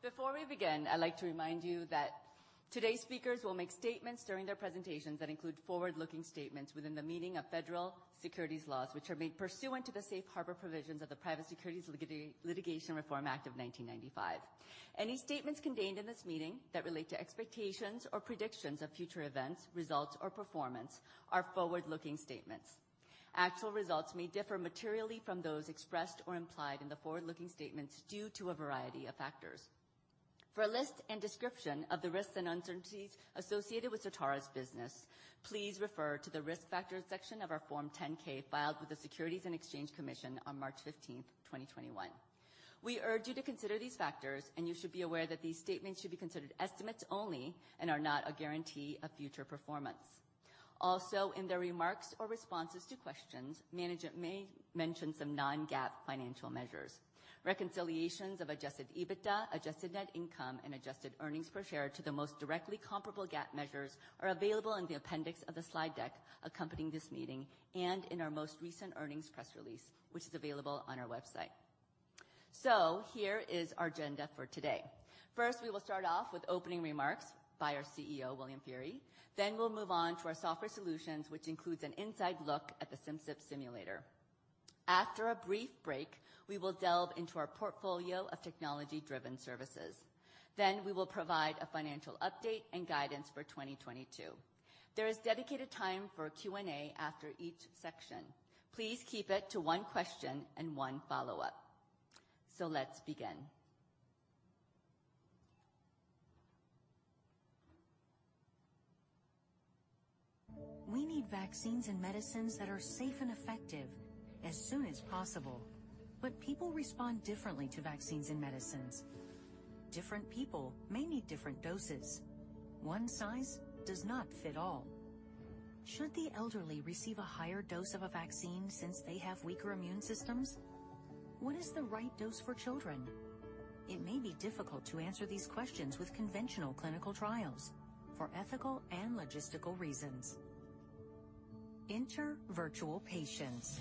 Before we begin, I'd like to remind you that today's speakers will make statements during their presentations that include forward-looking statements within the meaning of federal securities laws, which are made pursuant to the Safe Harbor provisions of the Private Securities Litigation Reform Act of 1995. Any statements contained in this meeting that relate to expectations or predictions of future events, results, or performance are forward-looking statements. Actual results may differ materially from those expressed or implied in the forward-looking statements due to a variety of factors. For a list and description of the risks and uncertainties associated with Certara's business, please refer to the Risk Factors section of our Form 10-K filed with the Securities and Exchange Commission on March 15, 2021. We urge you to consider these factors, and you should be aware that these statements should be considered estimates only and are not a guarantee of future performance. Also, in their remarks or responses to questions, management may mention some non-GAAP financial measures. Reconciliations of Adjusted EBITDA, adjusted net income, and adjusted earnings per share to the most directly comparable GAAP measures are available in the appendix of the slide deck accompanying this meeting and in our most recent earnings press release, which is available on our website. Here is our agenda for today. First, we will start off with opening remarks by our CEO, William Feehery. Then we'll move on to our software solutions, which includes an inside look at the Simcyp Simulator. After a brief break, we will delve into our portfolio of technology-driven services. Then we will provide a financial update and guidance for 2022. There is dedicated time for Q&A after each section. Please keep it to one question and one follow-up. Let's begin. We need vaccines and medicines that are safe and effective as soon as possible. People respond differently to vaccines and medicines. Different people may need different doses. One size does not fit all. Should the elderly receive a higher dose of a vaccine since they have weaker immune systems? What is the right dose for children? It may be difficult to answer these questions with conventional clinical trials for ethical and logistical reasons. Enter virtual patients.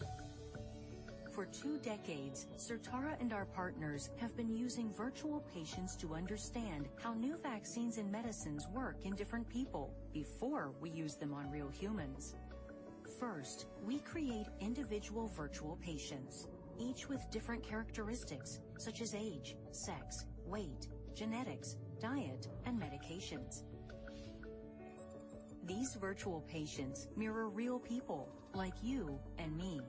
For two decades, Certara and our partners have been using virtual patients to understand how new vaccines and medicines work in different people before we use them on real humans. First, we create individual virtual patients, each with different characteristics such as age, sex, weight, genetics, diet, and medications. These virtual patients mirror real people like you and me.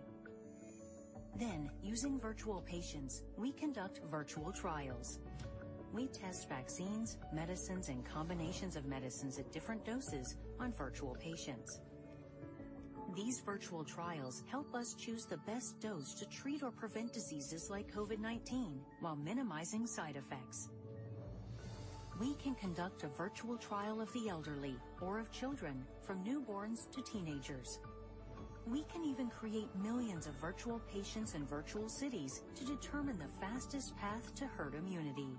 Using virtual patients, we conduct virtual trials. We test vaccines, medicines, and combinations of medicines at different doses on virtual patients. These virtual trials help us choose the best dose to treat or prevent diseases like COVID-19 while minimizing side effects. We can conduct a virtual trial of the elderly or of children from newborns to teenagers. We can even create millions of virtual patients and virtual cities to determine the fastest path to herd immunity.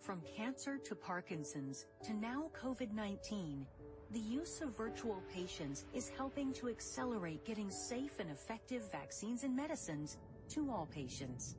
From cancer to Parkinson's to now COVID-19, the use of virtual patients is helping to accelerate getting safe and effective vaccines and medicines to all patients.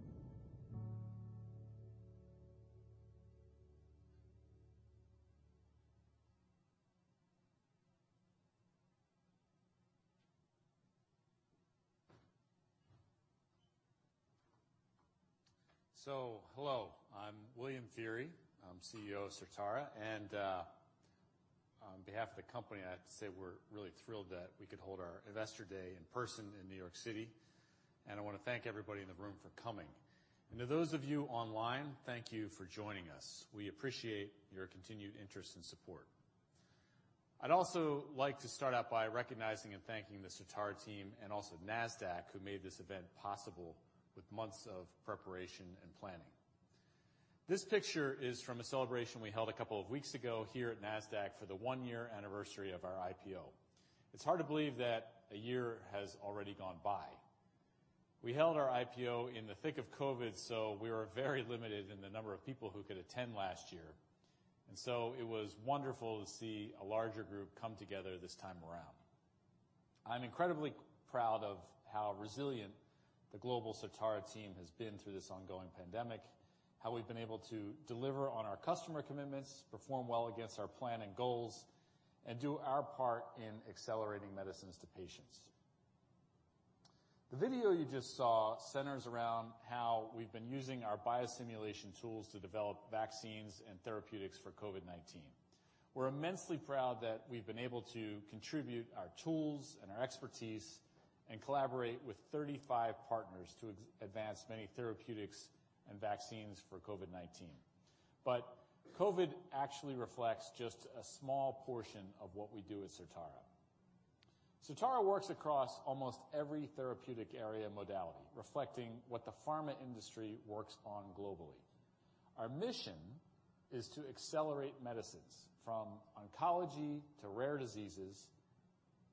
Hello, I'm William Feehery, I'm CEO of Certara, and on behalf of the company, I have to say we're really thrilled that we could hold our investor day in person in New York City. I wanna thank everybody in the room for coming. To those of you online, thank you for joining us. We appreciate your continued interest and support. I'd also like to start out by recognizing and thanking the Certara team and also Nasdaq, who made this event possible with months of preparation and planning. This picture is from a celebration we held a couple of weeks ago here at Nasdaq for the one-year anniversary of our IPO. It's hard to believe that a year has already gone by. We held our IPO in the thick of COVID, so we were very limited in the number of people who could attend last year, and so it was wonderful to see a larger group come together this time around. I'm incredibly proud of how resilient the global Certara team has been through this ongoing pandemic, how we've been able to deliver on our customer commitments, perform well against our plan and goals, and do our part in accelerating medicines to patients. The video you just saw centers around how we've been using our biosimulation tools to develop vaccines and therapeutics for COVID-19. We're immensely proud that we've been able to contribute our tools and our expertise and collaborate with 35 partners to advance many therapeutics and vaccines for COVID-19. COVID actually reflects just a small portion of what we do at Certara. Certara works across almost every therapeutic area modality, reflecting what the pharma industry works on globally. Our mission is to accelerate medicines from oncology to rare diseases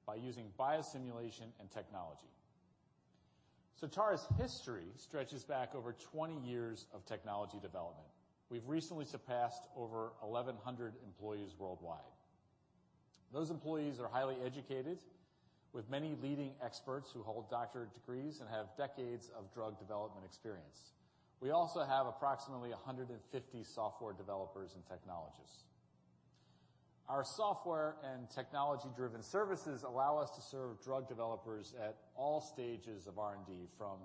by using biosimulation and technology. Certara's history stretches back over 20 years of technology development. We've recently surpassed over 1,100 employees worldwide. Those employees are highly educated, with many leading experts who hold doctorate degrees and have decades of drug development experience. We also have approximately 150 software developers and technologists. Our software and technology-driven services allow us to serve drug developers at all stages of R&D, from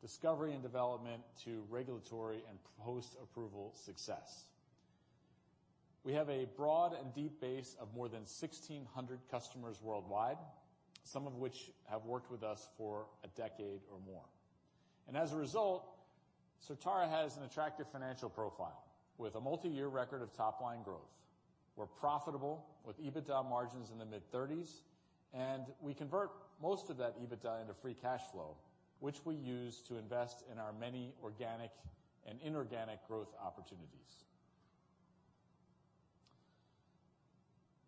discovery and development to regulatory and post-approval success. We have a broad and deep base of more than 1,600 customers worldwide, some of which have worked with us for a decade or more. As a result, Certara has an attractive financial profile with a multi-year record of top-line growth. We're profitable with EBITDA margins in the mid-30s%, and we convert most of that EBITDA into free cash flow, which we use to invest in our many organic and inorganic growth opportunities.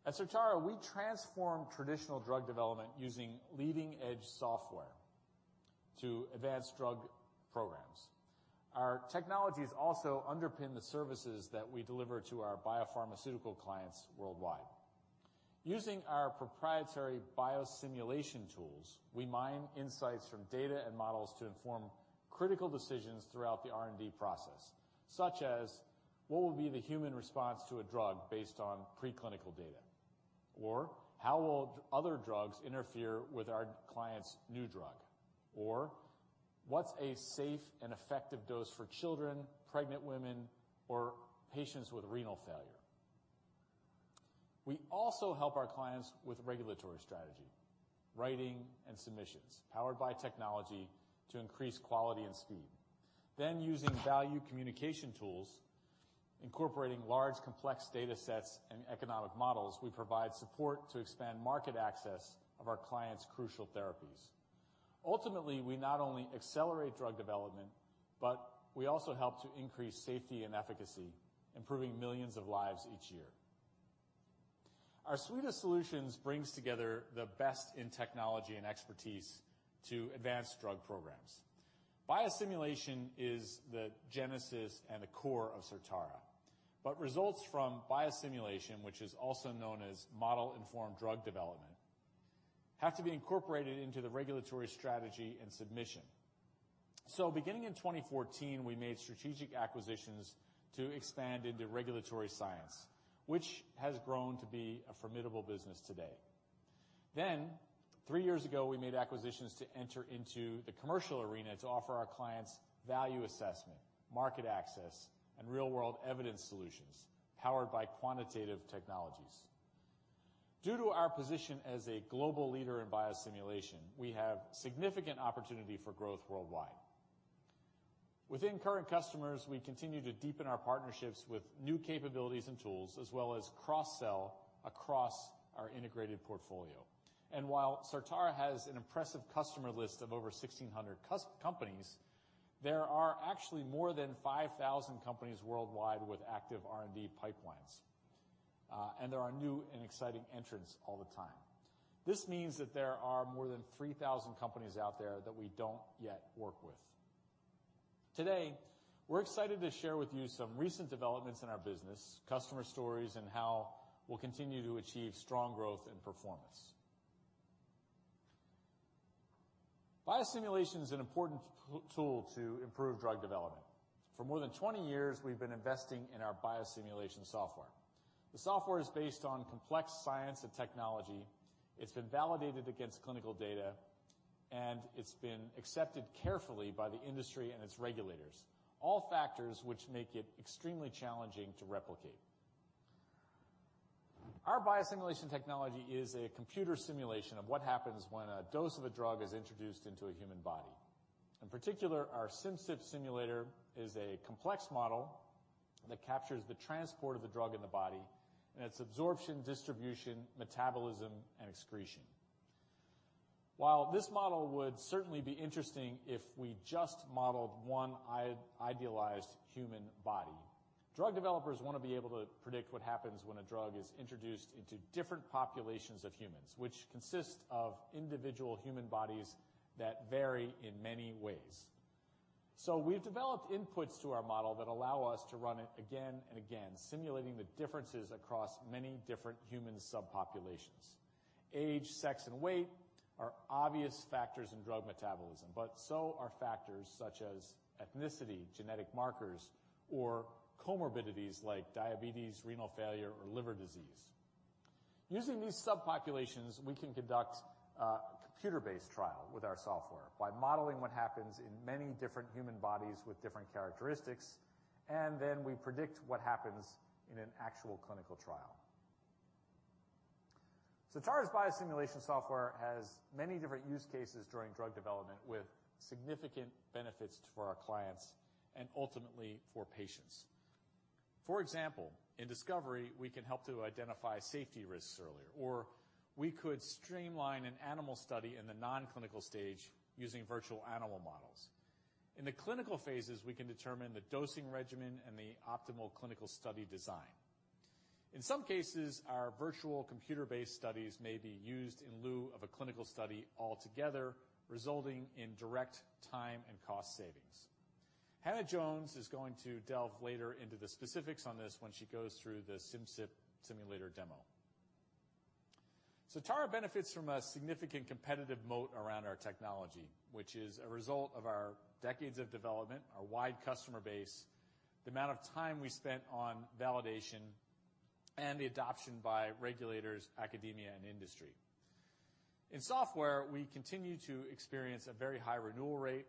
At Certara, we transform traditional drug development using leading-edge software to advance drug programs. Our technologies also underpin the services that we deliver to our biopharmaceutical clients worldwide. Using our proprietary biosimulation tools, we mine insights from data and models to inform critical decisions throughout the R&D process, such as what will be the human response to a drug based on preclinical data, or how will other drugs interfere with our client's new drug, or what's a safe and effective dose for children, pregnant women, or patients with renal failure? We also help our clients with regulatory strategy, writing, and submissions powered by technology to increase quality and speed. Using value communication tools, incorporating large, complex data sets and economic models, we provide support to expand market access of our clients' crucial therapies. Ultimately, we not only accelerate drug development, but we also help to increase safety and efficacy, improving millions of lives each year. Our suite of solutions brings together the best in technology and expertise to advance drug programs. Biosimulation is the genesis and the core of Certara. Results from biosimulation, which is also known as model-informed drug development, have to be incorporated into the regulatory strategy and submission. Beginning in 2014, we made strategic acquisitions to expand into regulatory science, which has grown to be a formidable business today. Three years ago, we made acquisitions to enter into the commercial arena to offer our clients value assessment, market access, and real-world evidence solutions powered by quantitative technologies. Due to our position as a global leader in biosimulation, we have significant opportunity for growth worldwide. Within current customers, we continue to deepen our partnerships with new capabilities and tools, as well as cross-sell across our integrated portfolio. While Certara has an impressive customer list of over 1,600 companies, there are actually more than 5,000 companies worldwide with active R&D pipelines. There are new and exciting entrants all the time. This means that there are more than 3,000 companies out there that we don't yet work with. Today, we're excited to share with you some recent developments in our business, customer stories, and how we'll continue to achieve strong growth and performance. Biosimulation is an important tool to improve drug development. For more than 20 years, we've been investing in our biosimulation software. The software is based on complex science and technology. It's been validated against clinical data, and it's been accepted carefully by the industry and its regulators, all factors which make it extremely challenging to replicate. Our biosimulation technology is a computer simulation of what happens when a dose of a drug is introduced into a human body. In particular, our Simcyp Simulator is a complex model that captures the transport of the drug in the body and its absorption, distribution, metabolism, and excretion. While this model would certainly be interesting if we just modeled one idealized human body, drug developers wanna be able to predict what happens when a drug is introduced into different populations of humans, which consist of individual human bodies that vary in many ways. We've developed inputs to our model that allow us to run it again and again, simulating the differences across many different human subpopulations. Age, sex, and weight are obvious factors in drug metabolism, but so are factors such as ethnicity, genetic markers, or comorbidities like diabetes, renal failure, or liver disease. Using these subpopulations, we can conduct a computer-based trial with our software by modeling what happens in many different human bodies with different characteristics, and then we predict what happens in an actual clinical trial. Certara's biosimulation software has many different use cases during drug development with significant benefits for our clients and ultimately for patients. For example, in discovery, we can help to identify safety risks earlier, or we could streamline an animal study in the non-clinical stage using virtual animal models. In the clinical phases, we can determine the dosing regimen and the optimal clinical study design. In some cases, our virtual computer-based studies may be used in lieu of a clinical study altogether, resulting in direct time and cost savings. Hannah Jones is going to delve later into the specifics on this when she goes through the Simcyp Simulator demo. Certara benefits from a significant competitive moat around our technology, which is a result of our decades of development, our wide customer base, the amount of time we spent on validation, and the adoption by regulators, academia, and industry. In software, we continue to experience a very high renewal rate.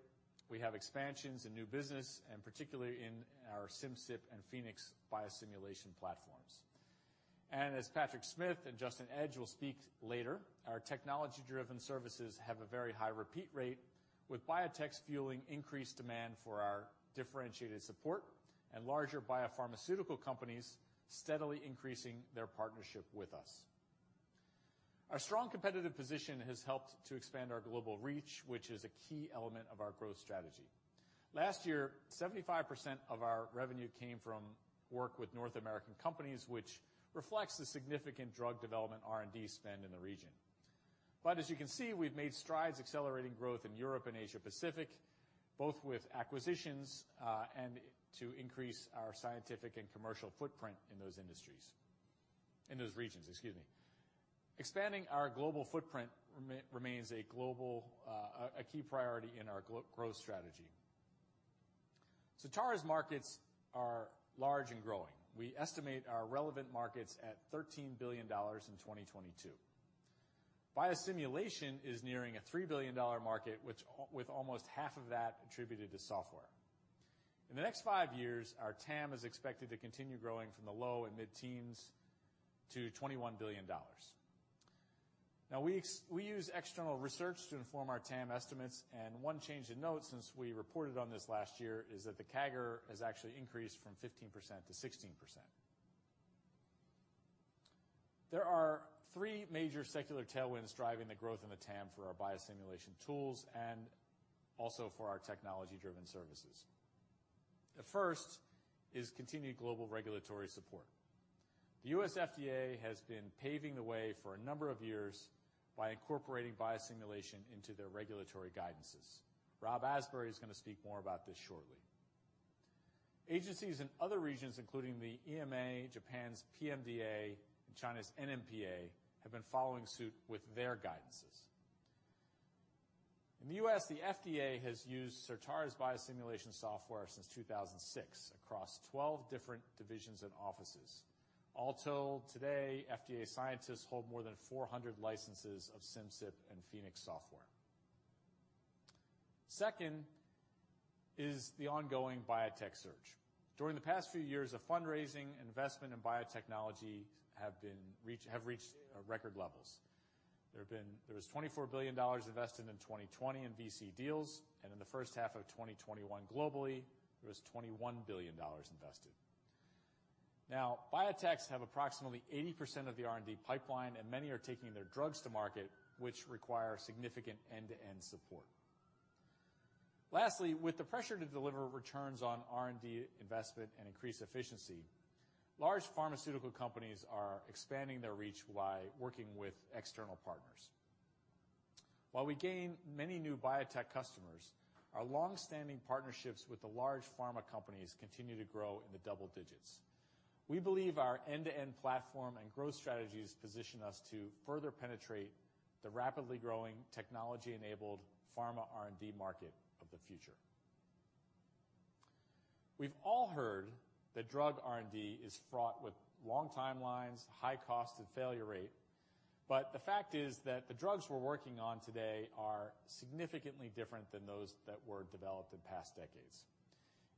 We have expansions in new business, and particularly in our Simcyp and Phoenix biosimulation platforms. As Patrick Smith and Justin Edge will speak later, our technology-driven services have a very high repeat rate, with biotechs fueling increased demand for our differentiated support and larger biopharmaceutical companies steadily increasing their partnership with us. Our strong competitive position has helped to expand our global reach, which is a key element of our growth strategy. Last year, 75% of our revenue came from work with North American companies, which reflects the significant drug development R&D spend in the region. As you can see, we've made strides accelerating growth in Europe and Asia Pacific, both with acquisitions and to increase our scientific and commercial footprint in those regions. Expanding our global footprint remains a key priority in our growth strategy. Certara's markets are large and growing. We estimate our relevant markets at $13 billion in 2022. Biosimulation is nearing a $3 billion market, with almost half of that attributed to software. In the next five years, our TAM is expected to continue growing from the low- and mid-teens to $21 billion. Now we use external research to inform our TAM estimates, and one change in note since we reported on this last year is that the CAGR has actually increased from 15%-16%. There are three major secular tailwinds driving the growth in the TAM for our biosimulation tools and also for our technology-driven services. The first is continued global regulatory support. The U.S. FDA has been paving the way for a number of years by incorporating biosimulation into their regulatory guidances. Rob Aspbury is going to speak more about this shortly. Agencies in other regions, including the EMA, Japan's PMDA, and China's NMPA, have been following suit with their guidances. In the U.S., the FDA has used Certara's biosimulation software since 2006 across 12 different divisions and offices. All told today, FDA scientists hold more than 400 licenses of Simcyp and Phoenix software. Second is the ongoing biotech surge. During the past few years, the fundraising investment in biotechnology have reached record levels. There was $24 billion invested in 2020 in VC deals, and in the first half of 2021 globally, there was $21 billion invested. Now, biotechs have approximately 80% of the R&D pipeline, and many are taking their drugs to market, which require significant end-to-end support. Lastly, with the pressure to deliver returns on R&D investment and increase efficiency, large pharmaceutical companies are expanding their reach by working with external partners. While we gain many new biotech customers, our long-standing partnerships with the large pharma companies continue to grow in the double digits. We believe our end-to-end platform and growth strategies position us to further penetrate the rapidly growing technology-enabled pharma R&D market of the future. We've all heard that drug R&D is fraught with long timelines, high cost, and failure rate. The fact is that the drugs we're working on today are significantly different than those that were developed in past decades.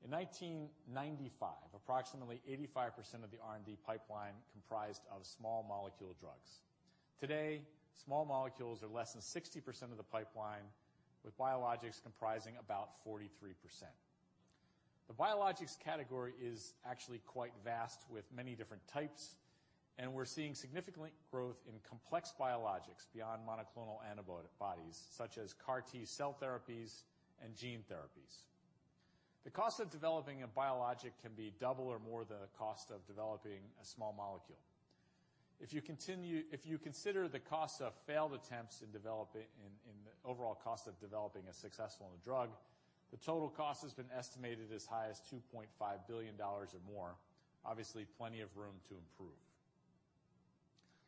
In 1995, approximately 85% of the R&D pipeline comprised of small molecule drugs. Today, small molecules are less than 60% of the pipeline, with biologics comprising about 43%. The biologics category is actually quite vast with many different types, and we're seeing significant growth in complex biologics beyond monoclonal antibodies, such as CAR T-cell therapies and gene therapies. The cost of developing a biologic can be double or more than the cost of developing a small molecule. If you consider the cost of failed attempts in the overall cost of developing a successful drug, the total cost has been estimated as high as $2.5 billion or more. Obviously, plenty of room to improve.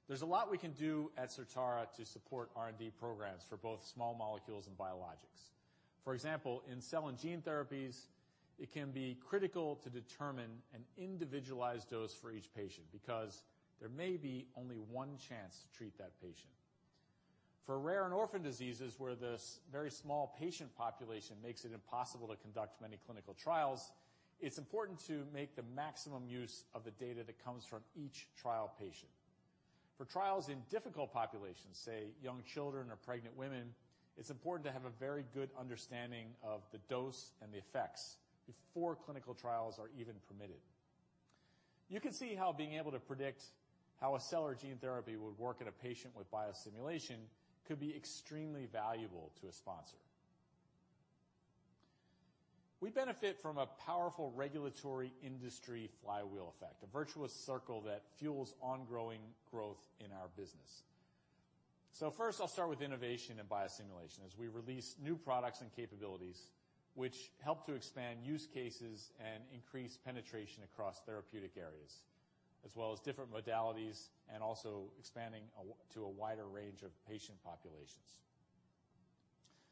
There's a lot we can do at Certara to support R&D programs for both small molecules and biologics. For example, in cell and gene therapies, it can be critical to determine an individualized dose for each patient because there may be only one chance to treat that patient. For rare and orphan diseases, where this very small patient population makes it impossible to conduct many clinical trials, it's important to make the maximum use of the data that comes from each trial patient. For trials in difficult populations, say young children or pregnant women, it's important to have a very good understanding of the dose and the effects before clinical trials are even permitted. You can see how being able to predict how a cell or gene therapy would work in a patient with biosimulation could be extremely valuable to a sponsor. We benefit from a powerful regulatory industry flywheel effect, a virtuous circle that fuels ongoing growth in our business. First, I'll start with innovation and biosimulation as we release new products and capabilities which help to expand use cases and increase penetration across therapeutic areas, as well as different modalities and also to a wider range of patient populations.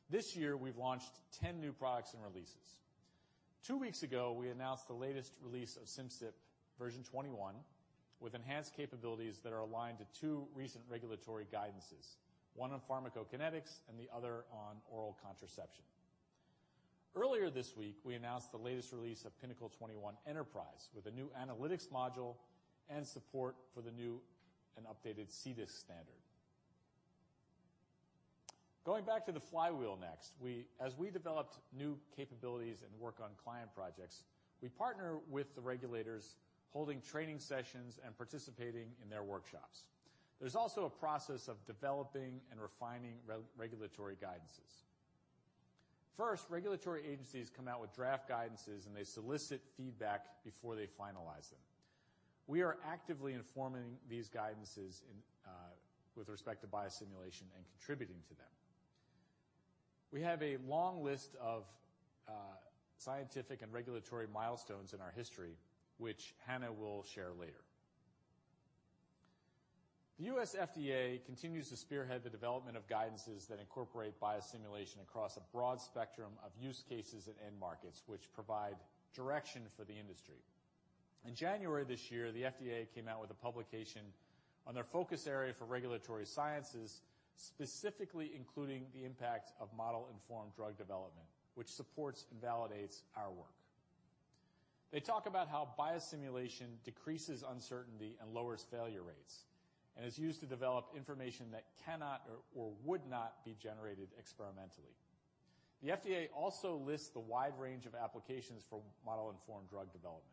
This year, we've launched 10 new products and releases. Two weeks ago, we announced the latest release of Simcyp version 21 with enhanced capabilities that are aligned to two recent regulatory guidances, one on pharmacokinetics and the other on oral contraception. Earlier this week, we announced the latest release of Pinnacle 21 Enterprise with a new analytics module and support for the new and updated CDISC standard. Going back to the flywheel next, as we developed new capabilities and work on client projects, we partner with the regulators, holding training sessions and participating in their workshops. There's also a process of developing and refining regulatory guidances. First, regulatory agencies come out with draft guidances, and they solicit feedback before they finalize them. We are actively informing these guidances in with respect to biosimulation and contributing to them. We have a long list of scientific and regulatory milestones in our history, which Hannah will share later. The U.S. FDA continues to spearhead the development of guidances that incorporate biosimulation across a broad spectrum of use cases and end markets, which provide direction for the industry. In January this year, the FDA came out with a publication on their focus area for regulatory sciences, specifically including the impact of model-informed drug development, which supports and validates our work. They talk about how biosimulation decreases uncertainty and lowers failure rates and is used to develop information that cannot or would not be generated experimentally. The FDA also lists the wide range of applications for model-informed drug development.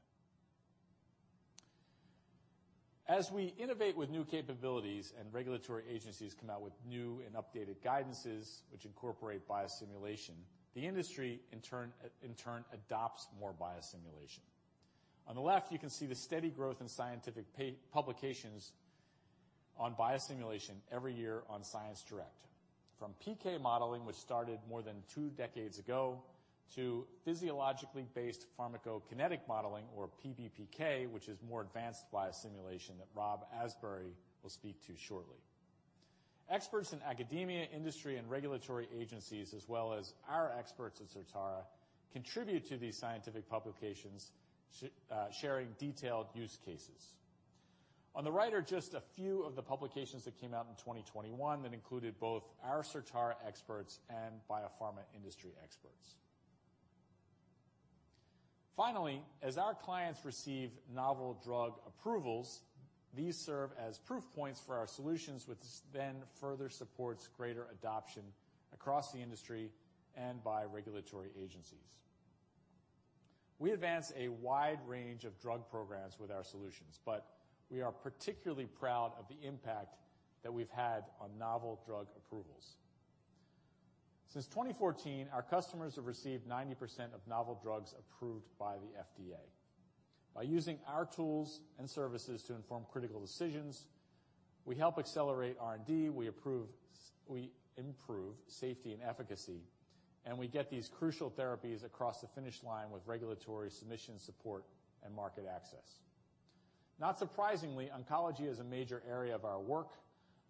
As we innovate with new capabilities and regulatory agencies come out with new and updated guidances, which incorporate biosimulation, the industry in turn adopts more biosimulation. On the left, you can see the steady growth in scientific publications on biosimulation every year on ScienceDirect. From PK modeling, which started more than two decades ago, to physiologically based pharmacokinetic modeling or PBPK, which is more advanced biosimulation that Rob Aspbury will speak to shortly. Experts in academia, industry, and regulatory agencies, as well as our experts at Certara, contribute to these scientific publications, sharing detailed use cases. On the right are just a few of the publications that came out in 2021 that included both our Certara experts and biopharma industry experts. Finally, as our clients receive novel drug approvals, these serve as proof points for our solutions, which then further supports greater adoption across the industry and by regulatory agencies. We advance a wide range of drug programs with our solutions, but we are particularly proud of the impact that we've had on novel drug approvals. Since 2014, our customers have received 90% of novel drugs approved by the FDA. By using our tools and services to inform critical decisions, we help accelerate R&D, we improve safety and efficacy, and we get these crucial therapies across the finish line with regulatory submission support and market access. Not surprisingly, oncology is a major area of our work,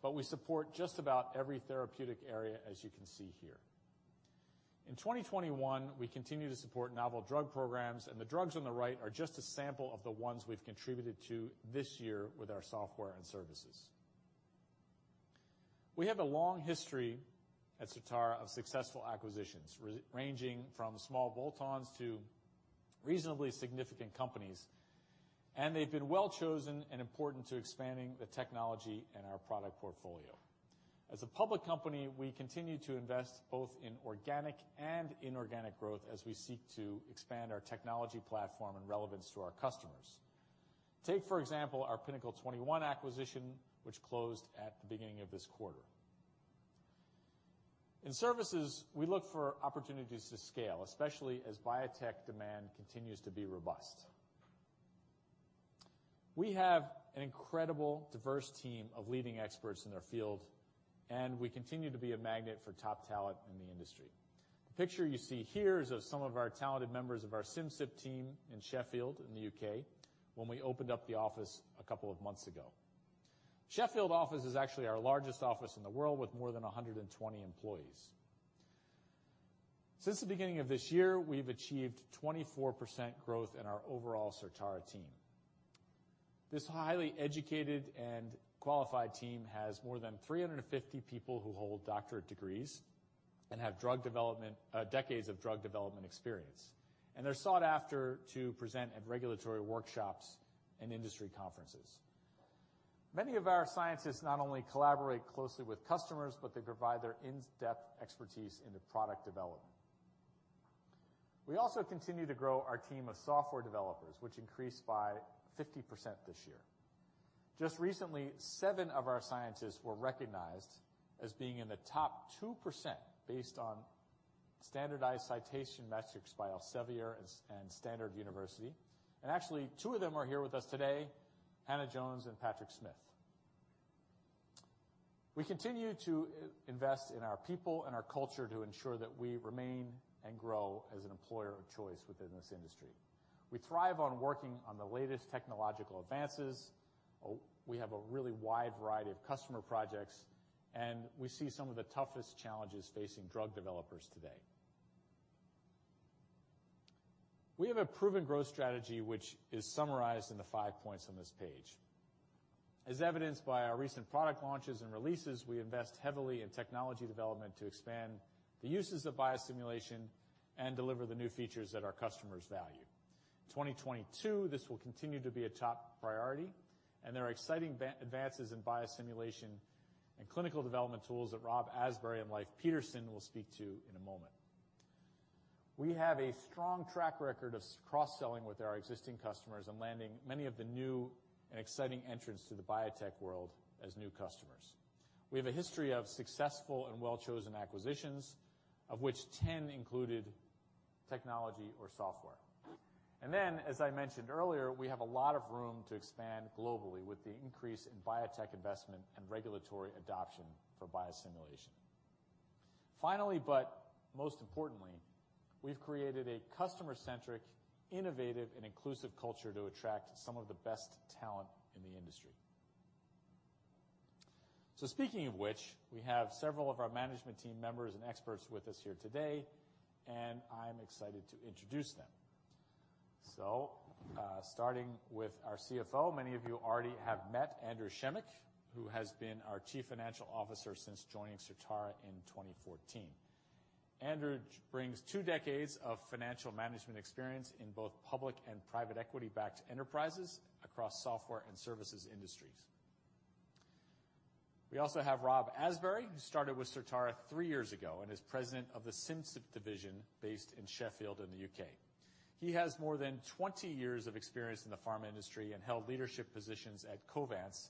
but we support just about every therapeutic area, as you can see here. In 2021, we continue to support novel drug programs, and the drugs on the right are just a sample of the ones we've contributed to this year with our software and services. We have a long history at Certara of successful acquisitions, ranging from small bolt-ons to reasonably significant companies, and they've been well-chosen and important to expanding the technology and our product portfolio. As a public company, we continue to invest both in organic and inorganic growth as we seek to expand our technology platform and relevance to our customers. Take, for example, our Pinnacle 21 acquisition, which closed at the beginning of this quarter. In services, we look for opportunities to scale, especially as biotech demand continues to be robust. We have an incredible, diverse team of leading experts in their field, and we continue to be a magnet for top talent in the industry. The picture you see here is of some of our talented members of our Simcyp team in Sheffield in the U.K. when we opened up the office a couple of months ago. The Sheffield office is actually our largest office in the world with more than 120 employees. Since the beginning of this year, we've achieved 24% growth in our overall Certara team. This highly educated and qualified team has more than 350 people who hold doctorate degrees and have decades of drug development experience, and they're sought after to present at regulatory workshops and industry conferences. Many of our scientists not only collaborate closely with customers, but they provide their in-depth expertise into product development. We also continue to grow our team of software developers, which increased by 50% this year. Just recently, seven of our scientists were recognized as being in the top 2% based on standardized citation metrics by Elsevier and Stanford University. Actually, two of them are here with us today, Hannah Jones and Patrick Smith. We continue to invest in our people and our culture to ensure that we remain and grow as an employer of choice within this industry. We thrive on working on the latest technological advances. We have a really wide variety of customer projects, and we see some of the toughest challenges facing drug developers today. We have a proven growth strategy, which is summarized in the five points on this page. As evidenced by our recent product launches and releases, we invest heavily in technology development to expand the uses of biosimulation and deliver the new features that our customers value. 2022, this will continue to be a top priority, and there are exciting advances in biosimulation and clinical development tools that Rob Aspbury and Leif Pedersen will speak to in a moment. We have a strong track record of cross-selling with our existing customers and landing many of the new and exciting entrants to the biotech world as new customers. We have a history of successful and well-chosen acquisitions, of which 10 included technology or software. Then, as I mentioned earlier, we have a lot of room to expand globally with the increase in biotech investment and regulatory adoption for biosimulation. Finally, but most importantly, we've created a customer-centric, innovative, and inclusive culture to attract some of the best talent in the industry. Speaking of which, we have several of our management team members and experts with us here today, and I'm excited to introduce them. Starting with our CFO, many of you already have met Andrew Schemick, who has been our Chief Financial Officer since joining Certara in 2014. Andrew brings two decades of financial management experience in both public and private equity-backed enterprises across software and services industries. We also have Rob Asbury, who started with Certara three years ago and is president of the Simcyp division based in Sheffield in the U.K. He has more than 20 years of experience in the pharma industry and held leadership positions at Covance,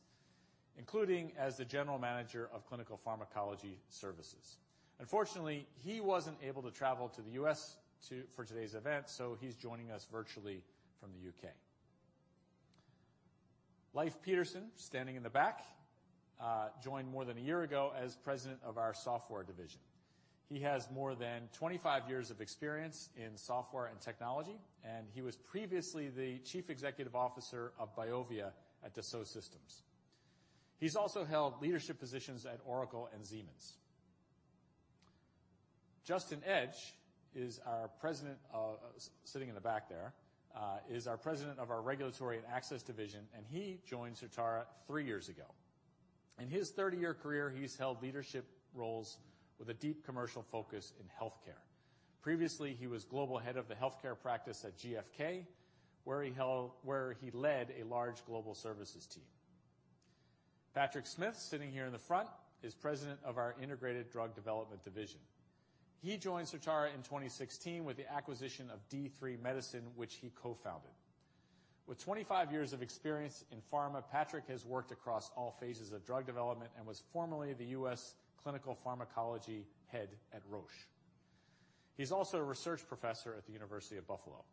including as the general manager of Clinical Pharmacology Services. Unfortunately, he wasn't able to travel to the U.S. to, for today's event, so he's joining us virtually from the U.K. Leif Pedersen, standing in the back, joined more than a year ago as president of our software division. He has more than 25 years of experience in software and technology, and he was previously the chief executive officer of BIOVIA at Dassault Systèmes. He's also held leadership positions at Oracle and Siemens. Justin Edge is our president of... Sitting in the back there is our president of our regulatory and access division, and he joined Certara three years ago. In his 30-year career, he's held leadership roles with a deep commercial focus in healthcare. Previously, he was global head of the healthcare practice at GFK, where he led a large global services team. Patrick Smith, sitting here in the front, is president of our integrated drug development division. He joined Certara in 2016 with the acquisition of d3 medicine, which he co-founded. With 25 years of experience in pharma, Patrick has worked across all phases of drug development and was formerly the U.S. clinical pharmacology head at Roche. He's also a research professor at the University at Buffalo.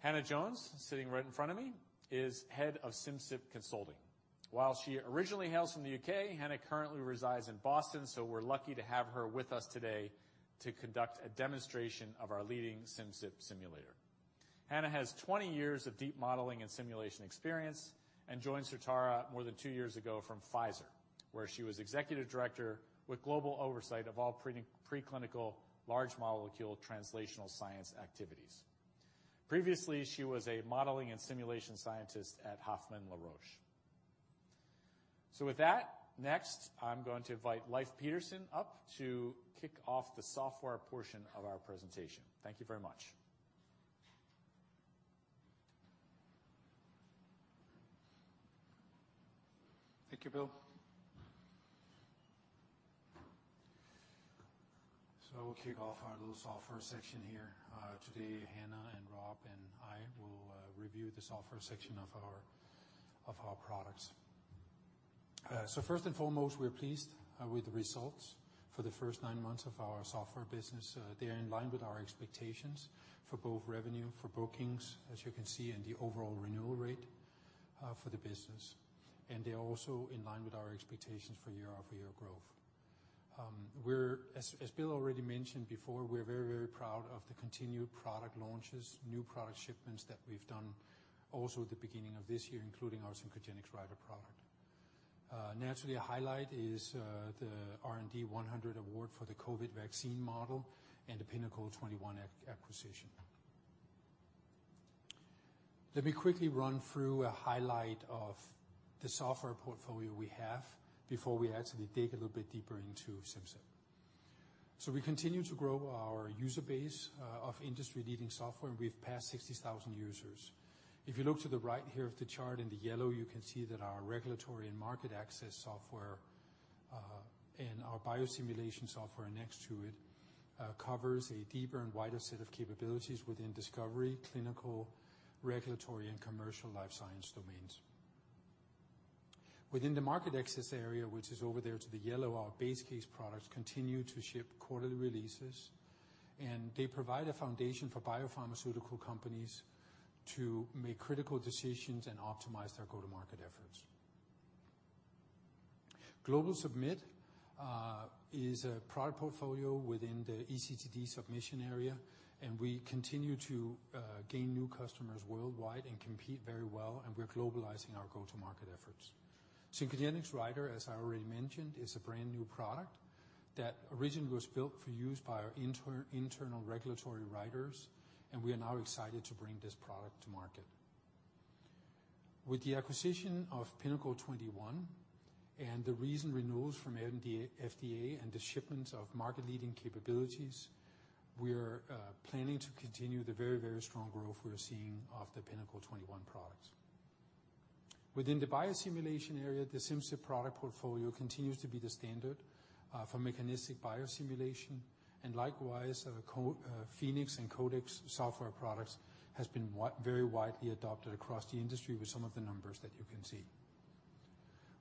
Hannah Jones, sitting right in front of me, is head of Simcyp Consulting. While she originally hails from the U.K., Hannah currently resides in Boston, so we're lucky to have her with us today to conduct a demonstration of our leading Simcyp Simulator. Hannah has 20 years of deep modeling and simulation experience and joined Certara more than 2 years ago from Pfizer, where she was executive director with global oversight of all preclinical, large molecule translational science activities. Previously, she was a modeling and simulation scientist at Hoffmann-La Roche. With that, next, I'm going to invite Leif Pedersen up to kick off the software portion of our presentation. Thank you very much. Thank you, Will. I will kick off our little software section here. Today, Hannah and Rob and I will review the software section of our products. First and foremost, we're pleased with the results for the first nine months of our software business. They are in line with our expectations for both revenue, for bookings, as you can see, and the overall renewal rate for the business. They are also in line with our expectations for year-over-year growth. As Bill already mentioned before, we're very, very proud of the continued product launches, new product shipments that we've done also at the beginning of this year, including our Synchrogenix Writer product. Naturally, a highlight is the R&D 100 award for the COVID-19 vaccine model and the Pinnacle 21 acquisition. Let me quickly run through a highlight of the software portfolio we have before we actually dig a little bit deeper into Simcyp. We continue to grow our user base of industry-leading software, and we've passed 60,000 users. If you look to the right here of the chart in the yellow, you can see that our regulatory and market access software and our biosimulation software next to it covers a deeper and wider set of capabilities within discovery, clinical, regulatory, and commercial life science domains. Within the market access area, which is over there to the yellow, our BaseCase products continue to ship quarterly releases, and they provide a foundation for biopharmaceutical companies to make critical decisions and optimize their go-to-market efforts. GlobalSubmit is a product portfolio within the eCTD submission area, and we continue to gain new customers worldwide and compete very well, and we're globalizing our go-to-market efforts. Synchrogenix Writer, as I already mentioned, is a brand-new product that originally was built for use by our internal regulatory writers, and we are now excited to bring this product to market. With the acquisition of Pinnacle 21 and the recent renewals from FDA and the shipments of market-leading capabilities, we're planning to continue the very, very strong growth we're seeing of the Pinnacle 21 products. Within the biosimulation area, the Simcyp product portfolio continues to be the standard for mechanistic biosimulation, and likewise, our Phoenix and CODEX software products has been very widely adopted across the industry with some of the numbers that you can see.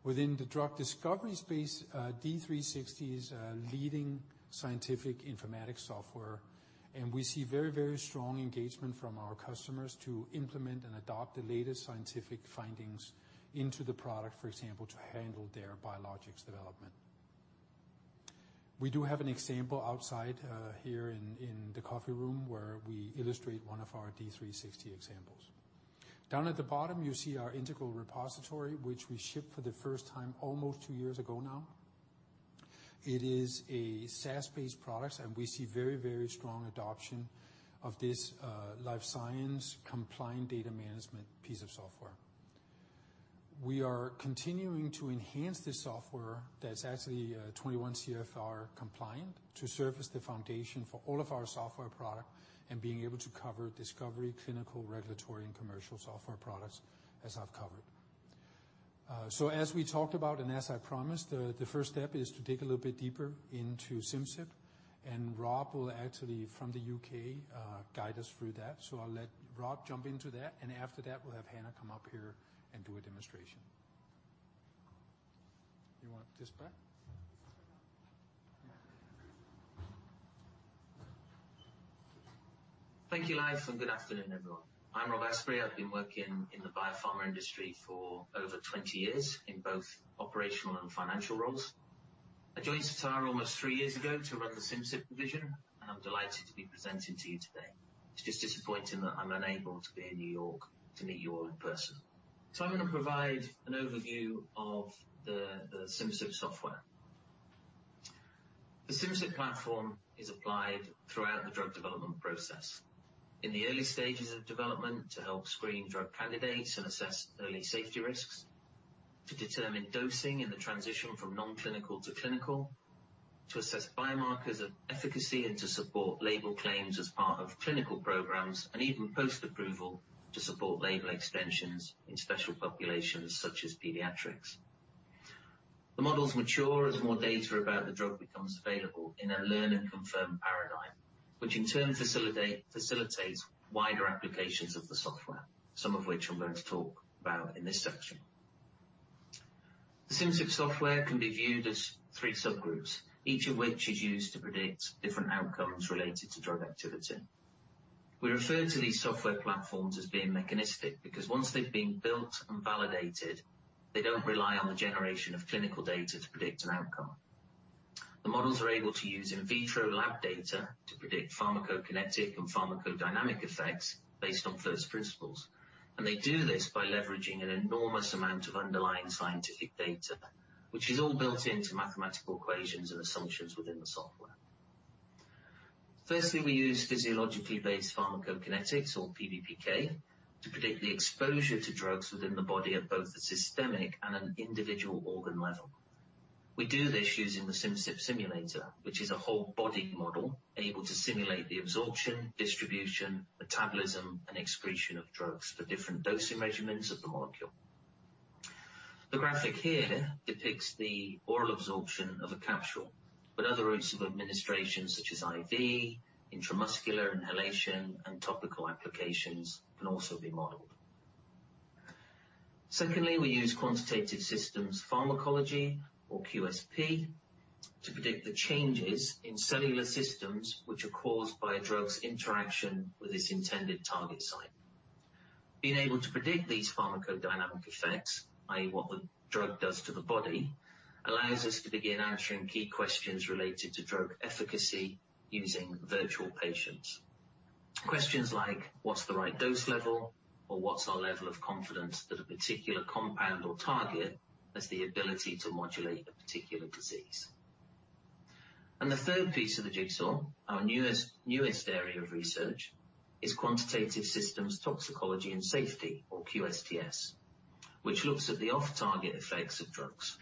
Within the drug discovery space, D360 is a leading scientific informatics software, and we see very, very strong engagement from our customers to implement and adopt the latest scientific findings into the product, for example, to handle their biologics development. We do have an example outside, here in the coffee room, where we illustrate one of our D360 examples. Down at the bottom, you see our Integral Repository, which we shipped for the first time almost two years ago now. It is a SaaS-based product, and we see very, very strong adoption of this, life science compliant data management piece of software. We are continuing to enhance this software that's actually, 21 CFR compliant to serve as the foundation for all of our software product and being able to cover discovery, clinical, regulatory, and commercial software products as I've covered. As we talked about and as I promised, the first step is to dig a little bit deeper into Simcyp, and Rob will actually from the U.K. guide us through that. I'll let Rob jump into that, and after that, we'll have Hannah come up here and do a demonstration. You want this back? Thank you, Leif, and good afternoon, everyone. I'm Rob Aspbury. I've been working in the biopharma industry for over 20 years in both operational and financial roles. I joined Certara almost three years ago to run the Simcyp division, and I'm delighted to be presenting to you today. It's just disappointing that I'm unable to be in New York to meet you all in person. I'm going to provide an overview of the Simcyp software. The Simcyp platform is applied throughout the drug development process. In the early stages of development to help screen drug candidates and assess early safety risks, to determine dosing in the transition from non-clinical to clinical, to assess biomarkers of efficacy and to support label claims as part of clinical programs and even post-approval to support label extensions in special populations such as pediatrics. The models mature as more data about the drug becomes available in a learn and confirm paradigm, which in turn facilitates wider applications of the software, some of which I'm going to talk about in this section. The Simcyp software can be viewed as three subgroups, each of which is used to predict different outcomes related to drug activity. We refer to these software platforms as being mechanistic because once they've been built and validated, they don't rely on the generation of clinical data to predict an outcome. The models are able to use in vitro lab data to predict pharmacokinetic and pharmacodynamic effects based on first principles. They do this by leveraging an enormous amount of underlying scientific data, which is all built into mathematical equations and assumptions within the software. Firstly, we use physiologically based pharmacokinetics or PBPK to predict the exposure to drugs within the body at both the systemic and an individual organ level. We do this using the Simcyp Simulator, which is a whole body model able to simulate the absorption, distribution, metabolism, and excretion of drugs for different dosing regimens of the molecule. The graphic here depicts the oral absorption of a capsule, but other routes of administration, such as IV, intramuscular, inhalation, and topical applications, can also be modeled. Secondly, we use quantitative systems pharmacology or QSP to predict the changes in cellular systems which are caused by a drug's interaction with its intended target site. Being able to predict these pharmacodynamic effects, i.e., what the drug does to the body, allows us to begin answering key questions related to drug efficacy using virtual patients. Questions like what's the right dose level or what's our level of confidence that a particular compound or target has the ability to modulate a particular disease. The third piece of the jigsaw, our newest area of research, is quantitative systems toxicology and safety or QSTS, which looks at the off-target effects of drugs.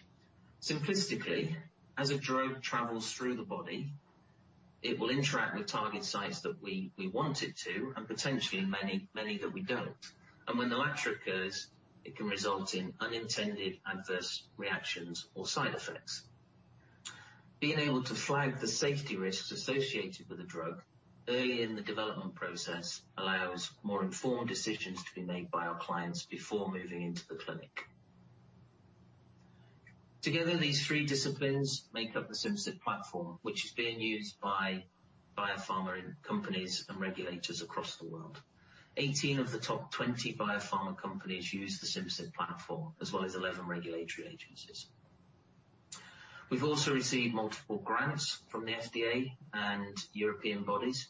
Simplistically, as a drug travels through the body, it will interact with target sites that we want it to and potentially many that we don't, and when the latter occurs, it can result in unintended adverse reactions or side effects. Being able to flag the safety risks associated with a drug early in the development process allows more informed decisions to be made by our clients before moving into the clinic. Together, these three disciplines make up the Simcyp platform, which is being used by biopharma companies and regulators across the world. Eighteen of the top 20 biopharma companies use the Simcyp platform, as well as 11 regulatory agencies. We've also received multiple grants from the FDA and European bodies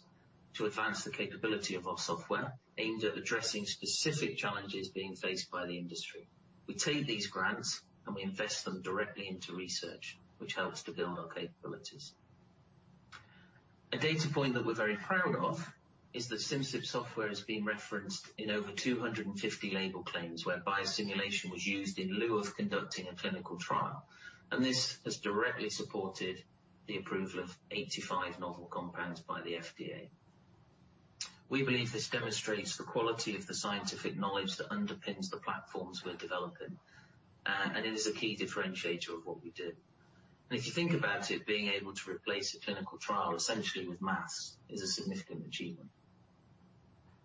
to advance the capability of our software, aimed at addressing specific challenges being faced by the industry. We take these grants, and we invest them directly into research, which helps to build our capabilities. A data point that we're very proud of is that Simcyp software is being referenced in over 250 label claims, where biosimulation was used in lieu of conducting a clinical trial. This has directly supported the approval of 85 novel compounds by the FDA. We believe this demonstrates the quality of the scientific knowledge that underpins the platforms we're developing, and it is a key differentiator of what we do. If you think about it, being able to replace a clinical trial essentially with math is a significant achievement.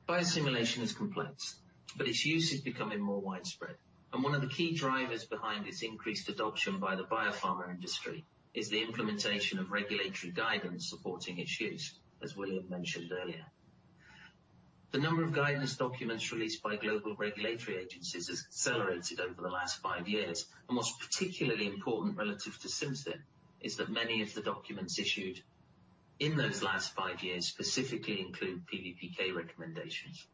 Biosimulation is complex, but its use is becoming more widespread, and one of the key drivers behind its increased adoption by the biopharma industry is the implementation of regulatory guidance supporting its use, as William mentioned earlier. The number of guidance documents released by global regulatory agencies has accelerated over the last 5 years. What's particularly important relative to Simcyp is that many of the documents issued in those last five years specifically include PBPK recommendations.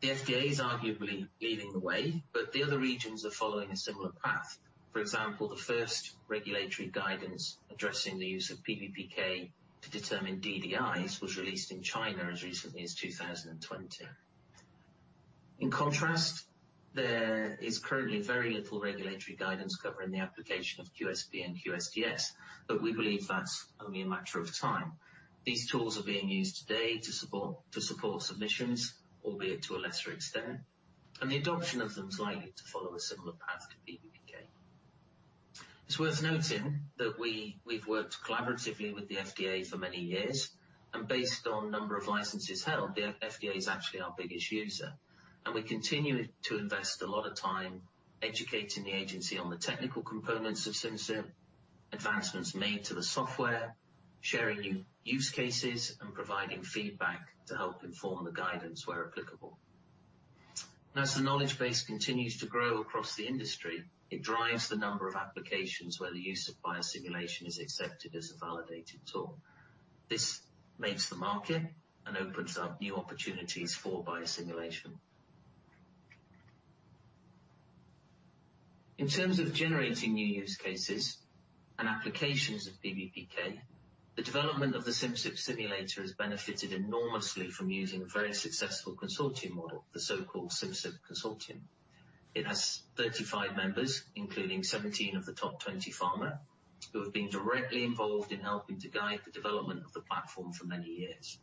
The FDA is arguably leading the way, but the other regions are following a similar path. For example, the first regulatory guidance addressing the use of PBPK to determine DDIs was released in China as recently as 2020. In contrast, there is currently very little regulatory guidance covering the application of QSP and QSTS, but we believe that's only a matter of time. These tools are being used today to support submissions, albeit to a lesser extent, and the adoption of them is likely to follow a similar path to PBPK. It's worth noting that we've worked collaboratively with the FDA for many years, and based on number of licenses held, the FDA is actually our biggest user. We continue to invest a lot of time educating the agency on the technical components of Simcyp, advancements made to the software, sharing new use cases, and providing feedback to help inform the guidance where applicable. As the knowledge base continues to grow across the industry, it drives the number of applications where the use of biosimulation is accepted as a validated tool. This makes the market and opens up new opportunities for biosimulation. In terms of generating new use cases and applications of PBPK, the development of the Simcyp Simulator has benefited enormously from using a very successful consortium model, the so-called Simcyp Consortium. It has 35 members, including 17 of the top 20 pharma, who have been directly involved in helping to guide the development of the platform for many years.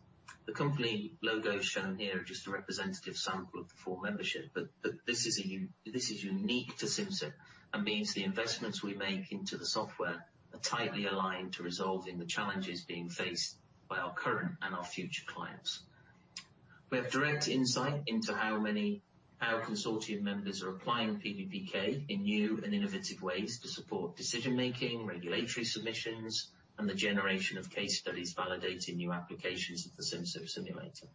The company logos shown here are just a representative sample of the full membership, but this is unique to Simcyp and means the investments we make into the software are tightly aligned to resolving the challenges being faced by our current and our future clients. We have direct insight into how many of our consortium members are applying PBPK in new and innovative ways to support decision-making, regulatory submissions, and the generation of case studies validating new applications of the Simcyp Simulator.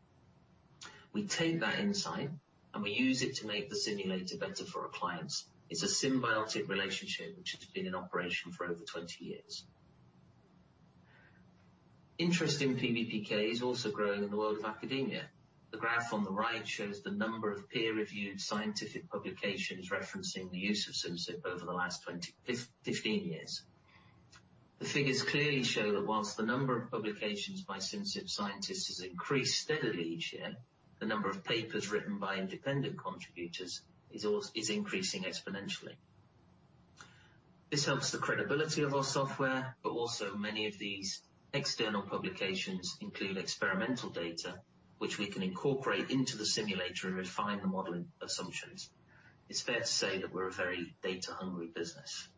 We take that insight, and we use it to make the simulator better for our clients. It's a symbiotic relationship which has been in operation for over 20 years. Interest in PBPK is also growing in the world of academia. The graph on the right shows the number of peer-reviewed scientific publications referencing the use of Simcyp over the last 15 years. The figures clearly show that while the number of publications by Simcyp scientists has increased steadily each year, the number of papers written by independent contributors is increasing exponentially. This helps the credibility of our software, but also many of these external publications include experimental data which we can incorporate into the simulator and refine the modeling assumptions. It's fair to say that we're a very data-hungry business.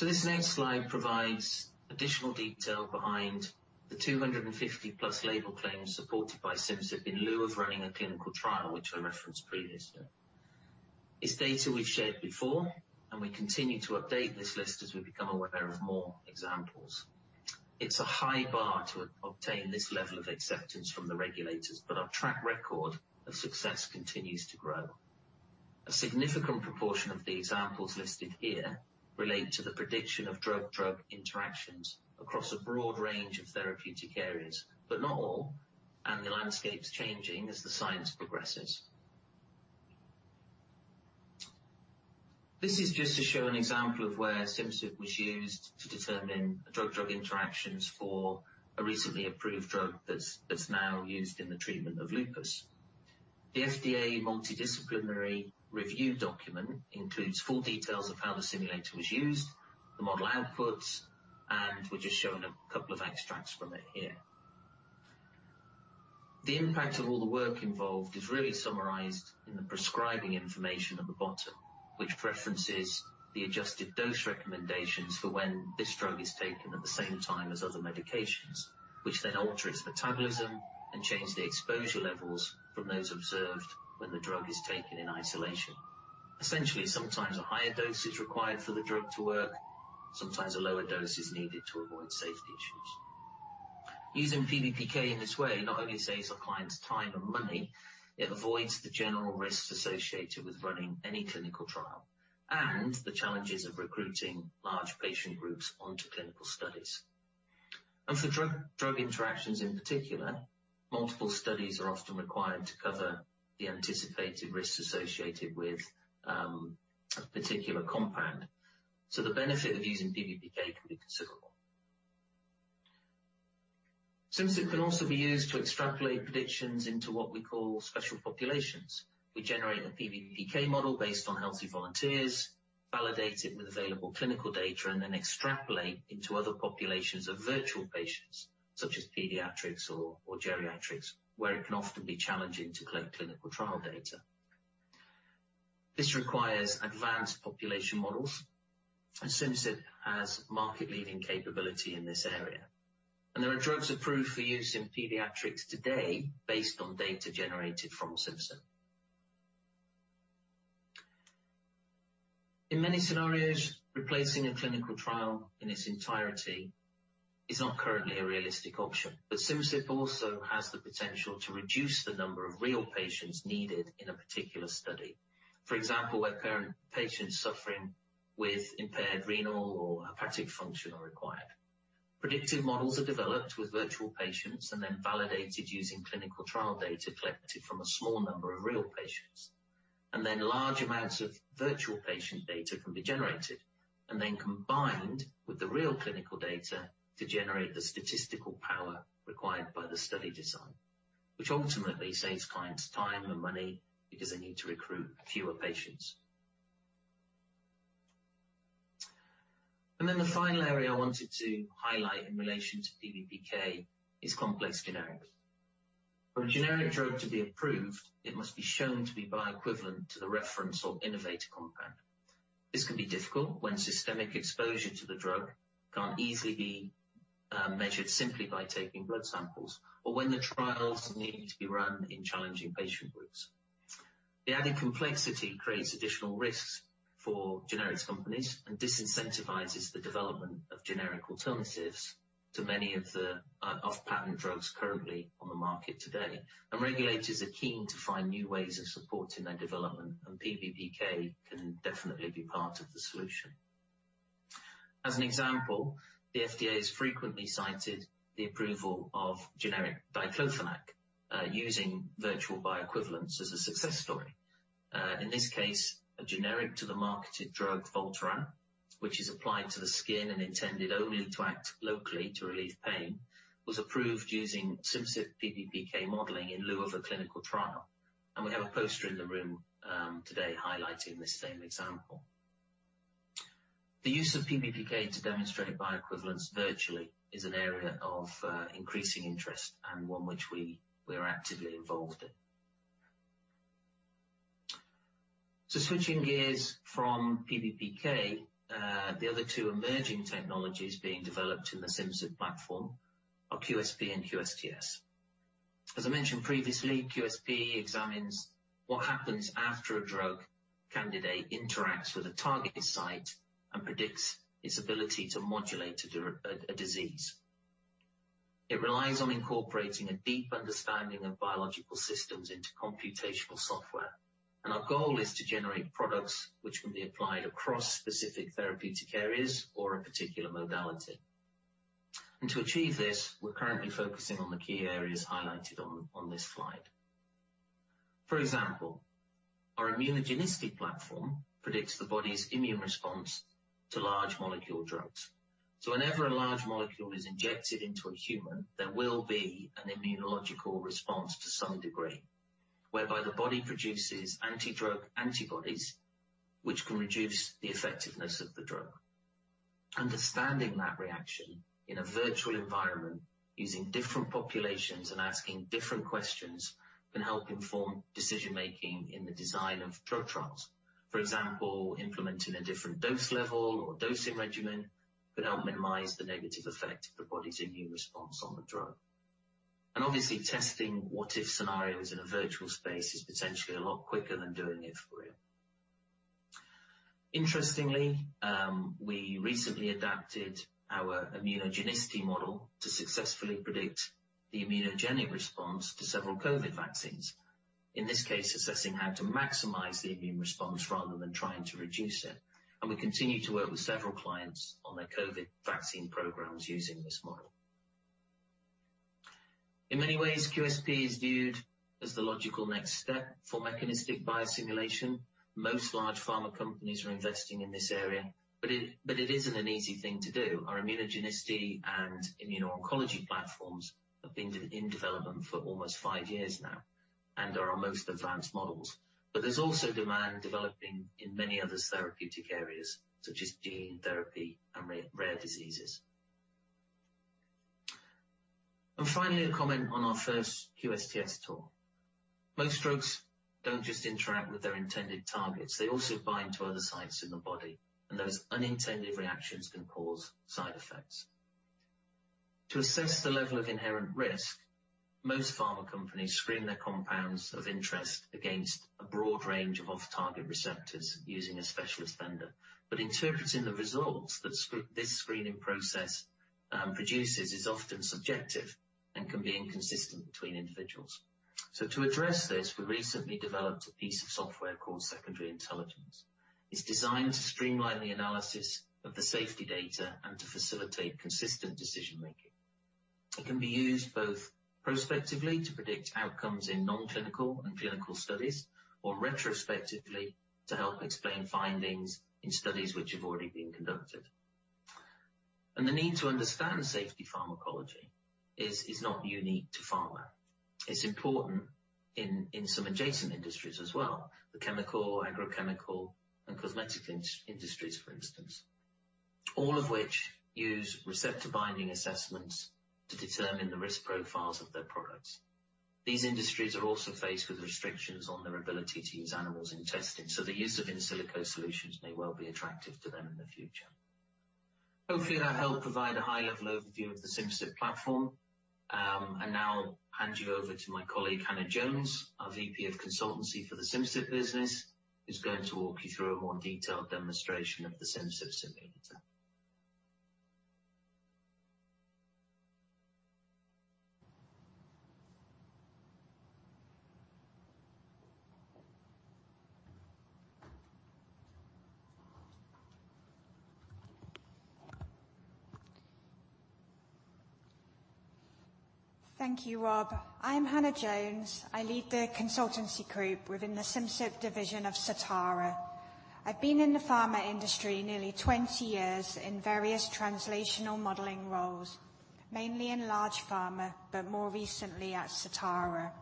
This next slide provides additional detail behind the 250+ label claims supported by Simcyp in lieu of running a clinical trial, which I referenced previously. It's data we've shared before, and we continue to update this list as we become aware of more examples. It's a high bar to obtain this level of acceptance from the regulators, but our track record of success continues to grow. A significant proportion of the examples listed here relate to the prediction of drug-drug interactions across a broad range of therapeutic areas, but not all, and the landscape's changing as the science progresses. This is just to show an example of where Simcyp was used to determine drug-drug interactions for a recently approved drug that's now used in the treatment of lupus. The FDA multidisciplinary review document includes full details of how the simulator was used, the model outputs, and we're just showing a couple of extracts from it here. The impact of all the work involved is really summarized in the prescribing information at the bottom, which references the adjusted dose recommendations for when this drug is taken at the same time as other medications, which then alter its metabolism and change the exposure levels from those observed when the drug is taken in isolation. Essentially, sometimes a higher dose is required for the drug to work. Sometimes a lower dose is needed to avoid safety issues. Using PBPK in this way not only saves our clients time and money, it avoids the general risks associated with running any clinical trial and the challenges of recruiting large patient groups onto clinical studies. For drug-drug interactions in particular, multiple studies are often required to cover the anticipated risks associated with a particular compound. The benefit of using PBPK can be considerable. Simcyp can also be used to extrapolate predictions into what we call special populations. We generate a PBPK model based on healthy volunteers, validate it with available clinical data, and then extrapolate into other populations of virtual patients, such as pediatrics or geriatrics, where it can often be challenging to collect clinical trial data. This requires advanced population models, and Simcyp has market-leading capability in this area. There are drugs approved for use in pediatrics today based on data generated from Simcyp. In many scenarios, replacing a clinical trial in its entirety is not currently a realistic option. Simcyp also has the potential to reduce the number of real patients needed in a particular study. For example, where certain patients suffering with impaired renal or hepatic function are required, predictive models are developed with virtual patients and then validated using clinical trial data collected from a small number of real patients. Large amounts of virtual patient data can be generated and then combined with the real clinical data to generate the statistical power required by the study design, which ultimately saves clients time and money because they need to recruit fewer patients. The final area I wanted to highlight in relation to PBPK is complex generics. For a generic drug to be approved, it must be shown to be bioequivalent to the reference or innovator compound. This can be difficult when systemic exposure to the drug can't easily be measured simply by taking blood samples or when the trials need to be run in challenging patient groups. The added complexity creates additional risks for generics companies and disincentivizes the development of generic alternatives to many of the off-patent drugs currently on the market today. Regulators are keen to find new ways of supporting their development, and PBPK can definitely be part of the solution. As an example, the FDA has frequently cited the approval of generic diclofenac using virtual bioequivalence as a success story. In this case, a generic to the marketed drug Voltaren, which is applied to the skin and intended only to act locally to relieve pain, was approved using Simcyp PBPK modeling in lieu of a clinical trial. We have a poster in the room today highlighting this same example. The use of PBPK to demonstrate bioequivalence virtually is an area of increasing interest and one which we're actively involved in. Switching gears from PBPK, the other two emerging technologies being developed in the Simcyp platform are QSP and QSTS. As I mentioned previously, QSP examines what happens after a drug candidate interacts with a target site and predicts its ability to modulate a disease. It relies on incorporating a deep understanding of biological systems into computational software. Our goal is to generate products which can be applied across specific therapeutic areas or a particular modality. To achieve this, we're currently focusing on the key areas highlighted on this slide. For example, our immunogenicity platform predicts the body's immune response to large molecule drugs. Whenever a large molecule is injected into a human, there will be an immunological response to some degree, whereby the body produces anti-drug antibodies which can reduce the effectiveness of the drug. Understanding that reaction in a virtual environment using different populations and asking different questions can help inform decision-making in the design of drug trials. For example, implementing a different dose level or dosing regimen can help minimize the negative effect of the body's immune response on the drug. Obviously, testing what if scenarios in a virtual space is potentially a lot quicker than doing it for real. Interestingly, we recently adapted our immunogenicity model to successfully predict the immunogenic response to several COVID vaccines. In this case, assessing how to maximize the immune response rather than trying to reduce it. We continue to work with several clients on their COVID vaccine programs using this model. In many ways, QSP is viewed as the logical next step for mechanistic biosimulation. Most large pharma companies are investing in this area, but it isn't an easy thing to do. Our immunogenicity and immuno-oncology platforms have been in development for almost five years now and are our most advanced models. There's also demand developing in many other therapeutic areas, such as gene therapy and rare diseases. Finally, a comment on our first QSTS tool. Most drugs don't just interact with their intended targets. They also bind to other sites in the body, and those unintended reactions can cause side effects. To assess the level of inherent risk, most pharma companies screen their compounds of interest against a broad range of off-target receptors using a specialist vendor. Interpreting the results that this screening process produces is often subjective and can be inconsistent between individuals. To address this, we recently developed a piece of software called Secondary Intelligence. It's designed to streamline the analysis of the safety data and to facilitate consistent decision-making. It can be used both prospectively to predict outcomes in non-clinical and clinical studies, or retrospectively to help explain findings in studies which have already been conducted. The need to understand safety pharmacology is not unique to pharma. It's important in some adjacent industries as well, the chemical, agrochemical, and cosmetic industries, for instance, all of which use receptor binding assessments to determine the risk profiles of their products. These industries are also faced with restrictions on their ability to use animals in testing, so the use of in silico solutions may well be attractive to them in the future. Hopefully, that helped provide a high-level overview of the Simcyp platform. I now hand you over to my colleague, Hannah Jones, our VP of Consultancy for the Simcyp business, who's going to walk you through a more detailed demonstration of the Simcyp simulator. Thank you, Rob. I'm Hannah Jones. I lead the consultancy group within the Simcyp division of Certara. I've been in the pharma industry nearly 20 years in various translational modeling roles, mainly in large pharma, but more recently at Certara.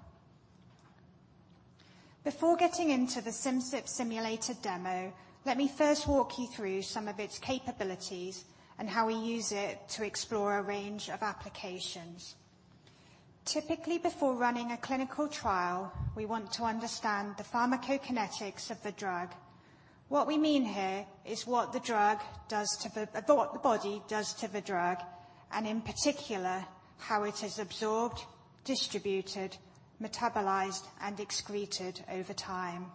Before getting into the Simcyp Simulator demo, let me first walk you through some of its capabilities and how we use it to explore a range of applications. Typically, before running a clinical trial, we want to understand the pharmacokinetics of the drug. What we mean here is what the body does to the drug, and in particular, how it is absorbed, distributed, metabolized, and excreted over time.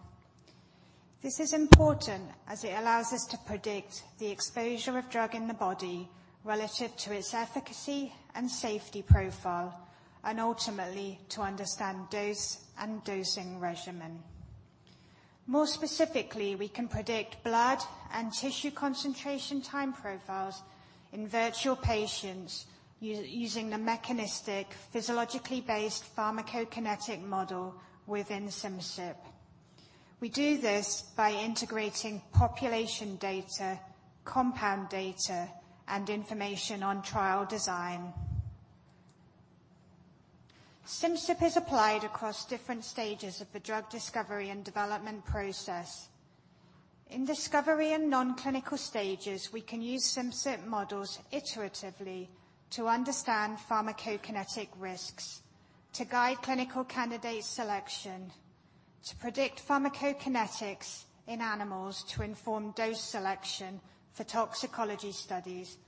This is important as it allows us to predict the exposure of drug in the body relative to its efficacy and safety profile, and ultimately, to understand dose and dosing regimen. More specifically, we can predict blood and tissue concentration time profiles in virtual patients using the mechanistic, physiologically based pharmacokinetic model within Simcyp. We do this by integrating population data, compound data, and information on trial design. Simcyp is applied across different stages of the drug discovery and development process. In discovery and non-clinical stages, we can use Simcyp models iteratively to understand pharmacokinetic risks, to guide clinical candidate selection, to predict pharmacokinetics in animals to inform dose selection for toxicology studies,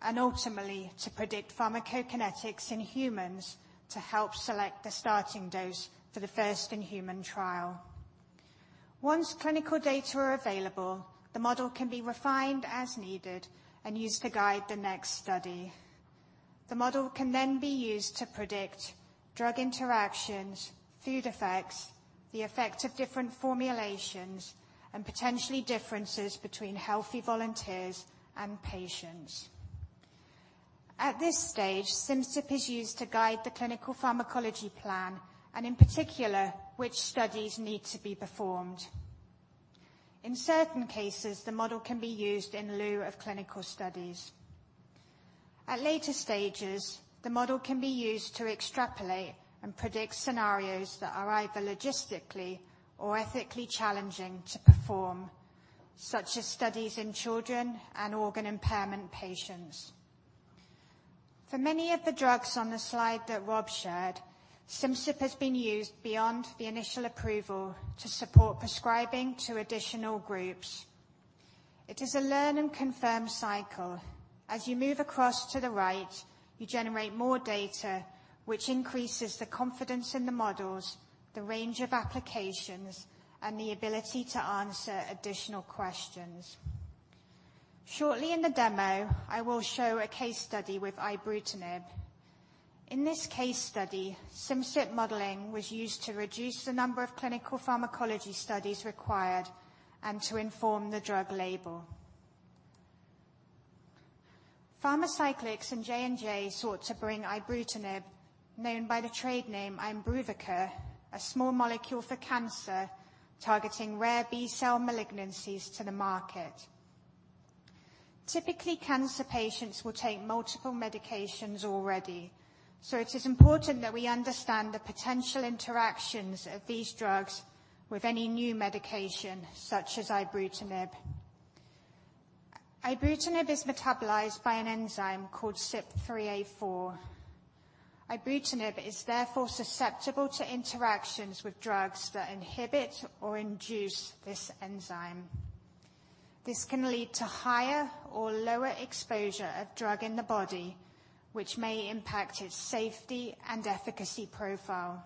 and ultimately, to predict pharmacokinetics in humans to help select the starting dose for the first in-human trial. Once clinical data are available, the model can be refined as needed and used to guide the next study. The model can then be used to predict drug interactions, food effects, the effects of different formulations, and potentially differences between healthy volunteers and patients. At this stage, Simcyp is used to guide the clinical pharmacology plan and in particular, which studies need to be performed. In certain cases, the model can be used in lieu of clinical studies. At later stages, the model can be used to extrapolate and predict scenarios that are either logistically or ethically challenging to perform, such as studies in children and organ impairment patients. For many of the drugs on the slide that Rob shared, Simcyp has been used beyond the initial approval to support prescribing to additional groups. It is a learn and confirm cycle. As you move across to the right, you generate more data, which increases the confidence in the models, the range of applications, and the ability to answer additional questions. Shortly in the demo, I will show a case study with ibrutinib. In this case study, Simcyp modeling was used to reduce the number of clinical pharmacology studies required and to inform the drug label. Pharmacyclics and J&J sought to bring ibrutinib, known by the trade name Imbruvica, a small molecule for cancer targeting rare B-cell malignancies, to the market. Typically, cancer patients will take multiple medications already, so it is important that we understand the potential interactions of these drugs with any new medication, such as ibrutinib. Ibrutinib is metabolized by an enzyme called CYP3A4. Ibrutinib is therefore susceptible to interactions with drugs that inhibit or induce this enzyme. This can lead to higher or lower exposure of drug in the body, which may impact its safety and efficacy profile.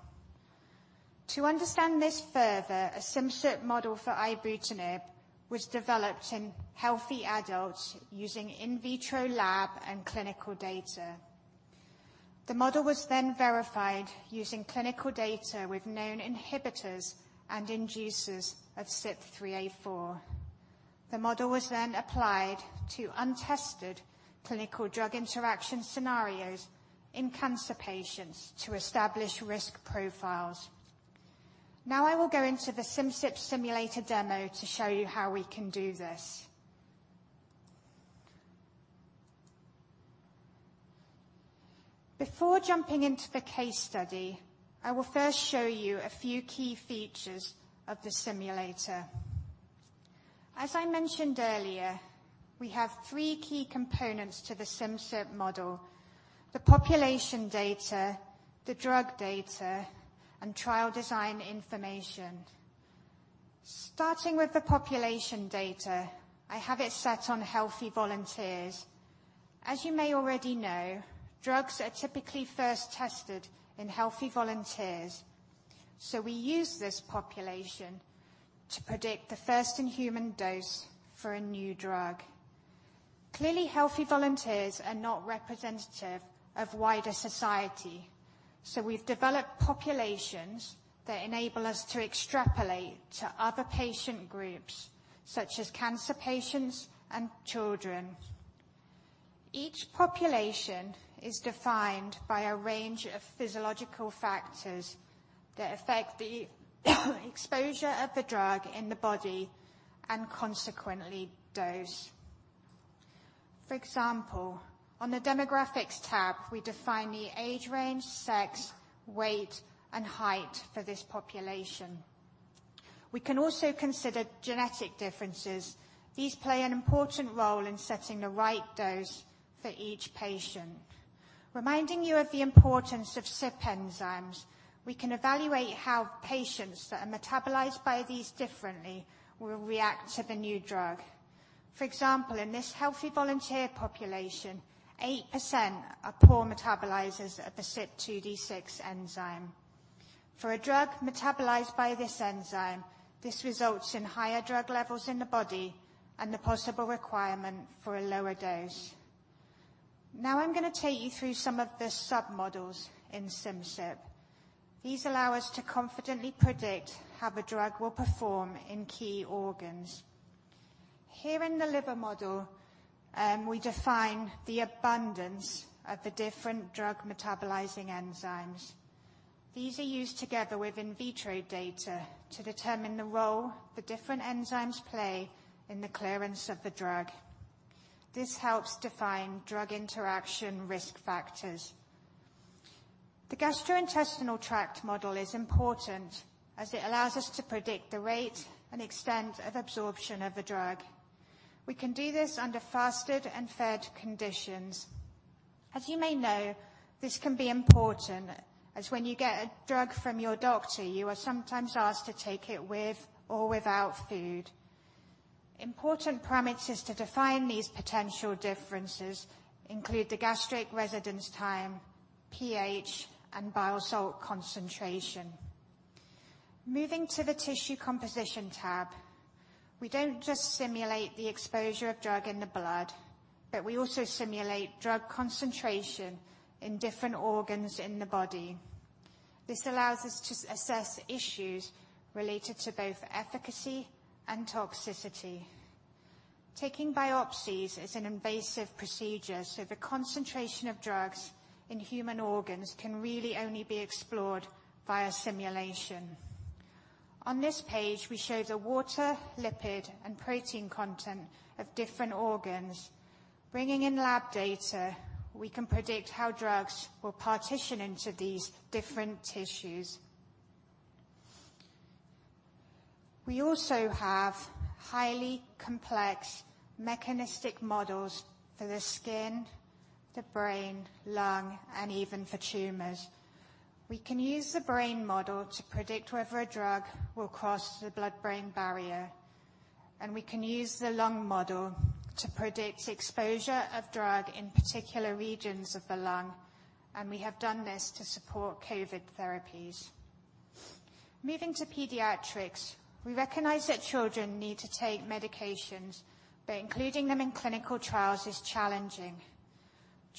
To understand this further, a Simcyp model for ibrutinib was developed in healthy adults using in vitro lab and clinical data. The model was then verified using clinical data with known inhibitors and inducers of CYP3A4. The model was then applied to untested clinical drug interaction scenarios in cancer patients to establish risk profiles. Now I will go into the Simcyp simulator demo to show you how we can do this. Before jumping into the case study, I will first show you a few key features of the simulator. As I mentioned earlier, we have three key components to the Simcyp model: the population data, the drug data, and trial design information. Starting with the population data, I have it set on healthy volunteers. As you may already know, drugs are typically first tested in healthy volunteers, so we use this population to predict the first in-human dose for a new drug. Clearly, healthy volunteers are not representative of wider society, so we've developed populations that enable us to extrapolate to other patient groups, such as cancer patients and children. Each population is defined by a range of physiological factors that affect the exposure of the drug in the body and consequently dose. For example, on the Demographics tab, we define the age range, sex, weight, and height for this population. We can also consider genetic differences. These play an important role in setting the right dose for each patient. Reminding you of the importance of CYP enzymes, we can evaluate how patients that are metabolized by these differently will react to the new drug. For example, in this healthy volunteer population, 8% are poor metabolizers of the CYP2D6 enzyme. For a drug metabolized by this enzyme, this results in higher drug levels in the body and the possible requirement for a lower dose. Now I'm gonna take you through some of the sub-models in Simcyp. These allow us to confidently predict how the drug will perform in key organs. Here in the liver model, we define the abundance of the different drug-metabolizing enzymes. These are used together with in vitro data to determine the role the different enzymes play in the clearance of the drug. This helps define drug interaction risk factors. The gastrointestinal tract model is important as it allows us to predict the rate and extent of absorption of the drug. We can do this under fasted and fed conditions. As you may know, this can be important as when you get a drug from your doctor, you are sometimes asked to take it with or without food. Important parameters to define these potential differences include the gastric residence time, pH, and bile salt concentration. Moving to the Tissue Composition tab, we don't just simulate the exposure of drug in the blood, but we also simulate drug concentration in different organs in the body. This allows us to assess issues related to both efficacy and toxicity. Taking biopsies is an invasive procedure, so the concentration of drugs in human organs can really only be explored via simulation. On this page, we show the water, lipid, and protein content of different organs. Bringing in lab data, we can predict how drugs will partition into these different tissues. We also have highly complex mechanistic models for the skin, the brain, lung, and even for tumors. We can use the brain model to predict whether a drug will cross the blood-brain barrier, and we can use the lung model to predict exposure of drug in particular regions of the lung, and we have done this to support COVID therapies. Moving to pediatrics, we recognize that children need to take medications, but including them in clinical trials is challenging.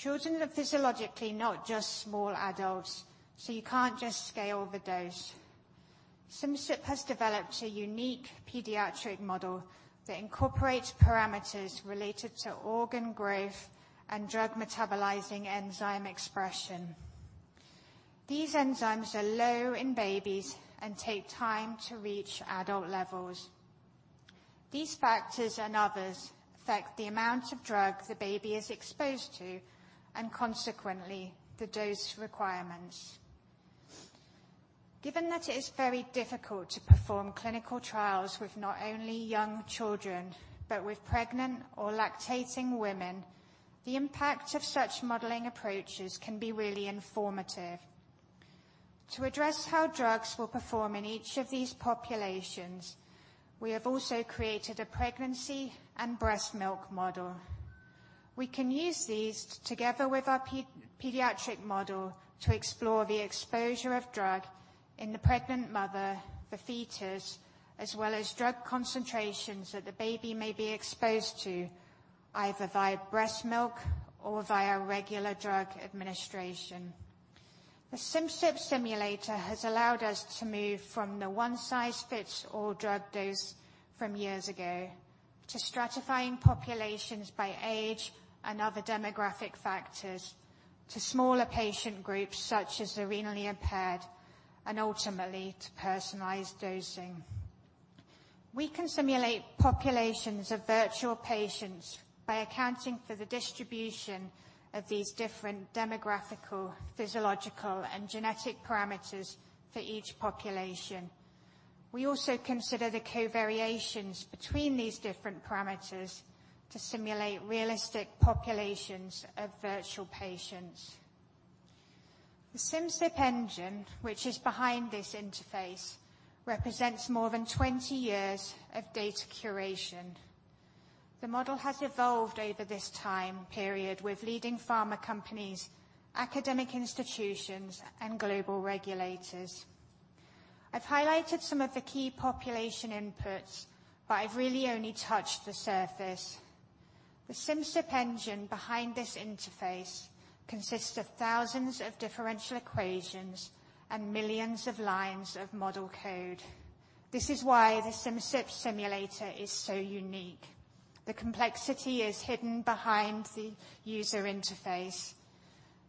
Children are physiologically not just small adults, so you can't just scale the dose. Simcyp has developed a unique pediatric model that incorporates parameters related to organ growth and drug-metabolizing enzyme expression. These enzymes are low in babies and take time to reach adult levels. These factors and others affect the amount of drug the baby is exposed to and consequently the dose requirements. Given that it is very difficult to perform clinical trials with not only young children, but with pregnant or lactating women, the impact of such modeling approaches can be really informative. To address how drugs will perform in each of these populations, we have also created a pregnancy and breast milk model. We can use these together with our pediatric model to explore the exposure of drug in the pregnant mother, the fetus, as well as drug concentrations that the baby may be exposed to, either via breast milk or via regular drug administration. The Simcyp Simulator has allowed us to move from the one-size-fits-all drug dose from years ago to stratifying populations by age and other demographic factors to smaller patient groups such as the renally impaired, and ultimately to personalized dosing. We can simulate populations of virtual patients by accounting for the distribution of these different demographical, physiological, and genetic parameters for each population. We also consider the covariations between these different parameters to simulate realistic populations of virtual patients. The Simcyp engine, which is behind this interface, represents more than 20 years of data curation. The model has evolved over this time period with leading pharma companies, academic institutions, and global regulators. I've highlighted some of the key population inputs, but I've really only touched the surface. The Simcyp engine behind this interface consists of thousands of differential equations and millions of lines of model code. This is why the Simcyp Simulator is so unique. The complexity is hidden behind the user interface.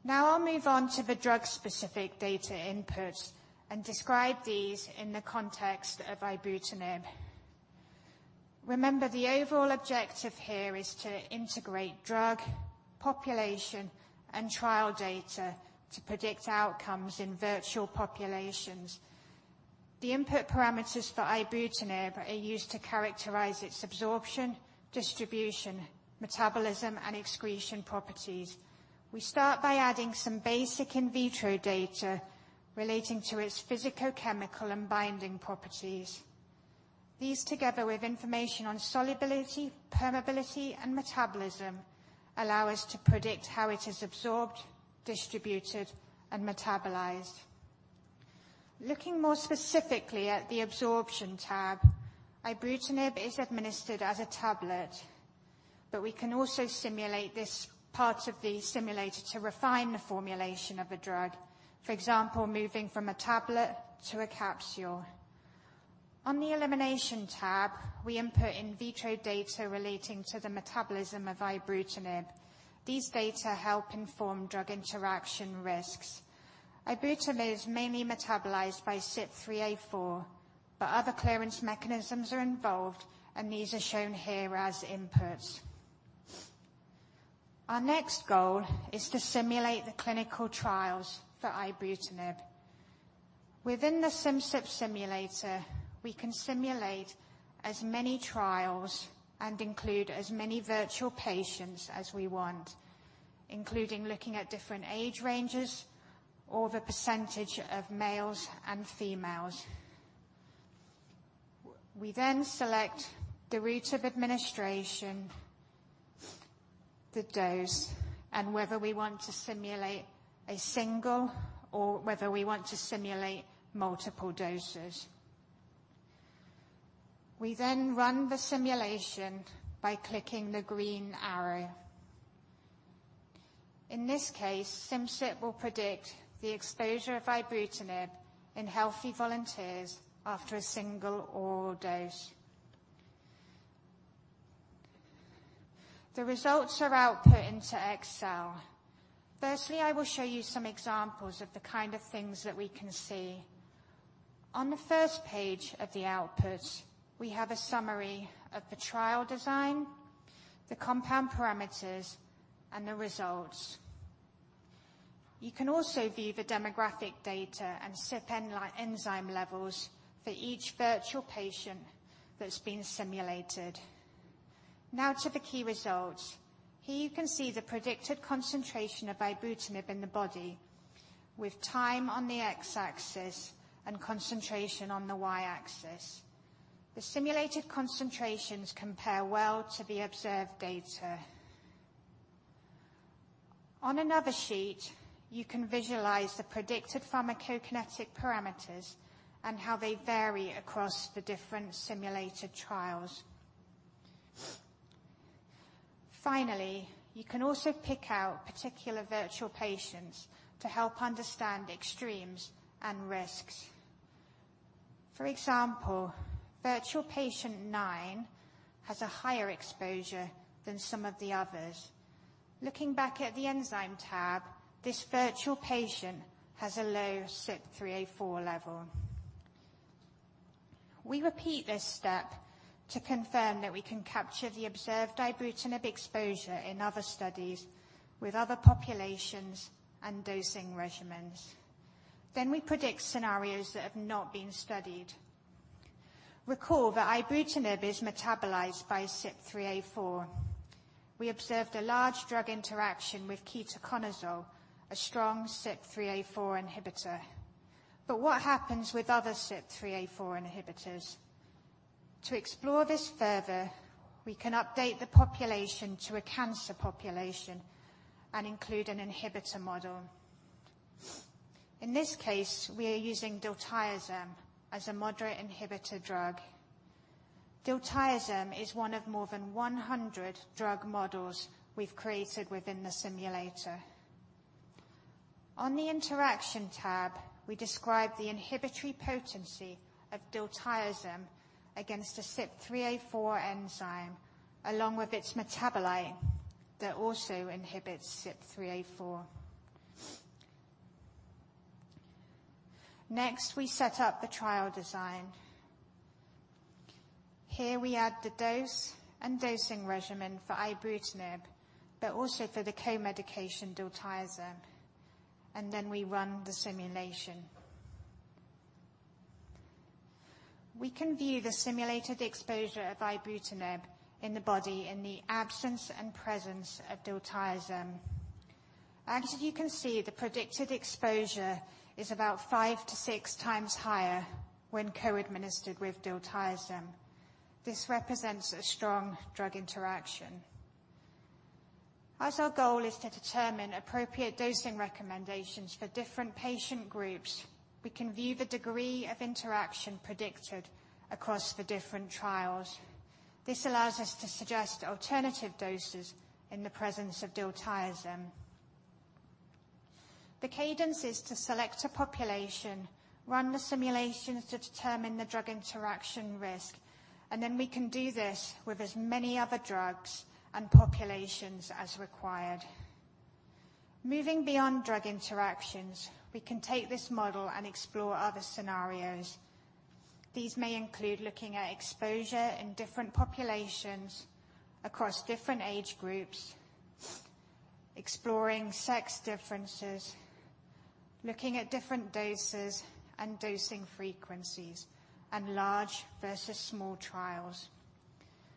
Now I'll move on to the drug-specific data input and describe these in the context of ibrutinib. Remember, the overall objective here is to integrate drug, population, and trial data to predict outcomes in virtual populations. The input parameters for ibrutinib are used to characterize its absorption, distribution, metabolism, and excretion properties. We start by adding some basic in vitro data relating to its physicochemical and binding properties. These, together with information on solubility, permeability, and metabolism, allow us to predict how it is absorbed, distributed, and metabolized. Looking more specifically at the Absorption tab, ibrutinib is administered as a tablet, but we can also simulate this part of the simulator to refine the formulation of a drug, for example, moving from a tablet to a capsule. On the Elimination tab, we input in vitro data relating to the metabolism of ibrutinib. These data help inform drug interaction risks. Ibrutinib is mainly metabolized by CYP3A4, but other clearance mechanisms are involved, and these are shown here as inputs. Our next goal is to simulate the clinical trials for ibrutinib. Within the Simcyp Simulator, we can simulate as many trials and include as many virtual patients as we want, including looking at different age ranges or the percentage of males and females. We then select the route of administration, the dose, and whether we want to simulate a single or multiple doses. We then run the simulation by clicking the green arrow. In this case, Simcyp will predict the exposure of ibrutinib in healthy volunteers after a single oral dose. The results are output into Excel. First, I will show you some examples of the kind of things that we can see. On the first page of the output, we have a summary of the trial design, the compound parameters, and the results. You can also view the demographic data and CYP enzyme levels for each virtual patient that's been simulated. Now to the key results. Here you can see the predicted concentration of ibrutinib in the body with time on the X-axis and concentration on the Y-axis. The simulated concentrations compare well to the observed data. On another sheet, you can visualize the predicted pharmacokinetic parameters and how they vary across the different simulated trials. Finally, you can also pick out particular virtual patients to help understand extremes and risks. For example, virtual patient nine has a higher exposure than some of the others. Looking back at the enzyme tab, this virtual patient has a low CYP3A4 level. We repeat this step to confirm that we can capture the observed ibrutinib exposure in other studies with other populations and dosing regimens. We predict scenarios that have not been studied. Recall that ibrutinib is metabolized by CYP3A4. We observed a large drug interaction with ketoconazole, a strong CYP3A4 inhibitor. What happens with other CYP3A4 inhibitors? To explore this further, we can update the population to a cancer population and include an inhibitor model. In this case, we are using diltiazem as a moderate inhibitor drug. Diltiazem is one of more than 100 drug models we've created within the simulator. On the Interaction tab, we describe the inhibitory potency of diltiazem against the CYP3A4 enzyme, along with its metabolite that also inhibits CYP3A4. Next, we set up the trial design. Here we add the dose and dosing regimen for ibrutinib, but also for the co-medication diltiazem, and then we run the simulation. We can view the simulated exposure of ibrutinib in the body in the absence and presence of diltiazem. As you can see, the predicted exposure is about 5-6 times higher when co-administered with diltiazem. This represents a strong drug interaction. As our goal is to determine appropriate dosing recommendations for different patient groups, we can view the degree of interaction predicted across the different trials. This allows us to suggest alternative doses in the presence of diltiazem. The cadence is to select a population, run the simulations to determine the drug interaction risk, and then we can do this with as many other drugs and populations as required. Moving beyond drug interactions, we can take this model and explore other scenarios. These may include looking at exposure in different populations across different age groups, exploring sex differences, looking at different doses and dosing frequencies, and large versus small trials.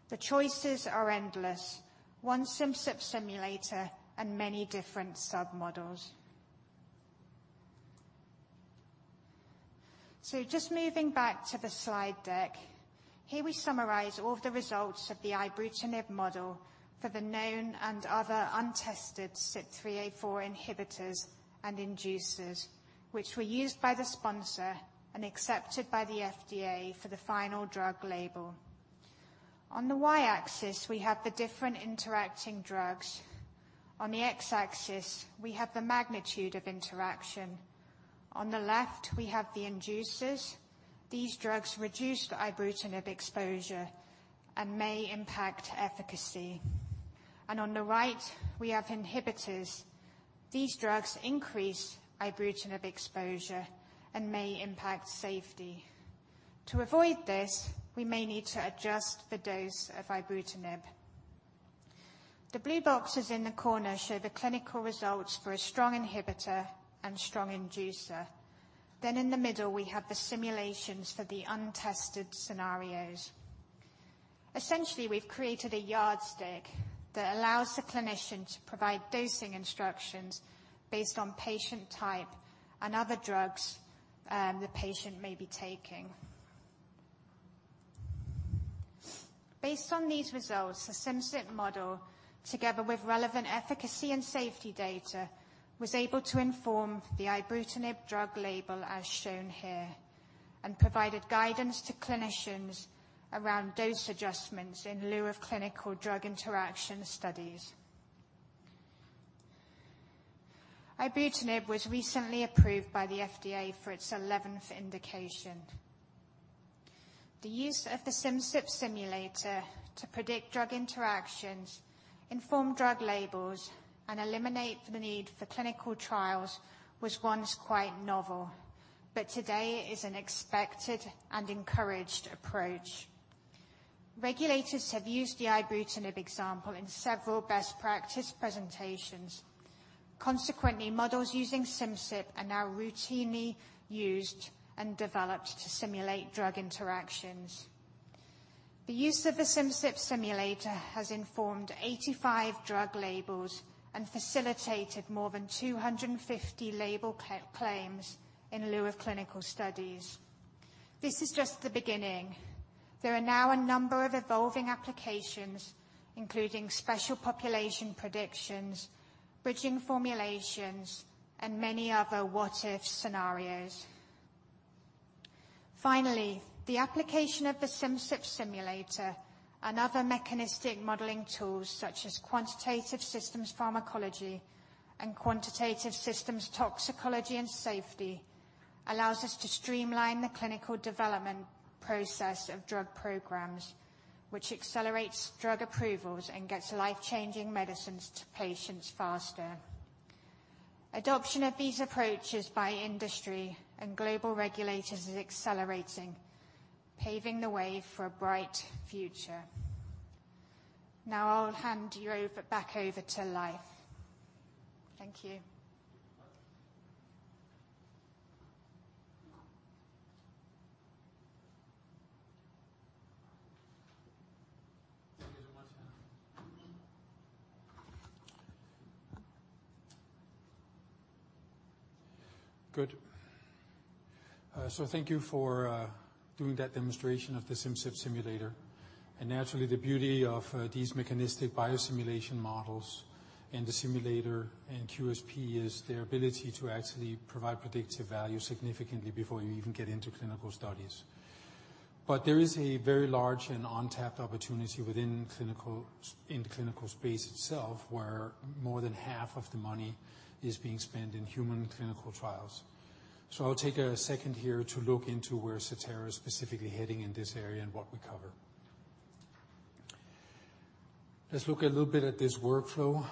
The choices are endless. One Simcyp Simulator and many different submodels. Just moving back to the slide deck. Here we summarize all of the results of the ibrutinib model for the known and other untested CYP3A4 inhibitors and inducers, which were used by the sponsor and accepted by the FDA for the final drug label. On the Y-axis, we have the different interacting drugs. On the X-axis, we have the magnitude of interaction. On the left, we have the inducers. These drugs reduce the ibrutinib exposure and may impact efficacy. On the right, we have inhibitors. These drugs increase ibrutinib exposure and may impact safety. To avoid this, we may need to adjust the dose of ibrutinib. The blue boxes in the corner show the clinical results for a strong inhibitor and strong inducer. In the middle we have the simulations for the untested scenarios. Essentially, we've created a yardstick that allows the clinician to provide dosing instructions based on patient type and other drugs, the patient may be taking. Based on these results, the Simcyp model, together with relevant efficacy and safety data, was able to inform the ibrutinib drug label as shown here, and provided guidance to clinicians around dose adjustments in lieu of clinical drug interaction studies. Ibrutinib was recently approved by the FDA for its eleventh indication. The use of the Simcyp simulator to predict drug interactions, inform drug labels, and eliminate the need for clinical trials was once quite novel, but today is an expected and encouraged approach. Regulators have used the ibrutinib example in several best practice presentations. Consequently, models using Simcyp are now routinely used and developed to simulate drug interactions. The use of the Simcyp Simulator has informed 85 drug labels and facilitated more than 250 label claims in lieu of clinical studies. This is just the beginning. There are now a number of evolving applications, including special population predictions, bridging formulations, and many other what if scenarios. Finally, the application of the Simcyp Simulator and other mechanistic modeling tools, such as quantitative systems pharmacology and quantitative systems toxicology and safety, allows us to streamline the clinical development process of drug programs, which accelerates drug approvals and gets life-changing medicines to patients faster. Adoption of these approaches by industry and global regulators is accelerating, paving the way for a bright future. Now I'll hand you back over to Leif. Thank you. Thank you so much. Good. Thank you for doing that demonstration of the Simcyp Simulator. Naturally, the beauty of these mechanistic biosimulation models and the simulator and QSP is their ability to actually provide predictive value significantly before you even get into clinical studies. There is a very large and untapped opportunity within the clinical space itself, where more than half of the money is being spent in human clinical trials. I'll take a second here to look into where Certara is specifically heading in this area and what we cover. Let's look a little bit at this workflow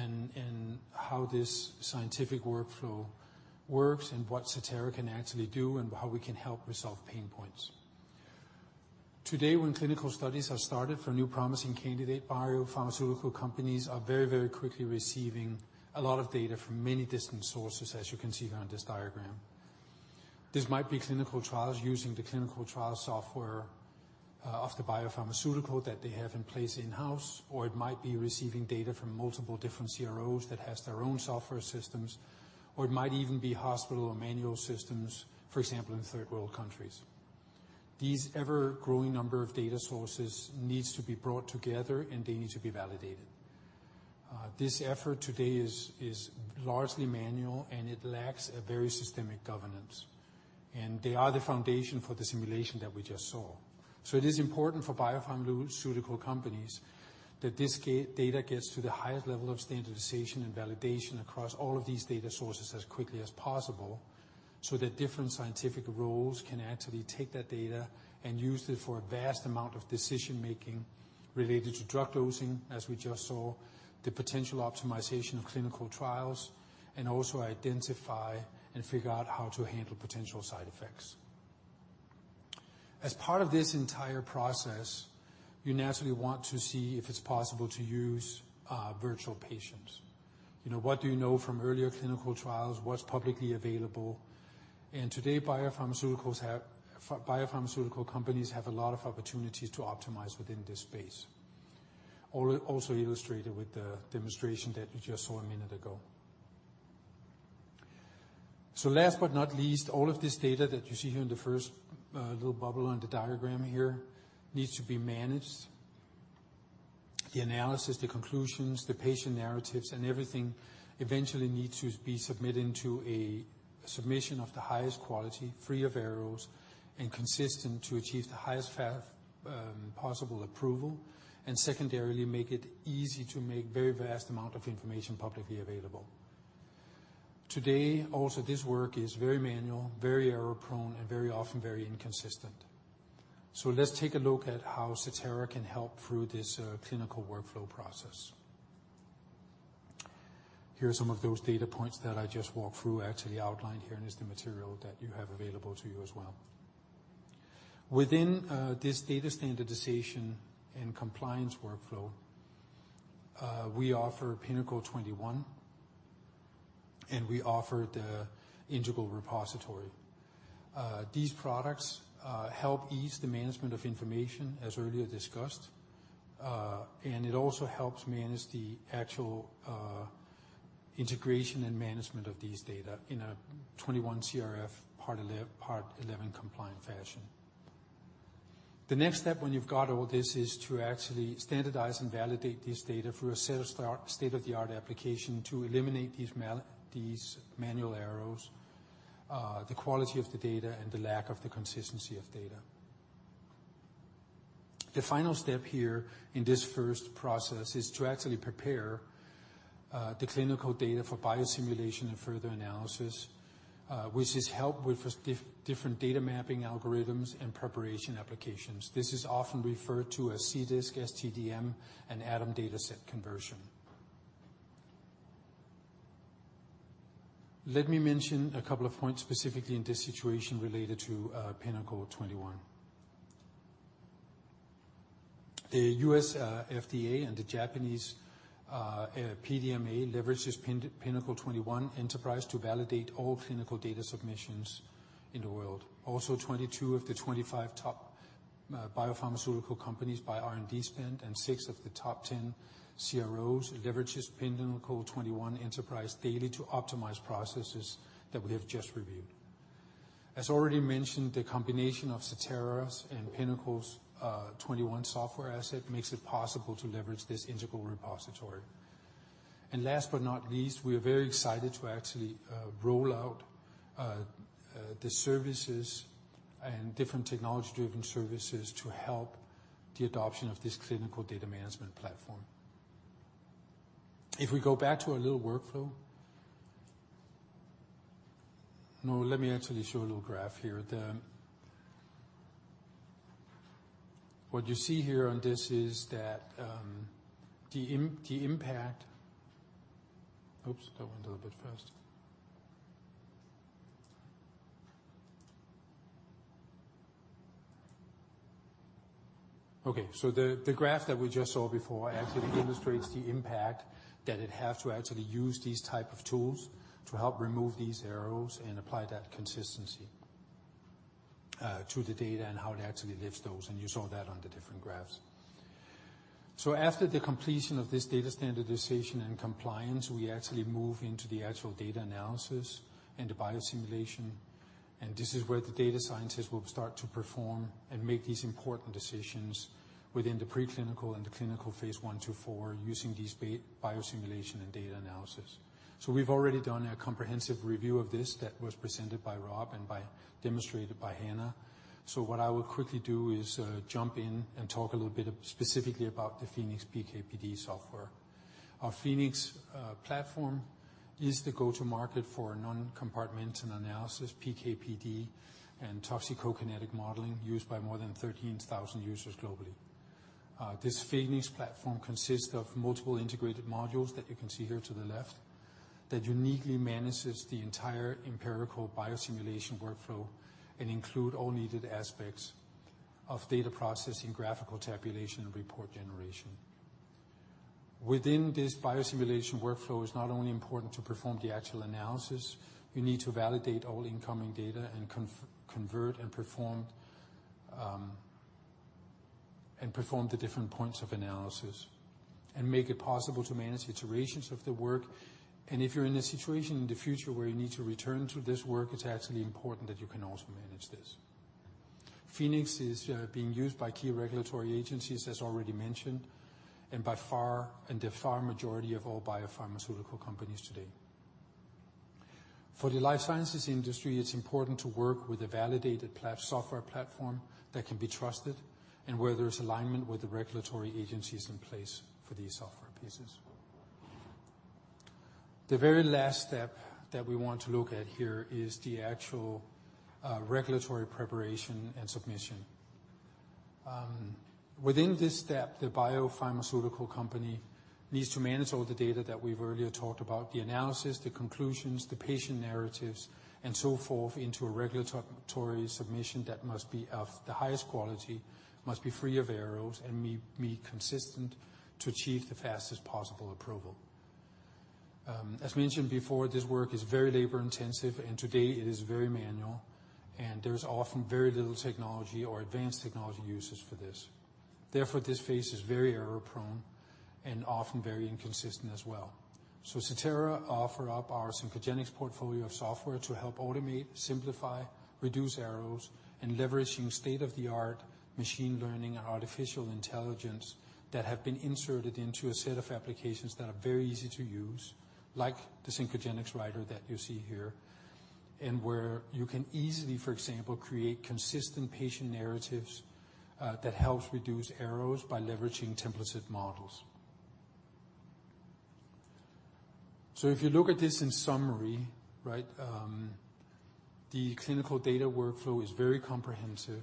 and how this scientific workflow works and what Certara can actually do and how we can help resolve pain points. Today, when clinical studies are started for a new promising candidate, biopharmaceutical companies are very, very quickly receiving a lot of data from many different sources, as you can see here on this diagram. This might be clinical trials using the clinical trial software of the biopharmaceutical that they have in place in-house, or it might be receiving data from multiple different CROs that has their own software systems, or it might even be hospital or manual systems, for example, in third-world countries. These ever-growing number of data sources needs to be brought together, and they need to be validated. This effort today is largely manual, and it lacks a very systemic governance, and they are the foundation for the simulation that we just saw. It is important for biopharmaceutical companies that this ga-data gets to the highest level of standardization and validation across all of these data sources as quickly as possible, so that different scientific roles can actually take that data and use it for a vast amount of decision-making related to drug dosing, as we just saw, the potential optimization of clinical trials, and also identify and figure out how to handle potential side effects. As part of this entire process, you naturally want to see if it's possible to use virtual patients. You know, what do you know from earlier clinical trials? What's publicly available? Today, biopharmaceutical companies have a lot of opportunities to optimize within this space. Also illustrated with the demonstration that you just saw a minute ago. Last but not least, all of this data that you see here in the first little bubble on the diagram here needs to be managed. The analysis, the conclusions, the patient narratives, and everything eventually needs to be submitted into a submission of the highest quality, free of errors, and consistent to achieve the highest possible approval, and secondarily, make it easy to make very vast amount of information publicly available. Today, also, this work is very manual, very error-prone, and very often very inconsistent. Let's take a look at how Certara can help through this clinical workflow process. Here are some of those data points that I just walked through, actually outlined here, and it's the material that you have available to you as well. Within this data standardization and compliance workflow, we offer Pinnacle 21, and we offer the Integral Repository. These products help ease the management of information as earlier discussed, and it also helps manage the actual integration and management of these data in a 21 CFR Part 11 compliant fashion. The next step when you've got all this is to actually standardize and validate this data through a set of state-of-the-art application to eliminate these manual errors, the quality of the data, and the lack of the consistency of data. The final step here in this first process is to actually prepare the clinical data for biosimulation and further analysis, which is helped with different data mapping algorithms and preparation applications. This is often referred to as CDISC, SDTM, and ADaM data set conversion. Let me mention a couple of points specifically in this situation related to Pinnacle 21. The U.S. FDA and the Japanese PMDA leverages Pinnacle 21 Enterprise to validate all clinical data submissions in the world. Also, 22 of the 25 top biopharmaceutical companies by R&D spend and six of the top 10 CROs leverages Pinnacle 21 Enterprise daily to optimize processes that we have just reviewed. As already mentioned, the combination of Certara's and Pinnacle's 21 software asset makes it possible to leverage this Integral Repository. Last but not least, we are very excited to actually roll out the services and different technology-driven services to help the adoption of this clinical data management platform. If we go back to our little workflow. No, let me actually show a little graph here. The What you see here on this is that, the impact. Oops, that went a little bit fast. Okay. The graph that we just saw before actually illustrates the impact that it has to actually use these type of tools to help remove these errors and apply that consistency, to the data and how it actually lifts those, and you saw that on the different graphs. After the completion of this data standardization and compliance, we actually move into the actual data analysis and the biosimulation, and this is where the data scientists will start to perform and make these important decisions within the preclinical and the clinical phase I to IV using these biosimulation and data analysis. We've already done a comprehensive review of this that was presented by Rob and demonstrated by Hannah. What I will quickly do is jump in and talk a little bit specifically about the Phoenix PK/PD software. Our Phoenix platform is the go-to market for non-compartmental analysis PK/PD and toxicokinetic modeling used by more than 13,000 users globally. This Phoenix platform consists of multiple integrated modules that you can see here to the left, that uniquely manages the entire empirical biosimulation workflow and include all needed aspects of data processing, graphical tabulation, and report generation. Within this biosimulation workflow is not only important to perform the actual analysis, you need to validate all incoming data and convert and perform the different points of analysis and make it possible to manage iterations of the work. If you're in a situation in the future where you need to return to this work, it's actually important that you can also manage this. Phoenix is being used by key regulatory agencies, as already mentioned, and by far the majority of all biopharmaceutical companies today. For the life sciences industry, it's important to work with a validated software platform that can be trusted and where there's alignment with the regulatory agencies in place for these software pieces. The very last step that we want to look at here is the actual regulatory preparation and submission. Within this step, the biopharmaceutical company needs to manage all the data that we've earlier talked about, the analysis, the conclusions, the patient narratives, and so forth, into a regulatory submission that must be of the highest quality, must be free of errors, and be consistent to achieve the fastest possible approval. As mentioned before, this work is very labor-intensive, and today it is very manual, and there's often very little technology or advanced technology uses for this. Therefore, this phase is very error-prone and often very inconsistent as well. Certara offers our Synchrogenix portfolio of software to help automate, simplify, reduce errors, and leveraging state-of-the-art machine learning and artificial intelligence that have been inserted into a set of applications that are very easy to use, like the Synchrogenix Writer that you see here, and where you can easily, for example, create consistent patient narratives, that helps reduce errors by leveraging template models. If you look at this in summary, right, the clinical data workflow is very comprehensive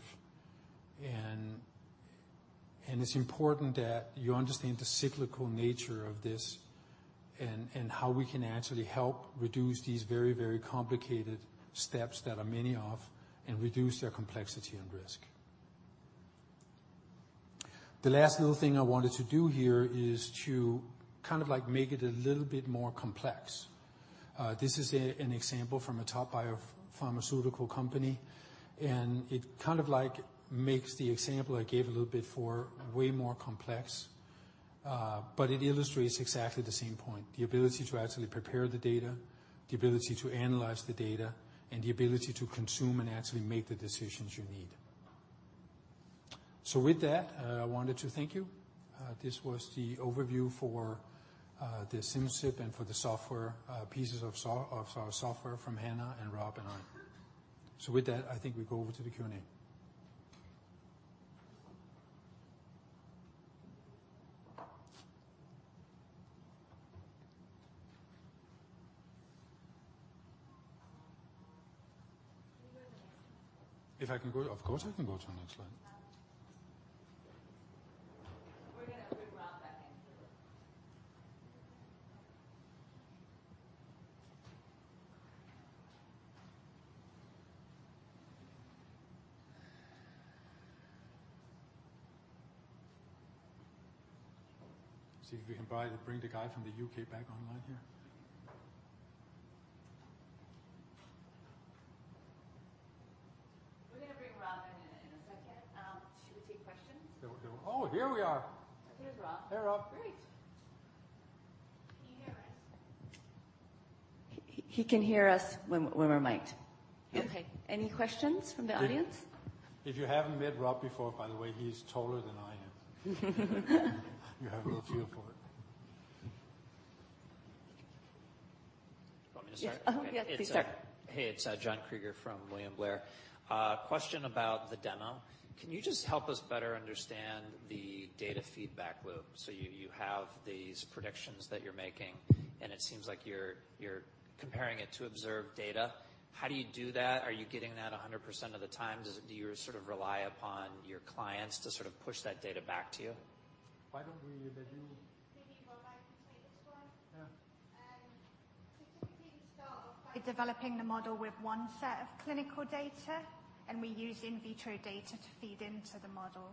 and it's important that you understand the cyclical nature of this and how we can actually help reduce these very complicated steps that are many of and reduce their complexity and risk. The last little thing I wanted to do here is to kind of like make it a little bit more complex. This is an example from a top biopharmaceutical company, and it kind of like makes the example I gave a little bit for way more complex, but it illustrates exactly the same point, the ability to actually prepare the data, the ability to analyze the data, and the ability to consume and actually make the decisions you need. With that, I wanted to thank you. This was the overview for the Simcyp and for the software pieces of our software from Hannah and Rob and I. With that, I think we go over to the Q&A. Can you go to the next slide? If I can go? Of course, I can go to the next slide. We're gonna bring Rob back in here. Bring the guy from the U.K. back online here. We're gonna bring Rob in a second. Should we take questions? There we go. Oh, here we are. Here's Rob. Hey, Rob. Great. Can you hear me? He can hear us when we're miked. Okay. Any questions from the audience? If you haven't met Rob before, by the way, he's taller than I am. You have no feel for it. You want me to start? Yes, please start. Hey, it's John Kreger from William Blair. Question about the demo. Can you just help us better understand the data feedback loop? You have these predictions that you're making, and it seems like you're comparing it to observed data. How do you do that? Are you getting that 100% of the time? Do you sort of rely upon your clients to sort of push that data back to you? Why don't we let you- Maybe Rob, I can take this one. Yeah. Typically we start off by developing the model with one set of clinical data, and we use in vitro data to feed into the model.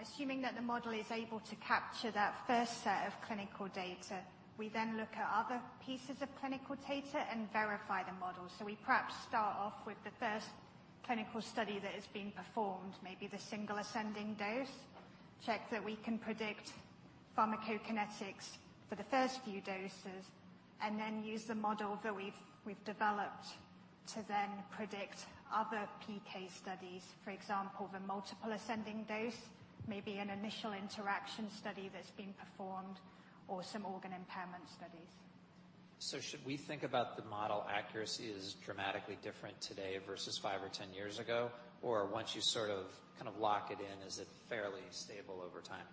Assuming that the model is able to capture that first set of clinical data, we then look at other pieces of clinical data and verify the model. We perhaps start off with the first clinical study that is being performed, maybe the single ascending dose, check that we can predict pharmacokinetics for the first few doses, and then use the model that we've developed to then predict other PK studies. For example, the multiple ascending dose, maybe an initial interaction study that's being performed or some organ impairment studies. Should we think about the model accuracy as dramatically different today versus 5 or 10 years ago? Or once you sort of, kind of lock it in, is it fairly stable over time?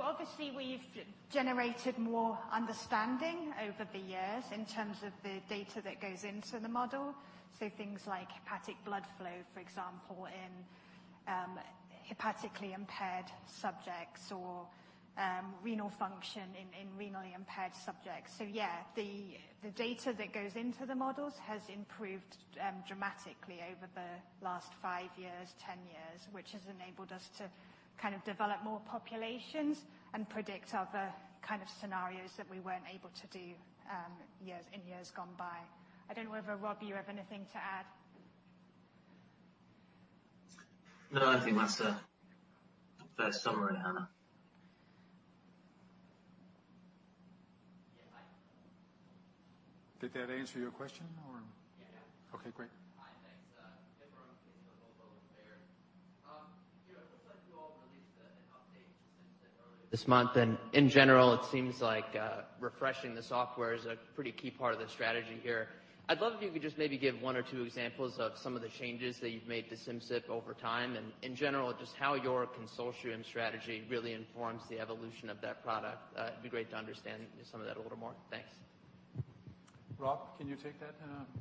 Obviously we've generated more understanding over the years in terms of the data that goes into the model. Things like hepatic blood flow, for example, in hepatically impaired subjects or renal function in renally impaired subjects. Yeah, the data that goes into the models has improved dramatically over the last five years, 10 years, which has enabled us to kind of develop more populations and predict other kind of scenarios that we weren't able to do in years gone by. I don't know whether, Rob, you have anything to add. No, I think that's a fair summary, Hannah. Yeah. Hi. Did that answer your question or? Yeah. Okay, great. Hi, thanks. Nick from Baird. You know, it looks like you all released an update since earlier this month, and in general it seems like refreshing the software is a pretty key part of the strategy here. I'd love if you could just maybe give one or two examples of some of the changes that you've made to Simcyp over time, and in general, just how your consortium strategy really informs the evolution of that product. It'd be great to understand some of that a little more. Thanks. Rob, can you take that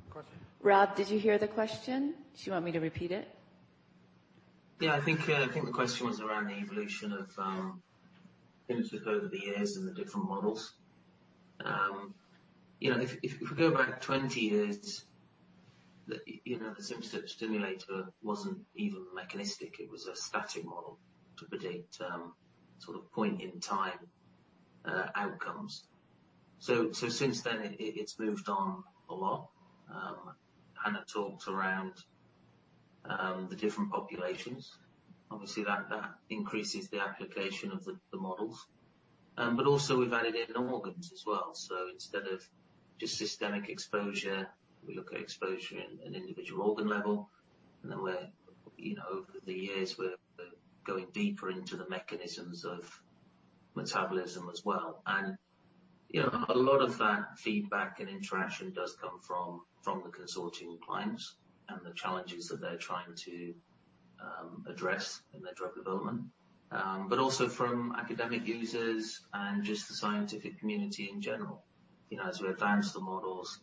question? Rob, did you hear the question? Do you want me to repeat it? Yeah, I think the question was around the evolution of Simcyp over the years and the different models. You know, if we go back 20 years, you know, the Simcyp Simulator wasn't even mechanistic. It was a static model to predict sort of point in time outcomes. So since then it's moved on a lot. Hannah talked around the different populations. Obviously, that increases the application of the models. Also we've added in organs as well. Instead of just systemic exposure, we look at exposure in an individual organ level. Then we're you know over the years we're going deeper into the mechanisms of metabolism as well. You know, a lot of that feedback and interaction does come from the consortium clients and the challenges that they're trying to address in their drug development. But also from academic users and just the scientific community in general. You know, as we advance the models,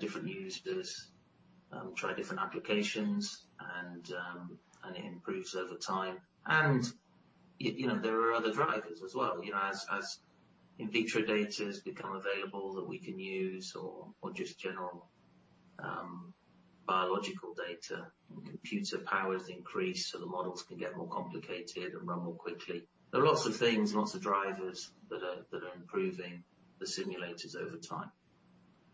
different users try different applications and it improves over time. You know, there are other drivers as well. You know, as in vitro data has become available that we can use or just general biological data. Computing power increases, so the models can get more complicated and run more quickly. There are lots of things, lots of drivers that are improving the simulators over time.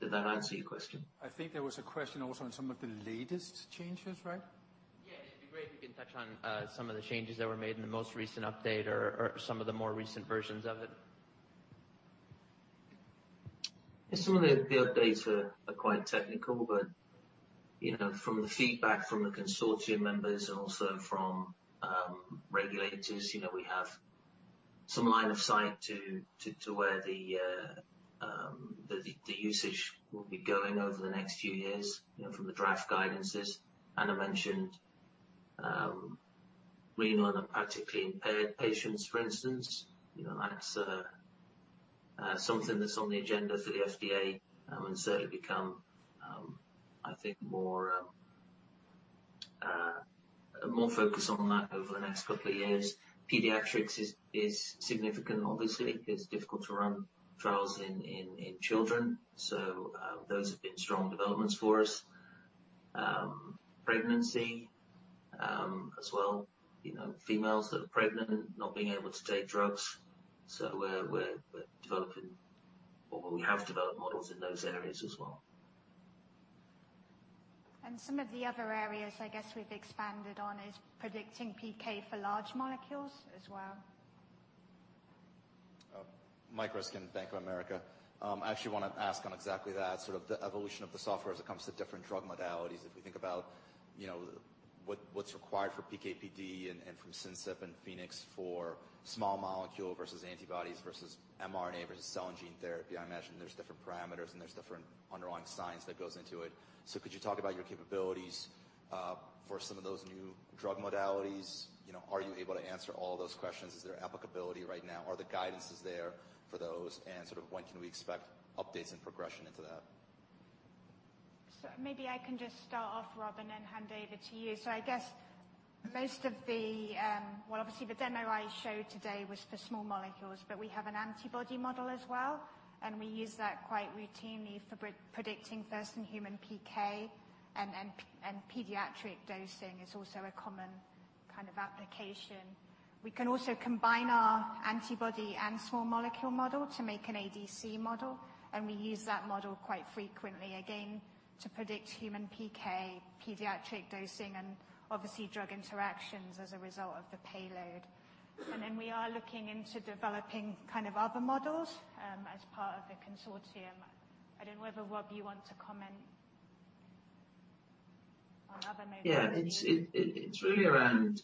Did that answer your question? I think there was a question also on some of the latest changes, right? Yeah. It'd be great if you can touch on some of the changes that were made in the most recent update or some of the more recent versions of it. Some of the updates are quite technical, but you know, from the feedback from the consortium members and also from regulators, you know, we have some line of sight to where the usage will be going over the next few years, you know, from the draft guidances. Hannah mentioned renal and hepatically impaired patients, for instance. You know, that's something that's on the agenda for the FDA, and so to become, I think more focus on that over the next couple of years. Pediatrics is significant. Obviously, it's difficult to run trials in children. Those have been strong developments for us. Pregnancy as well, you know, females that are pregnant not being able to take drugs. We're developing or we have developed models in those areas as well. Some of the other areas I guess we've expanded on is predicting PK for large molecules as well. Michael Ryskin, Bank of America. I actually wanna ask on exactly that, sort of the evolution of the software as it comes to different drug modalities. If we think about, you know, what's required for PK/PD and from Simcyp and Phoenix for small molecule versus antibodies versus mRNA versus cell and gene therapy, I imagine there's different parameters and there's different underlying science that goes into it. Could you talk about your capabilities for some of those new drug modalities? You know, are you able to answer all those questions? Is there applicability right now? Are the guidances there for those, and sort of when can we expect updates and progression into that? Maybe I can just start off, Rob, and then hand over to you. I guess most of the... Well, obviously, the demo I showed today was for small molecules, but we have an antibody model as well, and we use that quite routinely for pre-predicting first-in-human PK and pediatric dosing is also a common kind of application. We can also combine our antibody and small molecule model to make an ADC model, and we use that model quite frequently, again, to predict human PK, pediatric dosing, and obviously drug interactions as a result of the payload. We are looking into developing kind of other models as part of the consortium. I don't know whether, Rob, you want to comment on other modalities. It's really around.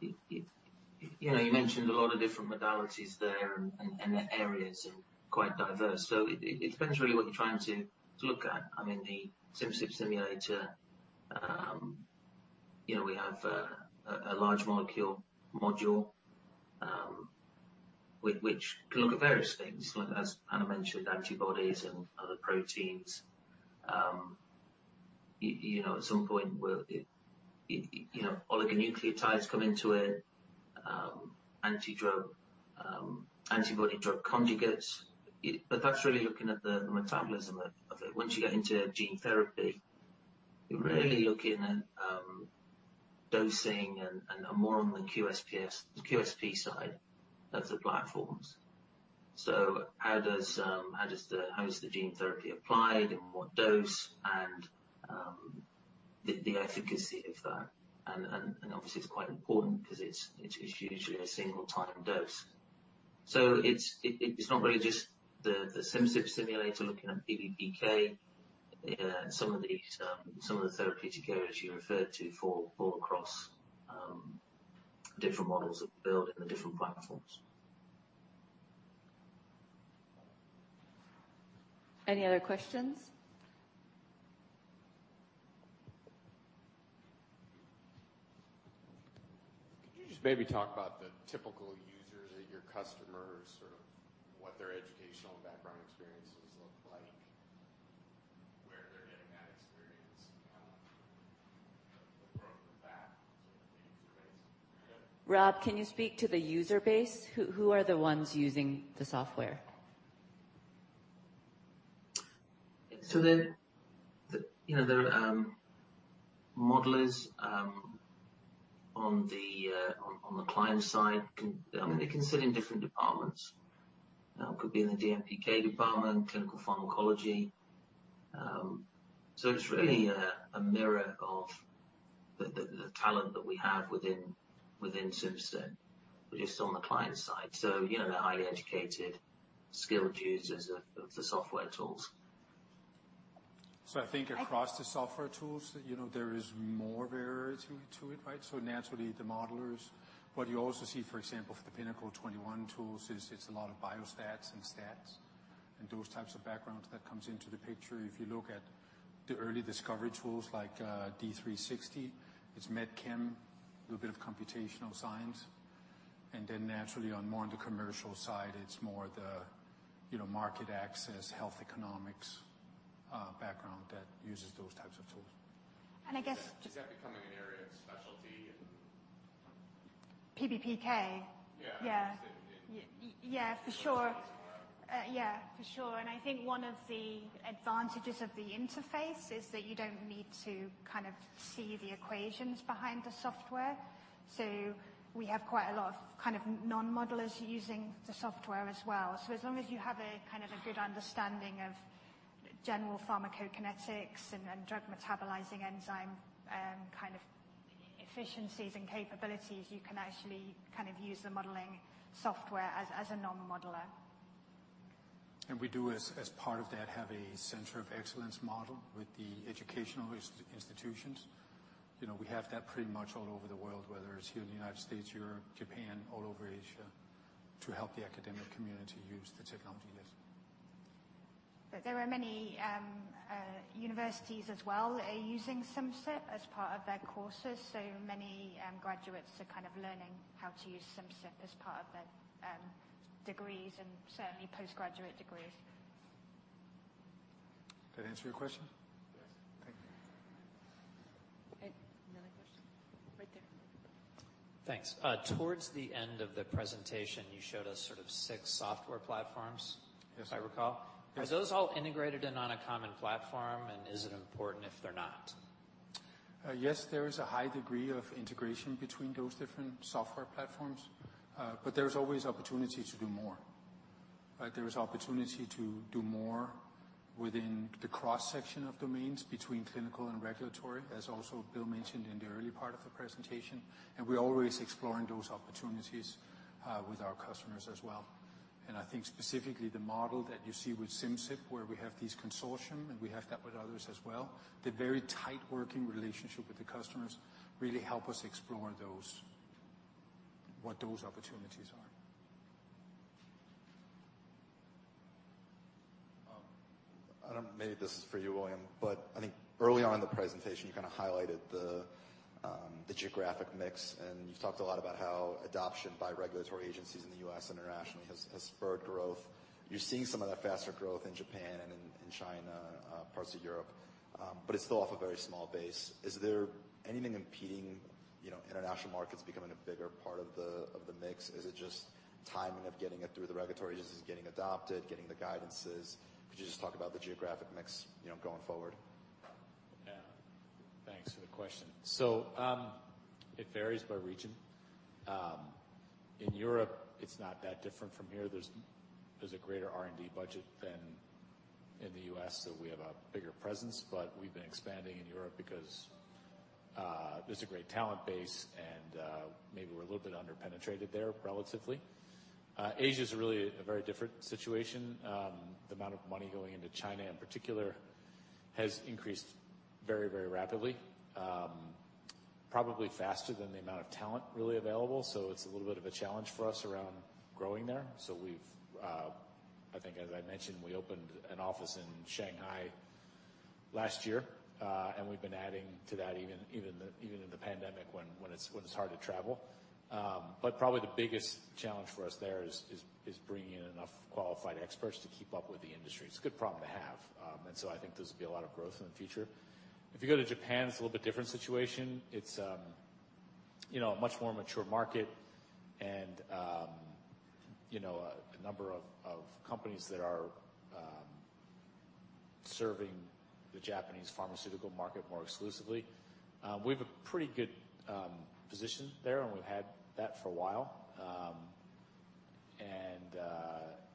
You know, you mentioned a lot of different modalities there and the areas are quite diverse, so it depends really what you're trying to look at. I mean, the Simcyp Simulator, you know, we have a large molecule module, which can look at various things. Like, as Anna mentioned, antibodies and other proteins. You know, at some point oligonucleotides come into it. Antibody drug conjugates. But that's really looking at the metabolism of it. Once you get into gene therapy, you're really looking at dosing and more on the QSP side of the platforms. How is the gene therapy applied and what dose and the efficacy of that? Obviously it's quite important 'cause it's usually a single time dose. It's not really just the Simcyp Simulator looking at PBPK. Some of the therapeutic areas you referred to fall across different models that we build in the different platforms. Any other questions? Could you just maybe talk about the typical users or your customers, sort of what their educational background experiences look like? Where they're getting that experience from that sort of user base. Rob, can you speak to the user base? Who are the ones using the software? You know, there are modelers on the client side. I mean, they can sit in different departments. Could be in the DMPK department, clinical pharmacology. It's really a mirror of the talent that we have within Simcyp, but just on the client side. You know, they're highly educated, skilled users of the software tools. I think- I think across the software tools that, you know, there is more variety to it, right? Naturally, the modelers. What you also see, for example, for the Pinnacle 21 tools is it's a lot of biostats and stats and those types of backgrounds that comes into the picture. If you look at the early discovery tools like, D360, it's MedChem, little bit of computational science. Then naturally on the commercial side, it's more the, you know, market access, health economics, background that uses those types of tools. I guess just. Is that becoming an area of specialty in? PBPK? Yeah. Yeah, for sure. I think one of the advantages of the interface is that you don't need to kind of see the equations behind the software. We have quite a lot of kind of non-modelers using the software as well. As long as you have kind of a good understanding of general pharmacokinetics and drug metabolizing enzyme kind of efficiencies and capabilities, you can actually kind of use the modeling software as a non-modeler. We do, as part of that, have a center of excellence model with the educational institutions. You know, we have that pretty much all over the world, whether it's here in the United States, Europe, Japan, all over Asia, to help the academic community use the technology, yes. There are many universities as well are using Simcyp as part of their courses, so many graduates are kind of learning how to use Simcyp as part of their degrees and certainly postgraduate degrees. That answer your question? Yes. Thank you. Okay. Another question. Right there. Thanks. Towards the end of the presentation, you showed us sort of six software platforms. Yes. If I recall. Yes. Are those all integrated in on a common platform? Is it important if they're not? Yes, there is a high degree of integration between those different software platforms, but there's always opportunity to do more. There is opportunity to do more within the cross-section of domains between clinical and regulatory, as Bill also mentioned in the early part of the presentation, and we're always exploring those opportunities with our customers as well. I think specifically the model that you see with Simcyp, where we have these consortium, and we have that with others as well, the very tight working relationship with the customers really help us explore those, what those opportunities are. I don't know, maybe this is for you, William, but I think early on in the presentation, you kinda highlighted the geographic mix, and you've talked a lot about how adoption by regulatory agencies in the U.S. internationally has spurred growth. You're seeing some of that faster growth in Japan and in China, parts of Europe, but it's still off a very small base. Is there anything impeding, you know, international markets becoming a bigger part of the mix? Is it just timing of getting it through the regulatory agencies, getting adopted, getting the guidances? Could you just talk about the geographic mix, you know, going forward? Yeah. Thanks for the question. It varies by region. In Europe, it's not that different from here. There's a greater R&D budget than in the U.S., so we have a bigger presence, but we've been expanding in Europe because there's a great talent base and maybe we're a little bit under-penetrated there relatively. Asia's really a very different situation. The amount of money going into China, in particular, has increased very, very rapidly, probably faster than the amount of talent really available. It's a little bit of a challenge for us around growing there. We've, I think as I mentioned, we opened an office in Shanghai last year, and we've been adding to that even in the pandemic when it's hard to travel. Probably the biggest challenge for us there is bringing in enough qualified experts to keep up with the industry. It's a good problem to have. I think there's gonna be a lot of growth in the future. If you go to Japan, it's a little bit different situation. It's you know, a much more mature market and you know, a number of companies that are serving the Japanese pharmaceutical market more exclusively. We have a pretty good position there, and we've had that for a while.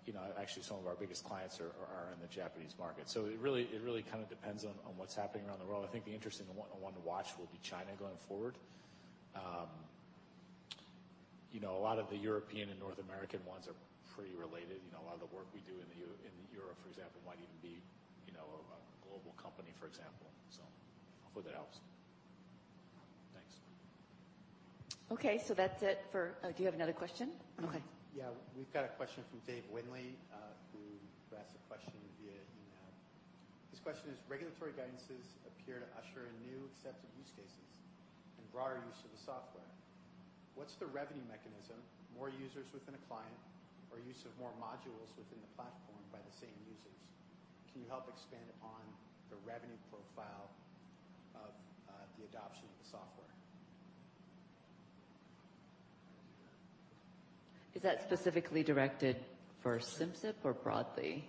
You know, actually some of our biggest clients are in the Japanese market. It really kind of depends on what's happening around the world. I think the interesting one to watch will be China going forward. You know, a lot of the European and North American ones are pretty related. You know, a lot of the work we do in Europe, for example, might even be, you know, a global company, for example. Hopefully that helps. Thanks. Okay. That's it for. Do you have another question? Okay. Yeah. We've got a question from Dave Windley, who asked a question via email. His question is: regulatory guidances appear to usher in new accepted use cases and broader use of the software. What's the revenue mechanism, more users within a client or use of more modules within the platform by the same users? Can you help expand on the revenue profile of, the adoption of the software? Is that specifically directed for Simcyp or broadly?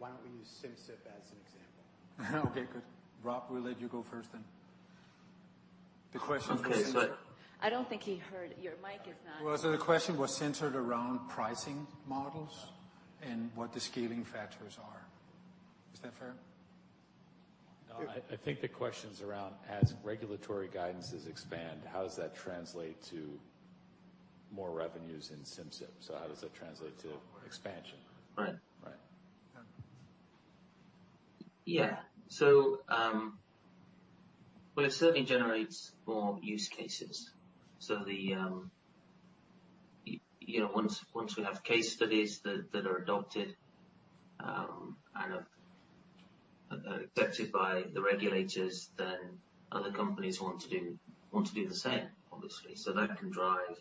Why don't we use Simcyp as an example? Okay, good. Rob, we'll let you go first then. The question. Okay. I don't think he heard. Your mic is not- Well, the question was centered around pricing models. Yeah what the scaling factors are. Is that fair? No, I think the question's around as regulatory guidances expand, how does that translate to more revenues in Simcyp? How does that translate to expansion? Right. Right. Yeah. It certainly generates more use cases. The you know once we have case studies that are adopted and are accepted by the regulators, then other companies want to do the same, obviously. That can drive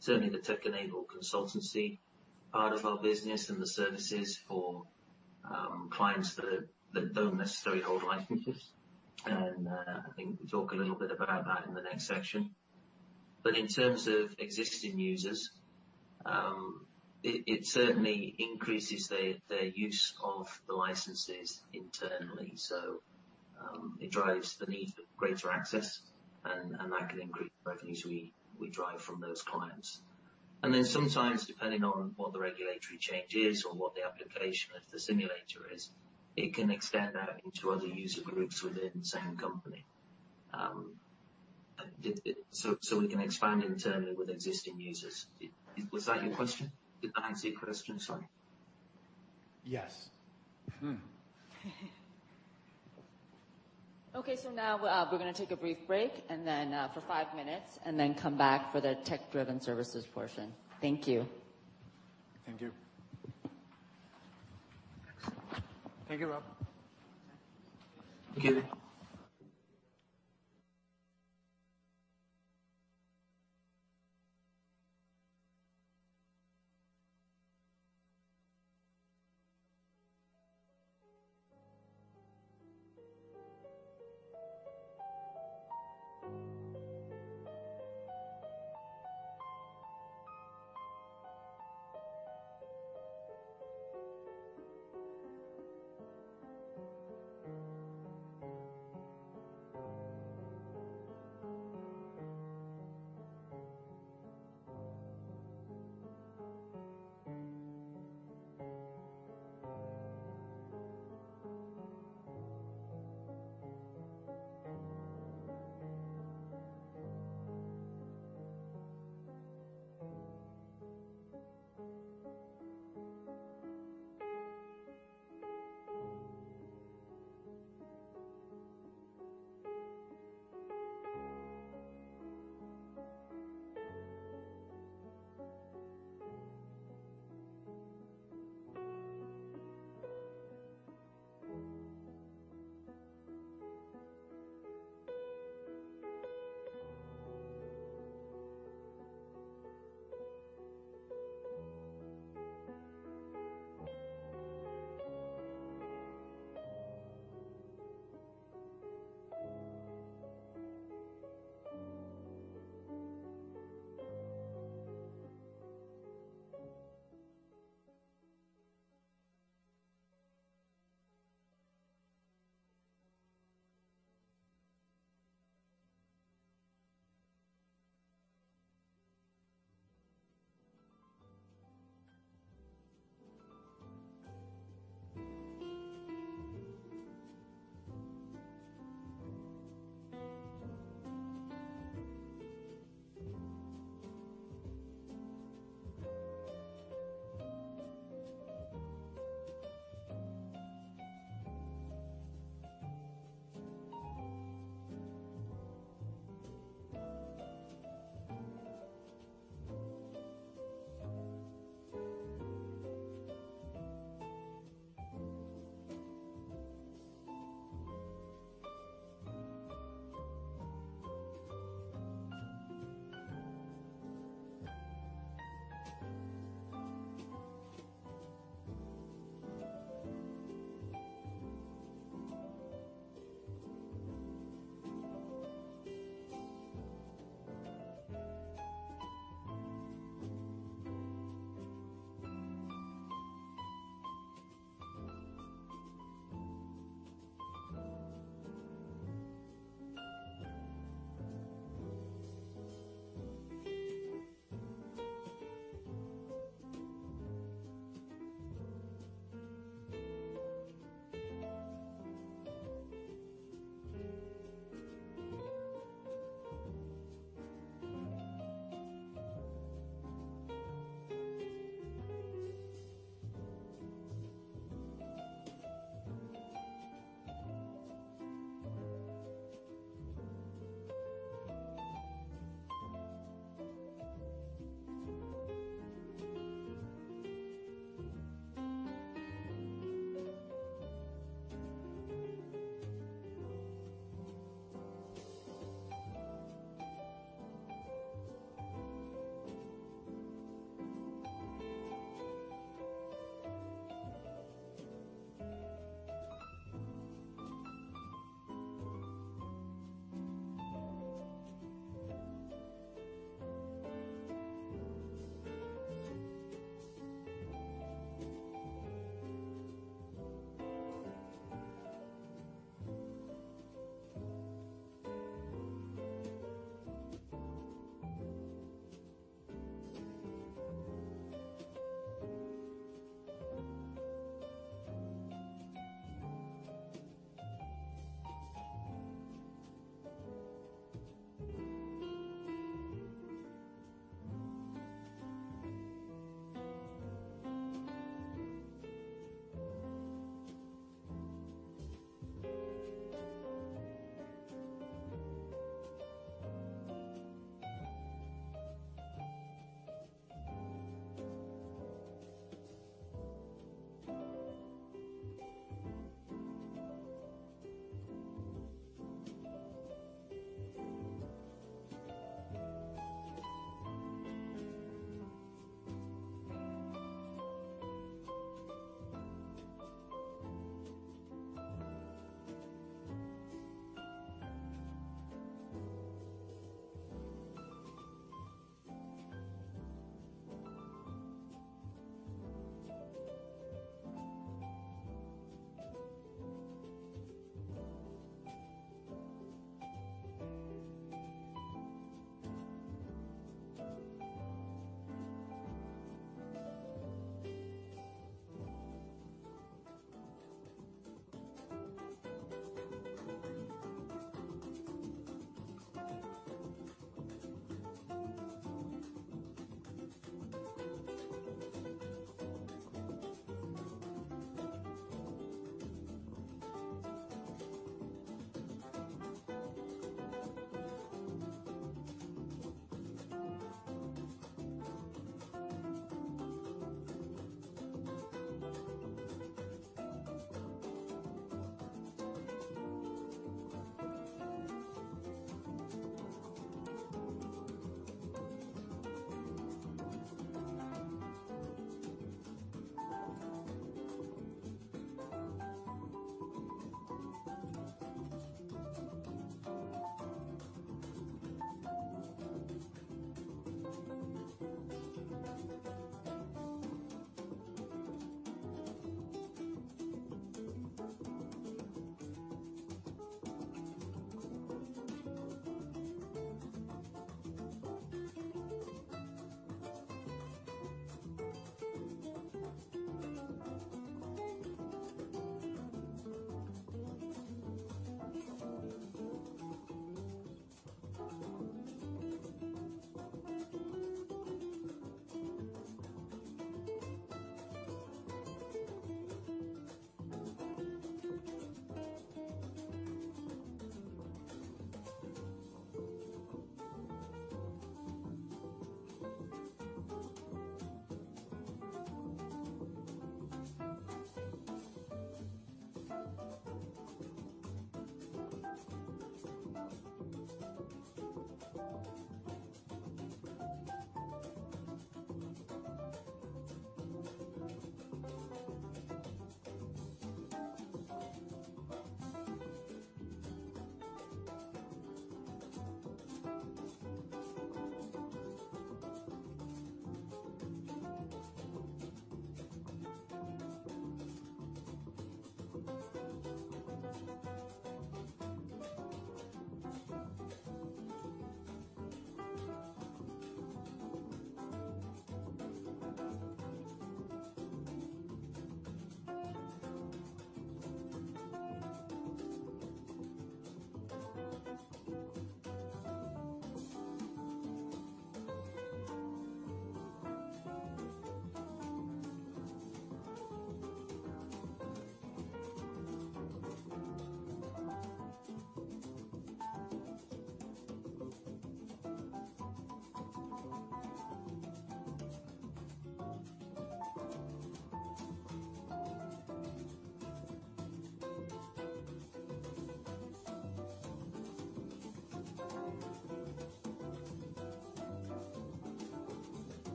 certainly the tech-enabled consultancy part of our business and the services for clients that don't necessarily hold licenses. I think we talk a little bit about that in the next section. In terms of existing users, it certainly increases their use of the licenses internally. It drives the need for greater access and that can increase revenues we drive from those clients. Sometimes, depending on what the regulatory change is or what the application of the simulator is, it can extend out into other user groups within the same company. We can expand internally with existing users. Was that your question? Did that answer your question? Sorry. Yes. Hmm. Okay. Now we're gonna take a brief break and then for five minutes, and then come back for the tech-driven services portion. Thank you. Thank you. Thanks. Thank you, Rob. Thank you.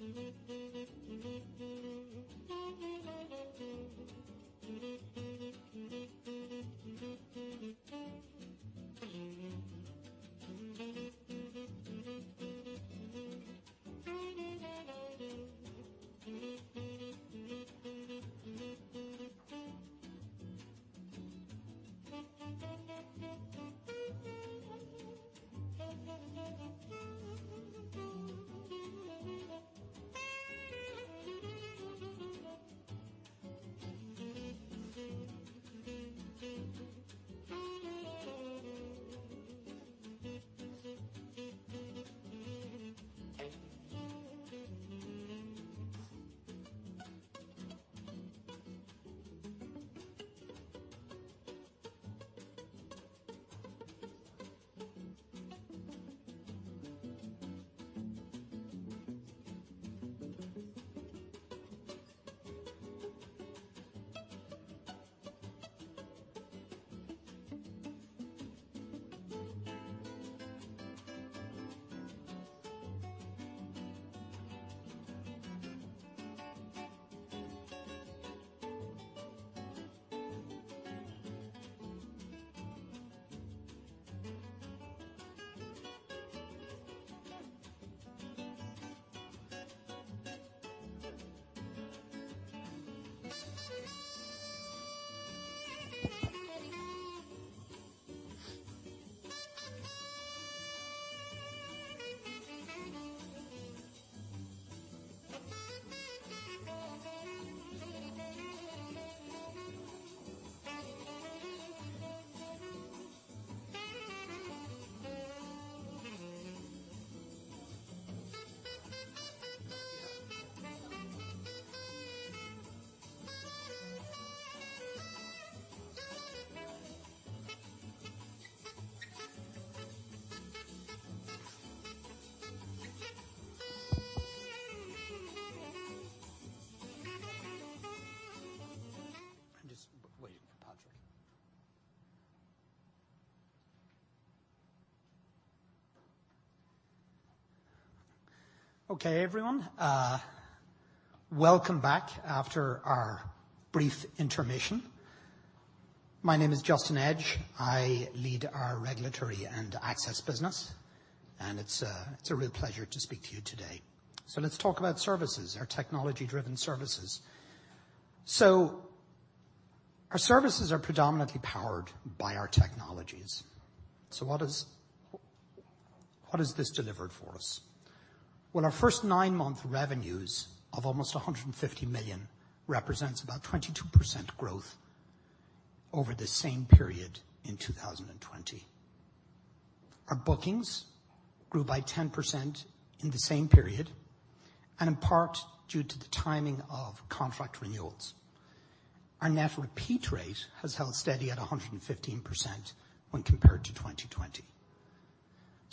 Just wait a minute, Patrick. Okay, everyone. Welcome back after our brief intermission. My name is Justin Edge. I lead our regulatory and access business, and it's a real pleasure to speak to you today. Let's talk about services, our technology-driven services. Our services are predominantly powered by our technologies. What has this delivered for us? Well, our first nine-month revenues of almost $150 million represents about 22% growth over the same period in 2020. Our bookings grew by 10% in the same period, and in part, due to the timing of contract renewals. Our net repeat rate has held steady at 115% when compared to 2020.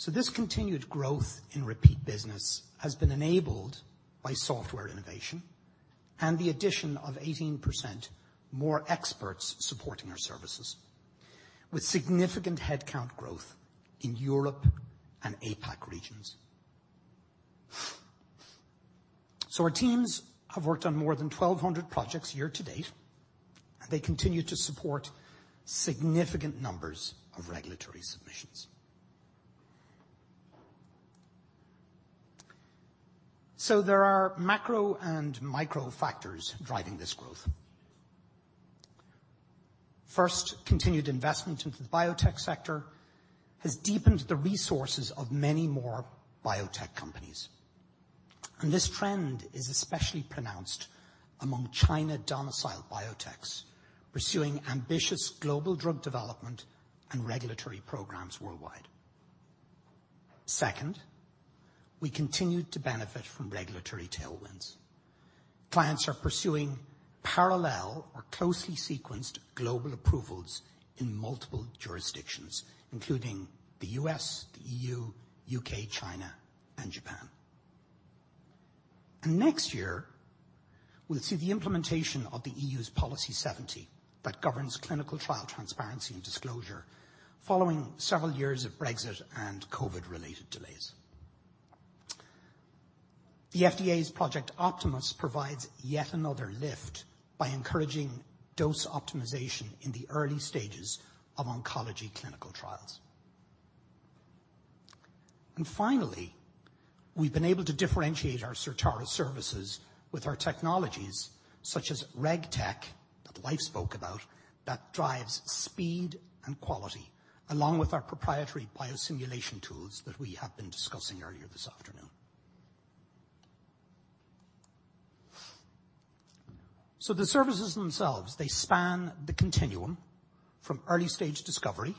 This continued growth in repeat business has been enabled by software innovation and the addition of 18% more experts supporting our services, with significant headcount growth in Europe and APAC regions. Our teams have worked on more than 1,200 projects year to date. They continue to support significant numbers of regulatory submissions. There are macro and micro factors driving this growth. First, continued investment into the biotech sector has deepened the resources of many more biotech companies. This trend is especially pronounced among China-domiciled biotechs pursuing ambitious global drug development and regulatory programs worldwide. Second, we continued to benefit from regulatory tailwinds. Clients are pursuing parallel or closely sequenced global approvals in multiple jurisdictions, including the U.S., the EU, U.K., China, and Japan. Next year, we'll see the implementation of the EU's Policy 0070 that governs clinical trial transparency and disclosure following several years of Brexit and COVID-related delays. The FDA's Project Optimus provides yet another lift by encouraging dose optimization in the early stages of oncology clinical trials. Finally, we've been able to differentiate our Certara services with our technologies such as RegTech, that Leif spoke about, that drives speed and quality, along with our proprietary biosimulation tools that we have been discussing earlier this afternoon. The services themselves, they span the continuum from early stage discovery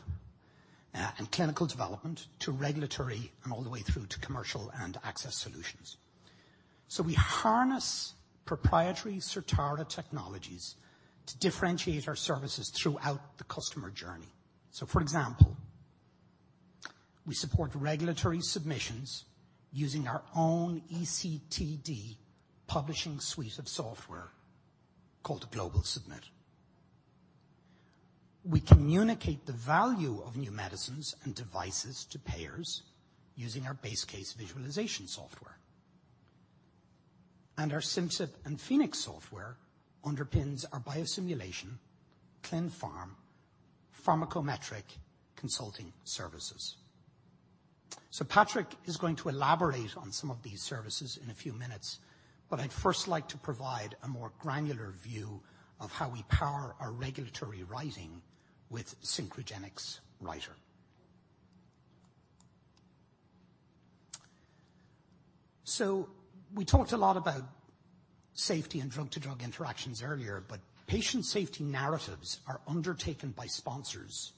and clinical development to regulatory and all the way through to commercial and access solutions. We harness proprietary Certara technologies to differentiate our services throughout the customer journey. For example, we support regulatory submissions using our own eCTD publishing suite of software called GlobalSubmit. We communicate the value of new medicines and devices to payers using our BaseCase visualization software. Our Simcyp and Phoenix software underpins our biosimulation, clin pharm, pharmacometrics consulting services. Patrick is going to elaborate on some of these services in a few minutes, but I'd first like to provide a more granular view of how we power our regulatory writing with Synchrogenix Writer. We talked a lot about safety and drug-drug interactions earlier, but patient safety narratives are undertaken by sponsors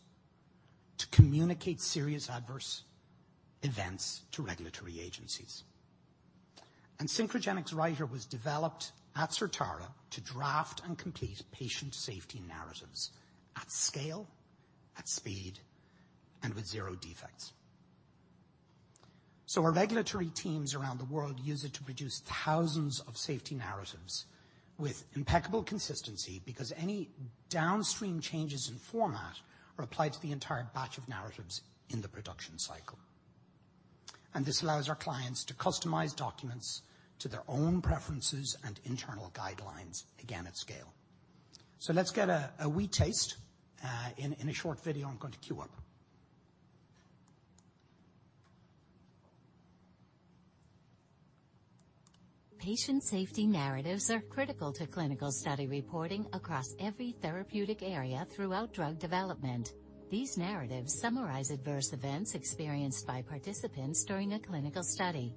to communicate serious adverse events to regulatory agencies. Synchrogenix Writer was developed at Certara to draft and complete patient safety narratives at scale, at speed, and with zero defects. Our regulatory teams around the world use it to produce thousands of safety narratives with impeccable consistency because any downstream changes in format are applied to the entire batch of narratives in the production cycle. This allows our clients to customize documents to their own preferences and internal guidelines, again, at scale. Let's get a wee taste in a short video I'm going to queue up. Patient safety narratives are critical to clinical study reporting across every therapeutic area throughout drug development. These narratives summarize adverse events experienced by participants during a clinical study.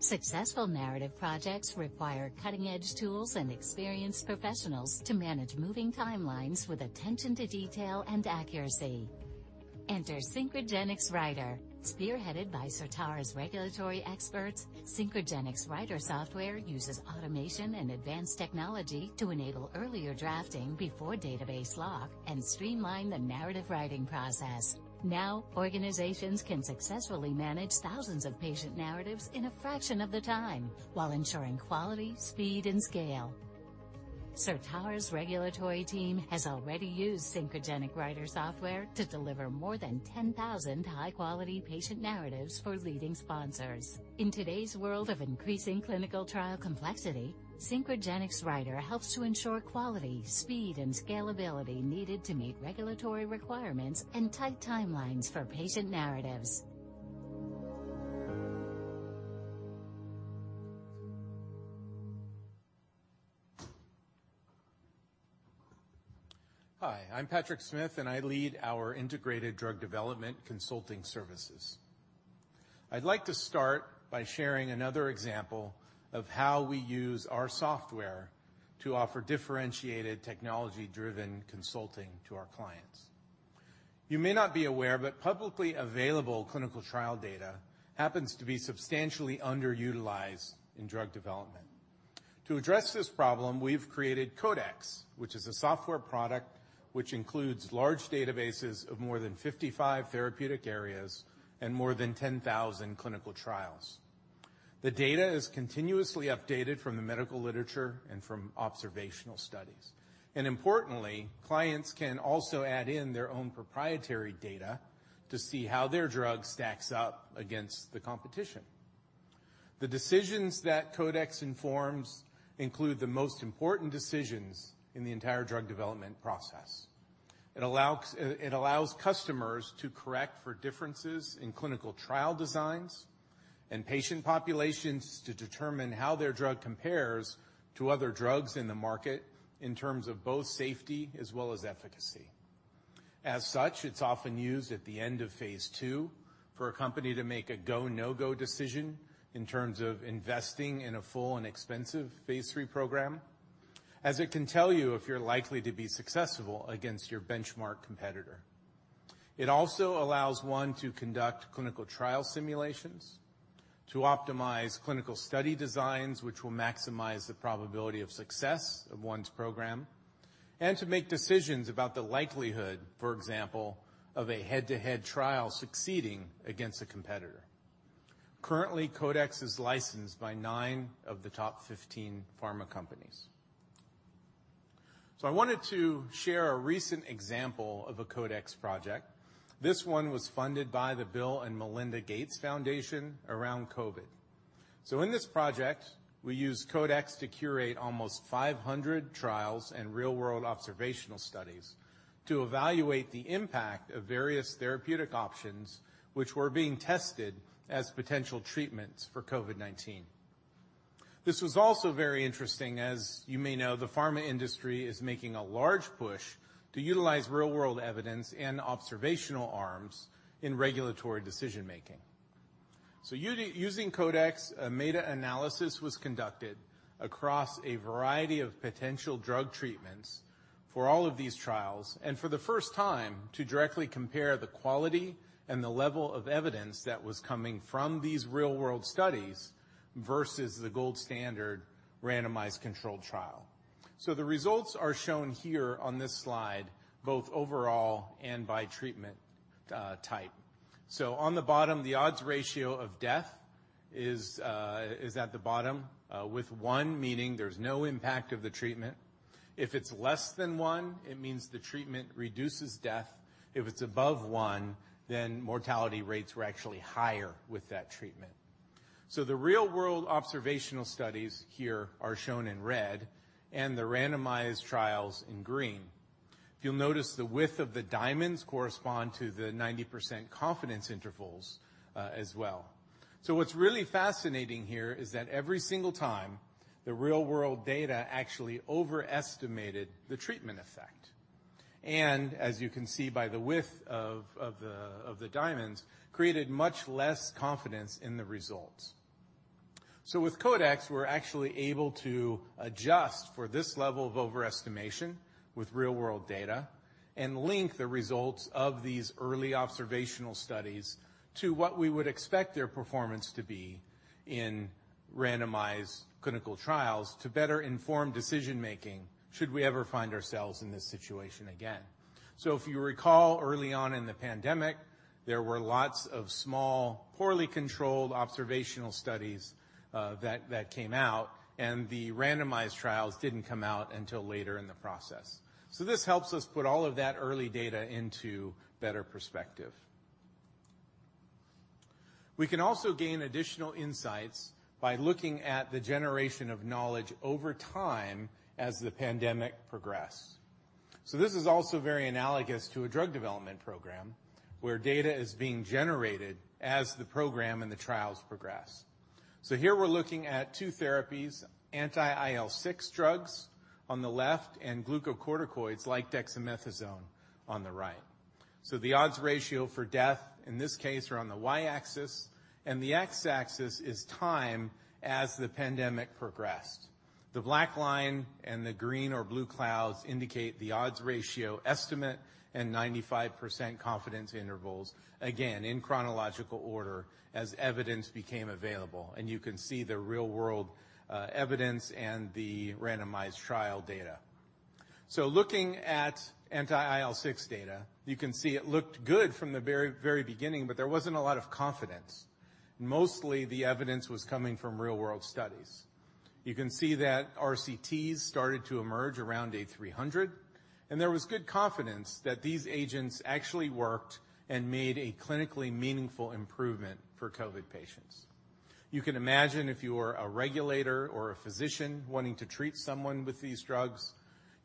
Successful narrative projects require cutting-edge tools and experienced professionals to manage moving timelines with attention to detail and accuracy. Enter Synchrogenix Writer. Spearheaded by Certara's regulatory experts, Synchrogenix Writer software uses automation and advanced technology to enable earlier drafting before database lock and streamline the narrative writing process. Now, organizations can successfully manage thousands of patient narratives in a fraction of the time while ensuring quality, speed, and scale. Certara's regulatory team has already used Synchrogenix Writer software to deliver more than 10,000 high-quality patient narratives for leading sponsors. In today's world of increasing clinical trial complexity, Synchrogenix Writer helps to ensure quality, speed, and scalability needed to meet regulatory requirements and tight timelines for patient narratives. Hi, I'm Patrick Smith, and I lead our integrated drug development consulting services. I'd like to start by sharing another example of how we use our software to offer differentiated technology-driven consulting to our clients. You may not be aware, but publicly available clinical trial data happens to be substantially underutilized in drug development. To address this problem, we've created CODEX, which is a software product which includes large databases of more than 55 therapeutic areas and more than 10,000 clinical trials. The data is continuously updated from the medical literature and from observational studies. Importantly, clients can also add in their own proprietary data to see how their drug stacks up against the competition. The decisions that CODEX informs include the most important decisions in the entire drug development process. It allows customers to correct for differences in clinical trial designs and patient populations to determine how their drug compares to other drugs in the market in terms of both safety as well as efficacy. As such, it's often used at the end of phase II for a company to make a go, no-go decision in terms of investing in a full and expensive phase III program, as it can tell you if you're likely to be successful against your benchmark competitor. It also allows one to conduct clinical trial simulations to optimize clinical study designs, which will maximize the probability of success of one's program, and to make decisions about the likelihood, for example, of a head-to-head trial succeeding against a competitor. Currently, Codex is licensed by nine of the top 15 pharma companies. I wanted to share a recent example of a Codex project. This one was funded by the Bill & Melinda Gates Foundation around COVID. In this project, we used Codex to curate almost 500 trials and real-world observational studies to evaluate the impact of various therapeutic options which were being tested as potential treatments for COVID-19. This was also very interesting. As you may know, the pharma industry is making a large push to utilize real-world evidence and observational arms in regulatory decision-making. Using Codex, a meta-analysis was conducted across a variety of potential drug treatments for all of these trials, and for the first time to directly compare the quality and the level of evidence that was coming from these real-world studies versus the gold standard randomized controlled trial. The results are shown here on this slide, both overall and by treatment type. On the bottom, the odds ratio of death is at the bottom with one meaning there's no impact of the treatment. If it's less than one, it means the treatment reduces death. If it's above one, then mortality rates were actually higher with that treatment. The real-world observational studies here are shown in red and the randomized trials in green. If you'll notice, the width of the diamonds correspond to the 90% confidence intervals as well. What's really fascinating here is that every single time the real-world data actually overestimated the treatment effect, and as you can see by the width of the diamonds created much less confidence in the results. With Codex, we're actually able to adjust for this level of overestimation with real-world data and link the results of these early observational studies to what we would expect their performance to be in randomized clinical trials to better inform decision-making should we ever find ourselves in this situation again. If you recall, early on in the pandemic, there were lots of small, poorly controlled observational studies, that came out, and the randomized trials didn't come out until later in the process. This helps us put all of that early data into better perspective. We can also gain additional insights by looking at the generation of knowledge over time as the pandemic progressed. This is also very analogous to a drug development program where data is being generated as the program and the trials progress. Here we're looking at two therapies, anti-IL-6 drugs on the left and glucocorticoids like dexamethasone on the right. The odds ratio for death in this case are on the Y-axis, and the X-axis is time as the pandemic progressed. The black line and the green or blue clouds indicate the odds ratio estimate and 95% confidence intervals, again, in chronological order as evidence became available. You can see the real-world evidence and the randomized trial data. Looking at anti-IL-6 data, you can see it looked good from the very, very beginning, but there wasn't a lot of confidence. Mostly the evidence was coming from real-world studies. You can see that RCTs started to emerge around day 300, and there was good confidence that these agents actually worked and made a clinically meaningful improvement for COVID-19 patients. You can imagine if you were a regulator or a physician wanting to treat someone with these drugs,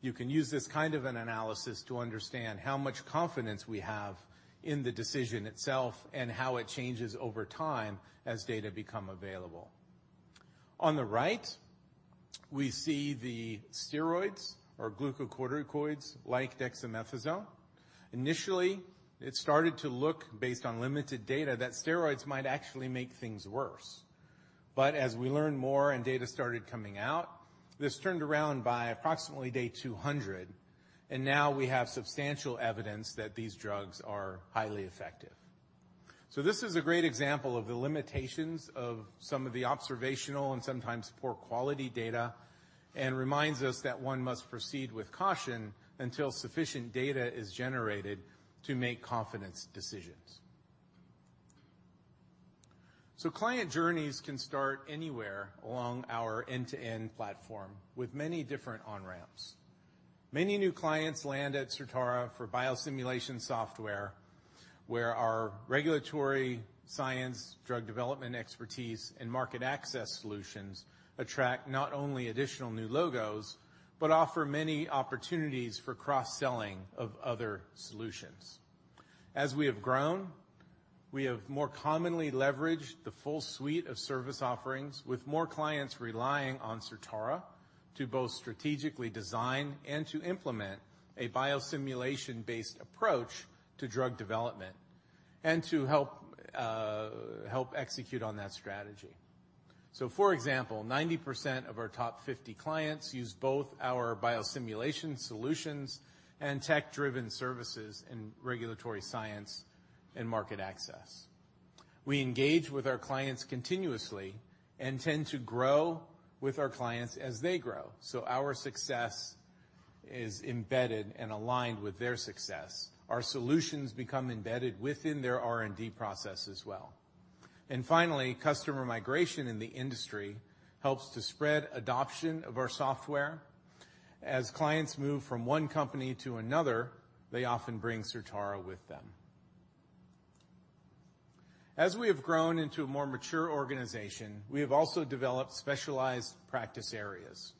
you can use this kind of an analysis to understand how much confidence we have in the decision itself and how it changes over time as data become available. On the right, we see the steroids or glucocorticoids like dexamethasone. Initially, it started to look based on limited data that steroids might actually make things worse. But as we learned more and data started coming out, this turned around by approximately day 200, and now we have substantial evidence that these drugs are highly effective. This is a great example of the limitations of some of the observational and sometimes poor quality data, and reminds us that one must proceed with caution until sufficient data is generated to make confidence decisions. Client journeys can start anywhere along our end-to-end platform with many different on-ramps. Many new clients land at Certara for biosimulation software, where our regulatory science, drug development expertise, and market access solutions attract not only additional new logos, but offer many opportunities for cross-selling of other solutions. As we have grown, we have more commonly leveraged the full suite of service offerings with more clients relying on Certara to both strategically design and to implement a biosimulation-based approach to drug development and to help execute on that strategy. For example, 90% of our top 50 clients use both our biosimulation solutions and tech-driven services in regulatory science and market access. We engage with our clients continuously and tend to grow with our clients as they grow. Our success is embedded and aligned with their success. Our solutions become embedded within their R&D process as well. Finally, customer migration in the industry helps to spread adoption of our software. As clients move from one company to another, they often bring Certara with them. As we have grown into a more mature organization, we have also developed specialized practice areas.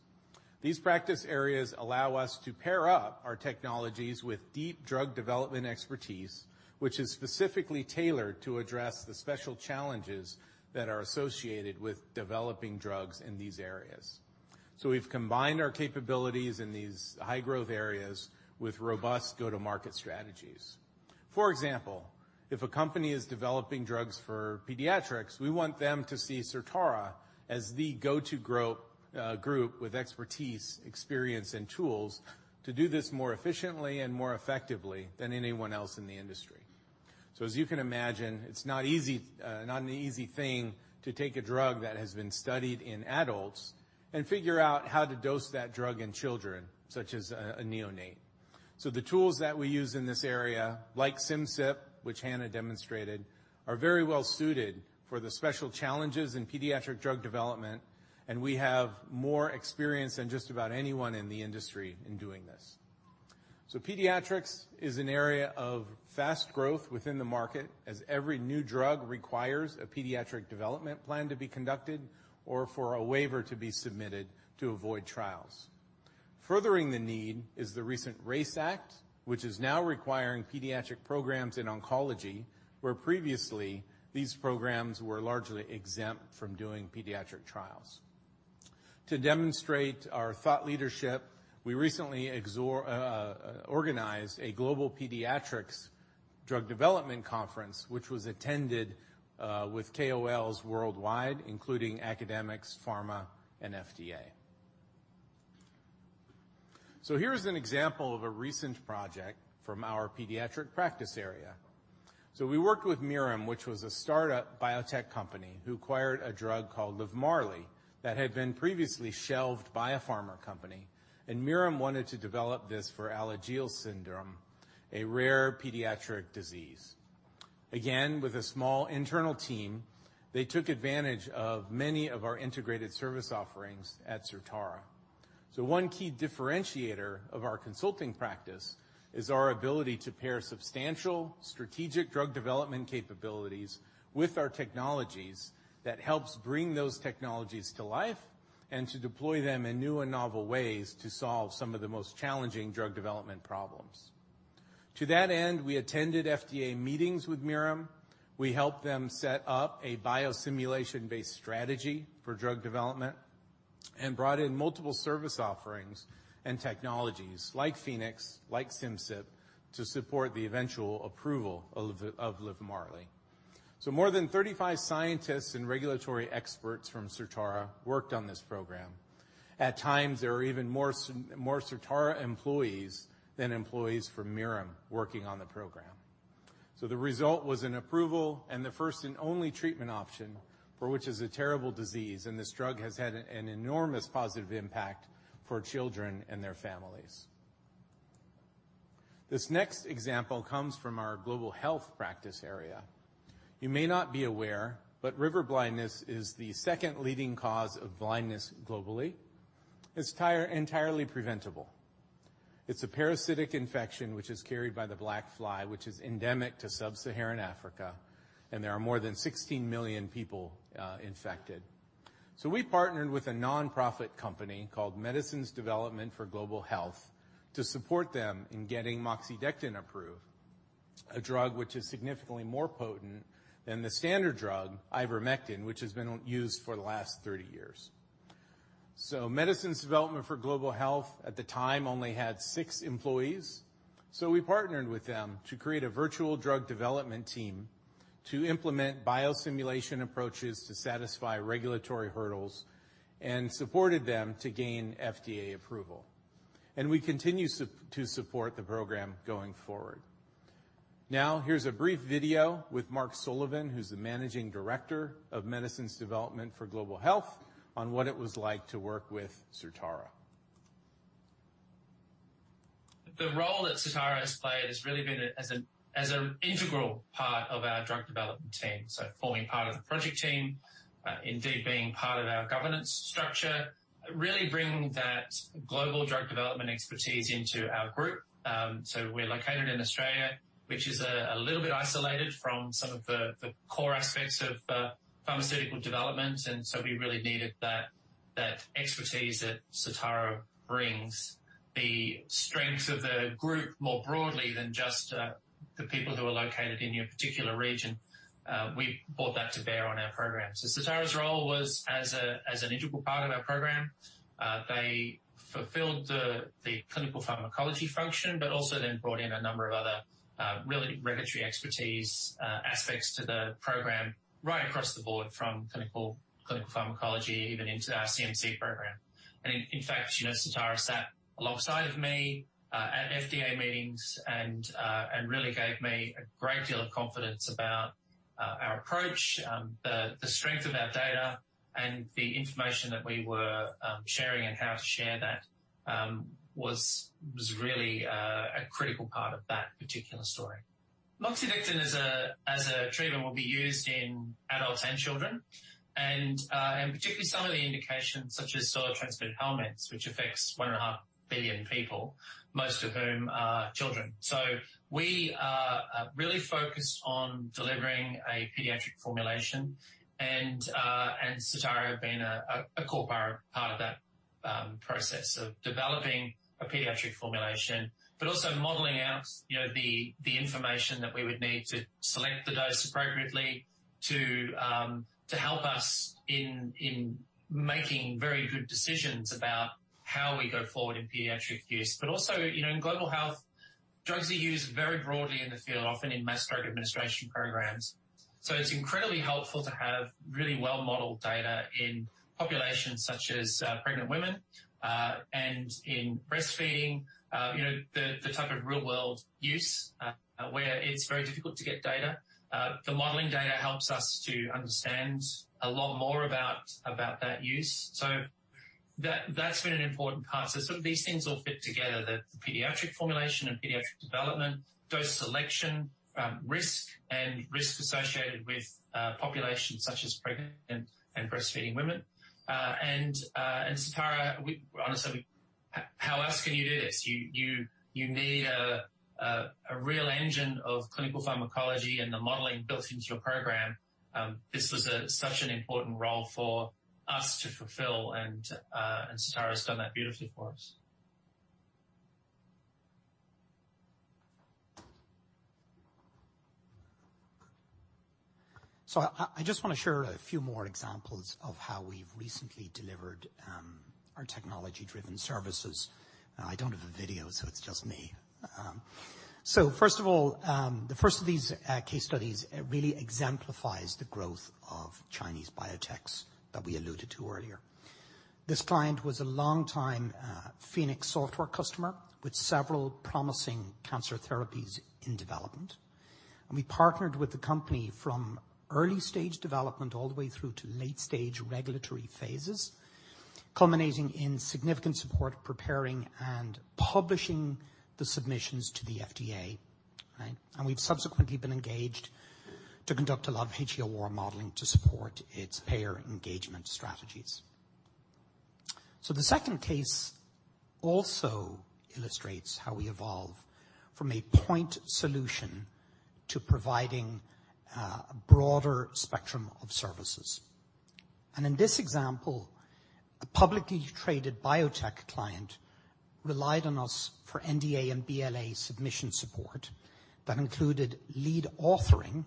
These practice areas allow us to pair up our technologies with deep drug development expertise, which is specifically tailored to address the special challenges that are associated with developing drugs in these areas. We've combined our capabilities in these high-growth areas with robust go-to-market strategies. For example, if a company is developing drugs for pediatrics, we want them to see Certara as the go-to group with expertise, experience, and tools to do this more efficiently and more effectively than anyone else in the industry. As you can imagine, it's not easy, not an easy thing to take a drug that has been studied in adults and figure out how to dose that drug in children, such as a neonate. The tools that we use in this area, like Simcyp, which Hannah demonstrated, are very well suited for the special challenges in pediatric drug development, and we have more experience than just about anyone in the industry in doing this. Pediatrics is an area of fast growth within the market, as every new drug requires a pediatric development plan to be conducted or for a waiver to be submitted to avoid trials. Furthering the need is the recent RACE Act, which is now requiring pediatric programs in oncology, where previously these programs were largely exempt from doing pediatric trials. To demonstrate our thought leadership, we recently organized a global pediatrics drug development conference, which was attended with KOLs worldwide, including academics, pharma, and FDA. Here's an example of a recent project from our pediatric practice area. We worked with Mirum, which was a startup biotech company who acquired a drug called LIVMARLI that had been previously shelved by a pharma company. Mirum wanted to develop this for Alagille syndrome, a rare pediatric disease. Again, with a small internal team, they took advantage of many of our integrated service offerings at Certara. One key differentiator of our consulting practice is our ability to pair substantial strategic drug development capabilities with our technologies that helps bring those technologies to life and to deploy them in new and novel ways to solve some of the most challenging drug development problems. To that end, we attended FDA meetings with Mirum. We helped them set up a biosimulation-based strategy for drug development and brought in multiple service offerings and technologies like Phoenix, like Simcyp, to support the eventual approval of LIVMARLI. More than 35 scientists and regulatory experts from Certara worked on this program. At times, there were even more Certara employees than employees from Mirum working on the program. The result was an approval and the first and only treatment option for which is a terrible disease, and this drug has had an enormous positive impact for children and their families. This next example comes from our global health practice area. You may not be aware, but river blindness is the second leading cause of blindness globally. It's entirely preventable. It's a parasitic infection which is carried by the black fly, which is endemic to sub-Saharan Africa, and there are more than 16 million people infected. We partnered with a nonprofit company called Medicines Development for Global Health to support them in getting moxidectin approved, a drug which is significantly more potent than the standard drug, ivermectin, which has been used for the last 30 years. Medicines Development for Global Health at the time only had six employees. We partnered with them to create a virtual drug development team to implement biosimulation approaches to satisfy regulatory hurdles and supported them to gain FDA approval. We continue to support the program going forward. Now, here's a brief video with Mark Sullivan, who's the Managing Director of Medicines Development for Global Health, on what it was like to work with Certara. The role that Certara has played has really been as an integral part of our drug development team. Forming part of the project team, indeed being part of our governance structure, really bringing that global drug development expertise into our group. We're located in Australia, which is a little bit isolated from some of the core aspects of pharmaceutical development, and so we really needed that expertise that Certara brings. The strength of the group more broadly than just the people who are located in your particular region, we brought that to bear on our program. Certara's role was as an integral part of our program. They fulfilled the clinical pharmacology function, but also then brought in a number of other really regulatory expertise aspects to the program right across the board from clinical pharmacology, even into our CMC program. In fact, you know, Certara sat alongside of me at FDA meetings and really gave me a great deal of confidence about our approach, the strength of our data and the information that we were sharing and how to share that was really a critical part of that particular story. Moxidectin as a treatment will be used in adults and children and particularly some of the indications such as soil-transmitted helminths, which affects 1.5 billion people, most of whom are children. We are really focused on delivering a pediatric formulation and Certara have been a core part of that process of developing a pediatric formulation. Also modeling out, you know, the information that we would need to select the dose appropriately to help us in making very good decisions about how we go forward in pediatric use. Also, you know, in global health, drugs are used very broadly in the field, often in mass drug administration programs. It's incredibly helpful to have really well-modeled data in populations such as pregnant women and in breastfeeding, you know, the type of real-world use where it's very difficult to get data. The modeling data helps us to understand a lot more about that use. That's been an important part. Some of these things all fit together, the pediatric formulation and pediatric development, dose selection, risk associated with populations such as pregnant and breastfeeding women. Certara, honestly, how else can you do this? You need a real engine of clinical pharmacology and the modeling built into your program. This was such an important role for us to fulfill, and Certara has done that beautifully for us. I just wanna share a few more examples of how we've recently delivered our technology-driven services. I don't have a video, so it's just me. First of all, the first of these case studies really exemplifies the growth of Chinese biotechs that we alluded to earlier. This client was a long-time Phoenix software customer with several promising cancer therapies in development. We partnered with the company from early-stage development all the way through to late-stage regulatory phases, culminating in significant support preparing and publishing the submissions to the FDA. Right. We've subsequently been engaged to conduct a lot of HEOR modeling to support its payer engagement strategies. The second case also illustrates how we evolve from a point solution to providing a broader spectrum of services. In this example, a publicly traded biotech client relied on us for NDA and BLA submission support that included lead authoring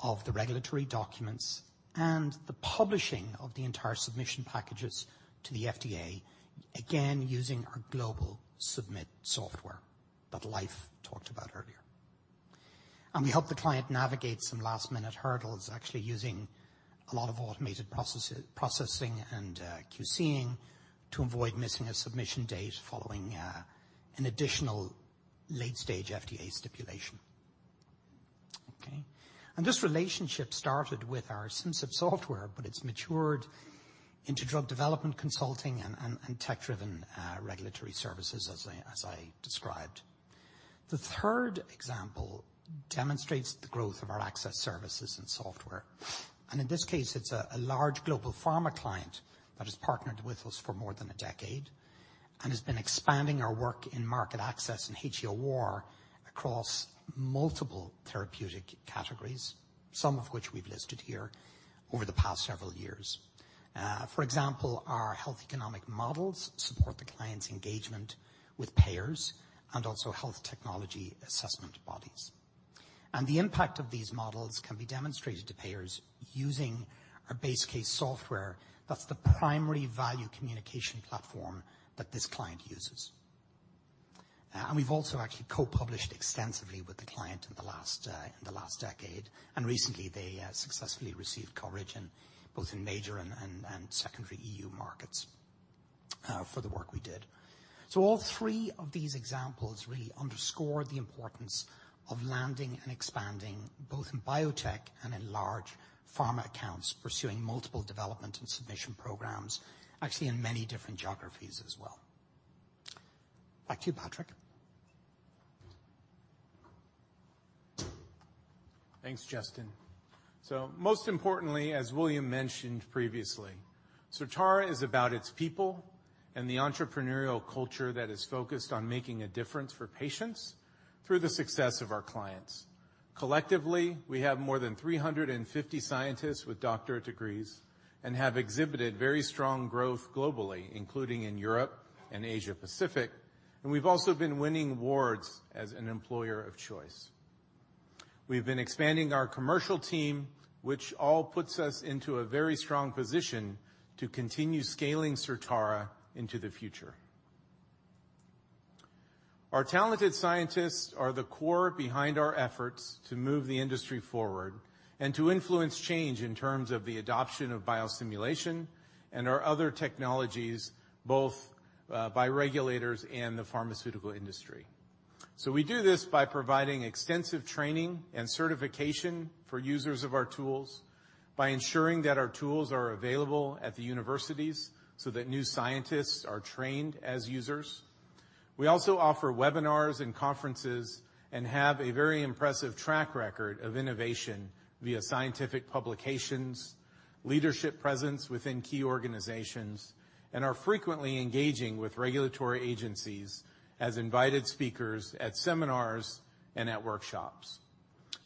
of the regulatory documents and the publishing of the entire submission packages to the FDA, again, using our GlobalSubmit software that Leif talked about earlier. We helped the client navigate some last-minute hurdles, actually using a lot of automated process-processing and QCing to avoid missing a submission date following an additional late-stage FDA stipulation. Okay. This relationship started with our Synchrogenix software, but it's matured into drug development consulting and tech-driven regulatory services as I described. The third example demonstrates the growth of our Access services and software. In this case, it's a large global pharma client that has partnered with us for more than a decade and has been expanding our work in market access and HEOR across multiple therapeutic categories, some of which we've listed here over the past several years. For example, our health economic models support the client's engagement with payers and also health technology assessment bodies. The impact of these models can be demonstrated to payers using our BaseCase software. That's the primary value communication platform that this client uses. We've also actually co-published extensively with the client in the last decade. Recently they successfully received coverage in both major and secondary EU markets for the work we did. All three of these examples really underscore the importance of landing and expanding both in biotech and in large pharma accounts, pursuing multiple development and submission programs, actually in many different geographies as well. Back to you, Patrick. Thanks, Justin. Most importantly, as William mentioned previously, Certara is about its people and the entrepreneurial culture that is focused on making a difference for patients through the success of our clients. Collectively, we have more than 350 scientists with doctorate degrees and have exhibited very strong growth globally, including in Europe and Asia Pacific. We've also been winning awards as an employer of choice. We've been expanding our commercial team, which all puts us into a very strong position to continue scaling Certara into the future. Our talented scientists are the core behind our efforts to move the industry forward and to influence change in terms of the adoption of biosimulation and our other technologies, both by regulators and the pharmaceutical industry. We do this by providing extensive training and certification for users of our tools, by ensuring that our tools are available at the universities so that new scientists are trained as users. We also offer webinars and conferences and have a very impressive track record of innovation via scientific publications, leadership presence within key organizations, and are frequently engaging with regulatory agencies as invited speakers at seminars and at workshops.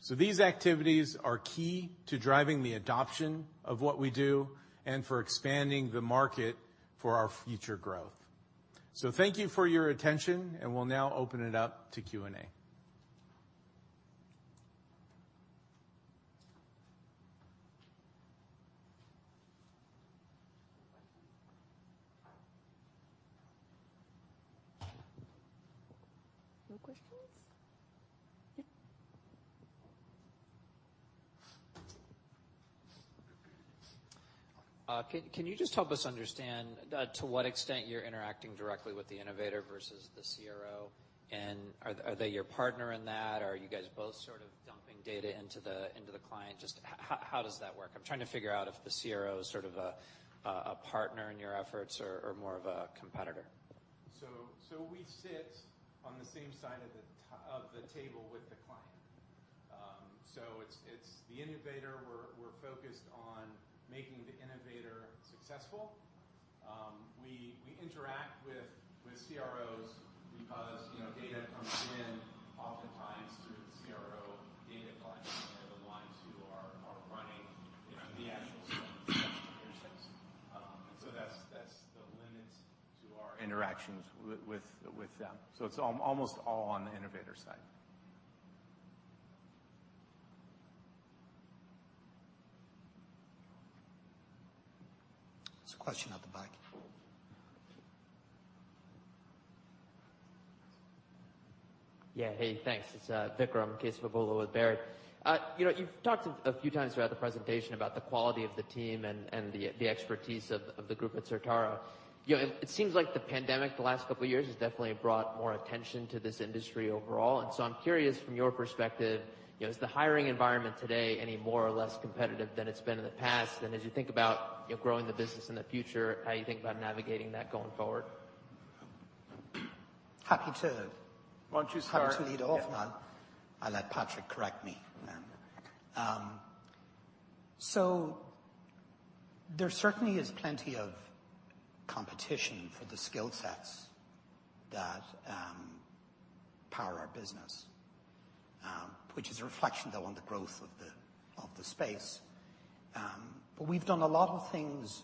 These activities are key to driving the adoption of what we do and for expanding the market for our future growth. Thank you for your attention, and we'll now open it up to Q&A. No questions? Yeah. Can you just help us understand to what extent you're interacting directly with the innovator versus the CRO? Are they your partner in that? Are you guys both sort of dumping data into the client? Just how does that work? I'm trying to figure out if the CRO is sort of a partner in your efforts or more of a competitor. We sit on the same side of the table with the client. It's the innovator. We're focused on making the innovator successful. We interact with CROs because, you know, data comes in oftentimes through the CRO data clients on the other line who are running, you know, the actual studies themselves. That's the limit to our interactions with them. It's almost all on the innovator side. There's a question at the back. Yeah. Hey, thanks. It's Vikram Kesavabhotla with Baird. You know, you've talked a few times throughout the presentation about the quality of the team and the expertise of the group at Certara. You know, it seems like the pandemic the last couple of years has definitely brought more attention to this industry overall. I'm curious from your perspective, you know, is the hiring environment today any more or less competitive than it's been in the past? As you think about, you know, growing the business in the future, how you think about navigating that going forward? Happy to- Why don't you start? Happy to lead off. Yeah. I'll let Patrick correct me. So there certainly is plenty of competition for the skill sets that power our business, which is a reflection, though, on the growth of the space. We've done a lot of things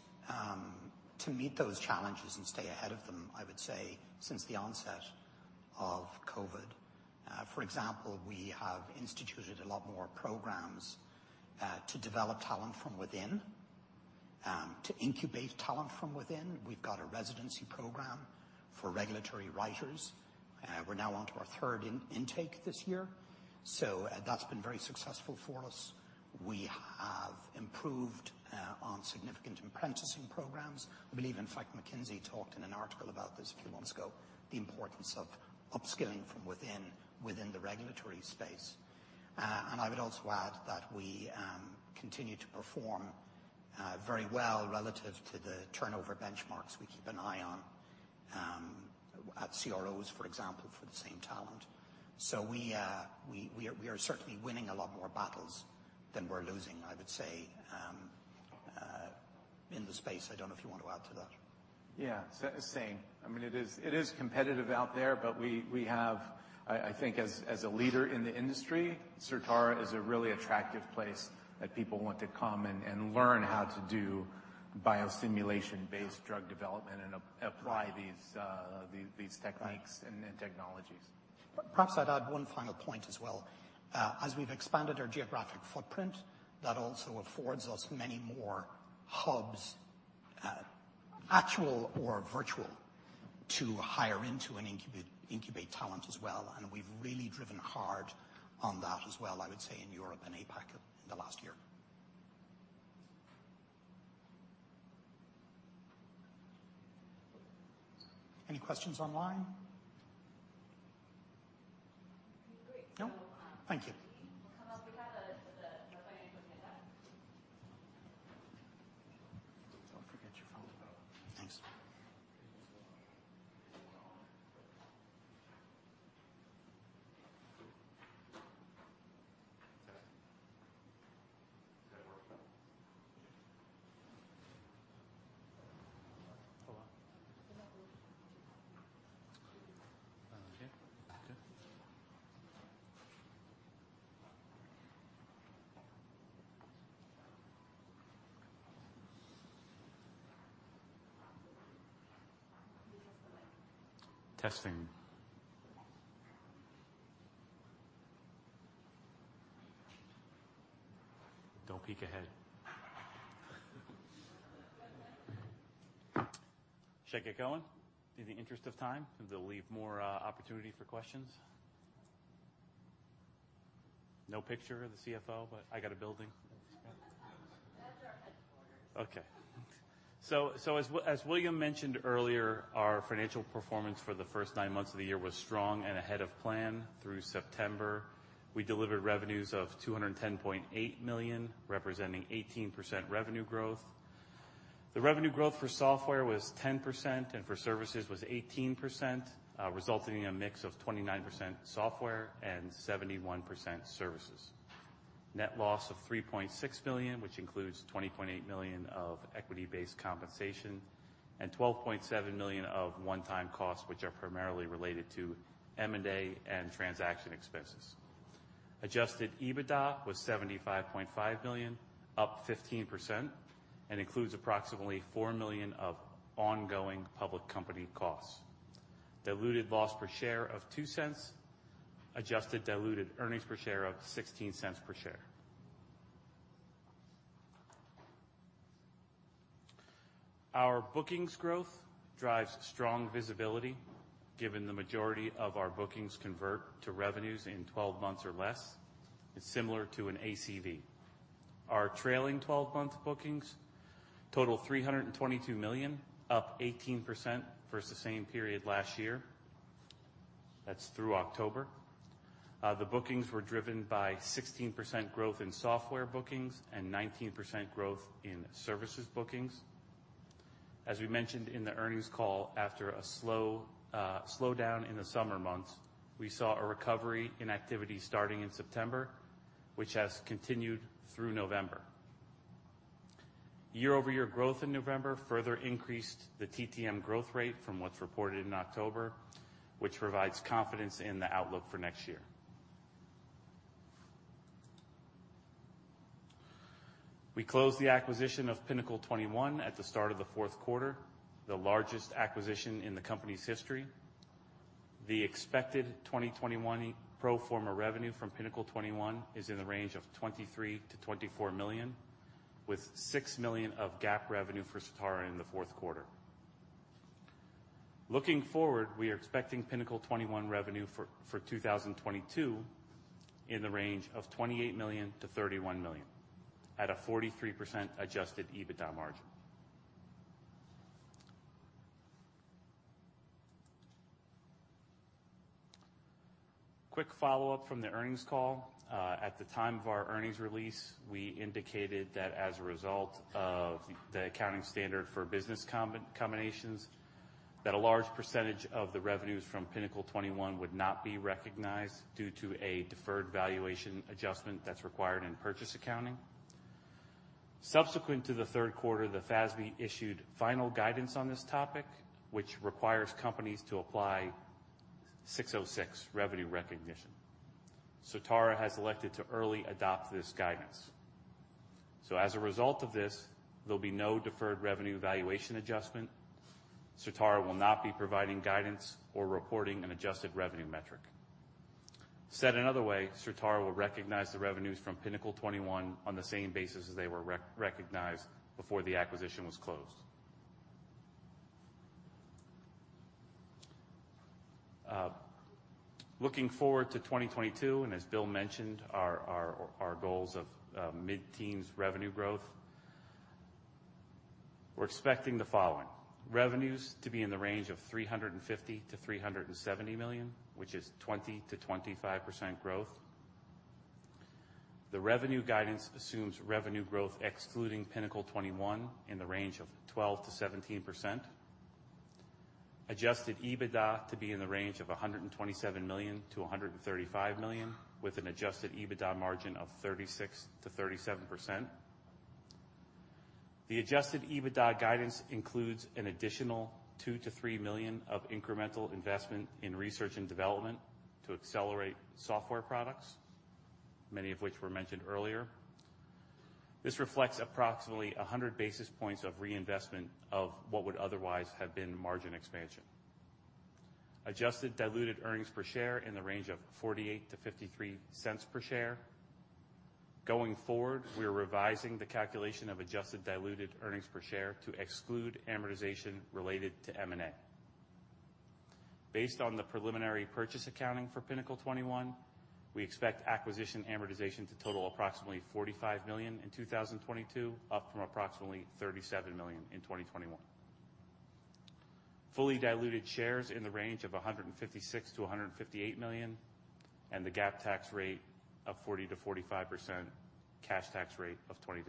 to meet those challenges and stay ahead of them, I would say, since the onset of COVID. For example, we have instituted a lot more programs to develop talent from within, to incubate talent from within. We've got a residency program for regulatory writers. We're now onto our third intake this year, so that's been very successful for us. We have improved on significant apprenticing programs. I believe, in fact, McKinsey talked in an article about this a few months ago, the importance of upskilling from within the regulatory space. I would also add that we continue to perform very well relative to the turnover benchmarks we keep an eye on at CROs, for example, for the same talent. We are certainly winning a lot more battles than we're losing, I would say, in the space. I don't know if you want to add to that. Yeah. Same. I mean, it is competitive out there, but we have. I think as a leader in the industry, Certara is a really attractive place that people want to come and learn how to do biosimulation-based drug development and apply these techniques. Right. the technologies. Perhaps I'd add one final point as well. As we've expanded our geographic footprint, that also affords us many more hubs, actual or virtual, to hire into and incubate talent as well, and we've really driven hard on that as well, I would say in Europe and APAC in the last year. Any questions online? No? Thank you. We have the financial. Don't forget your phone. Thanks. Testing. Don't peek ahead. Should I get going in the interest of time to leave more opportunity for questions? No picture of the CFO, but I got a building. That's our headquarters. As William mentioned earlier, our financial performance for the first nine months of the year was strong and ahead of plan. Through September, we delivered revenues of $210.8 million, representing 18% revenue growth. The revenue growth for software was 10% and for services was 18%, resulting in a mix of 29% software and 71% services. Net loss of $3.6 million, which includes $20.8 million of equity-based compensation and $12.7 million of one-time costs, which are primarily related to M&A and transaction expenses. Adjusted EBITDA was $75.5 million, up 15%, and includes approximately $4 million of ongoing public company costs. Diluted loss per share of $0.02. Adjusted diluted earnings per share of $0.16 per share. Our bookings growth drives strong visibility, given the majority of our bookings convert to revenues in 12 months or less. It's similar to an ACV. Our trailing twelve-month bookings total $322 million, up 18% versus the same period last year. That's through October. The bookings were driven by 16% growth in software bookings and 19% growth in services bookings. As we mentioned in the earnings call, after a slow slowdown in the summer months, we saw a recovery in activity starting in September, which has continued through November. Year-over-year growth in November further increased the TTM growth rate from what's reported in October, which provides confidence in the outlook for next year. We closed the acquisition of Pinnacle 21 at the start of the fourth quarter, the largest acquisition in the company's history. The expected 2021 pro forma revenue from Pinnacle 21 is in the range of $23 million-$24 million, with $6 million of GAAP revenue for Certara in the fourth quarter. Looking forward, we are expecting Pinnacle 21 revenue for 2022 in the range of $28 million-$31 million at a 43% Adjusted EBITDA margin. Quick follow-up from the earnings call. At the time of our earnings release, we indicated that as a result of the accounting standard for business combinations, that a large percentage of the revenues from Pinnacle 21 would not be recognized due to a deferred valuation adjustment that's required in purchase accounting. Subsequent to the third quarter, the FASB issued final guidance on this topic, which requires companies to apply ASC 606 revenue recognition. Certara has elected to early adopt this guidance. As a result of this, there'll be no deferred revenue valuation adjustment. Certara will not be providing guidance or reporting an adjusted revenue metric. Said another way, Certara will recognize the revenues from Pinnacle 21 on the same basis as they were recognized before the acquisition was closed. Looking forward to 2022, and as Bill mentioned, our goals of mid-teens revenue growth, we're expecting the following. Revenues to be in the range of $350 million-$370 million, which is 20%-25% growth. The revenue guidance assumes revenue growth excluding Pinnacle 21 in the range of 12%-17%. Adjusted EBITDA to be in the range of $127 million-$135 million, with an adjusted EBITDA margin of 36%-37%. The adjusted EBITDA guidance includes an additional $2 million-$3 million of incremental investment in research and development to accelerate software products, many of which were mentioned earlier. This reflects approximately 100 basis points of reinvestment of what would otherwise have been margin expansion. Adjusted diluted earnings per share in the range of 48-53 cents per share. Going forward, we are revising the calculation of adjusted diluted earnings per share to exclude amortization related to M&A. Based on the preliminary purchase accounting for Pinnacle 21, we expect acquisition amortization to total approximately $45 million in 2022, up from approximately $37 million in 2021. Fully diluted shares in the range of 156-158 million, and the GAAP tax rate of 40%-45%, cash tax rate of 20%-25%.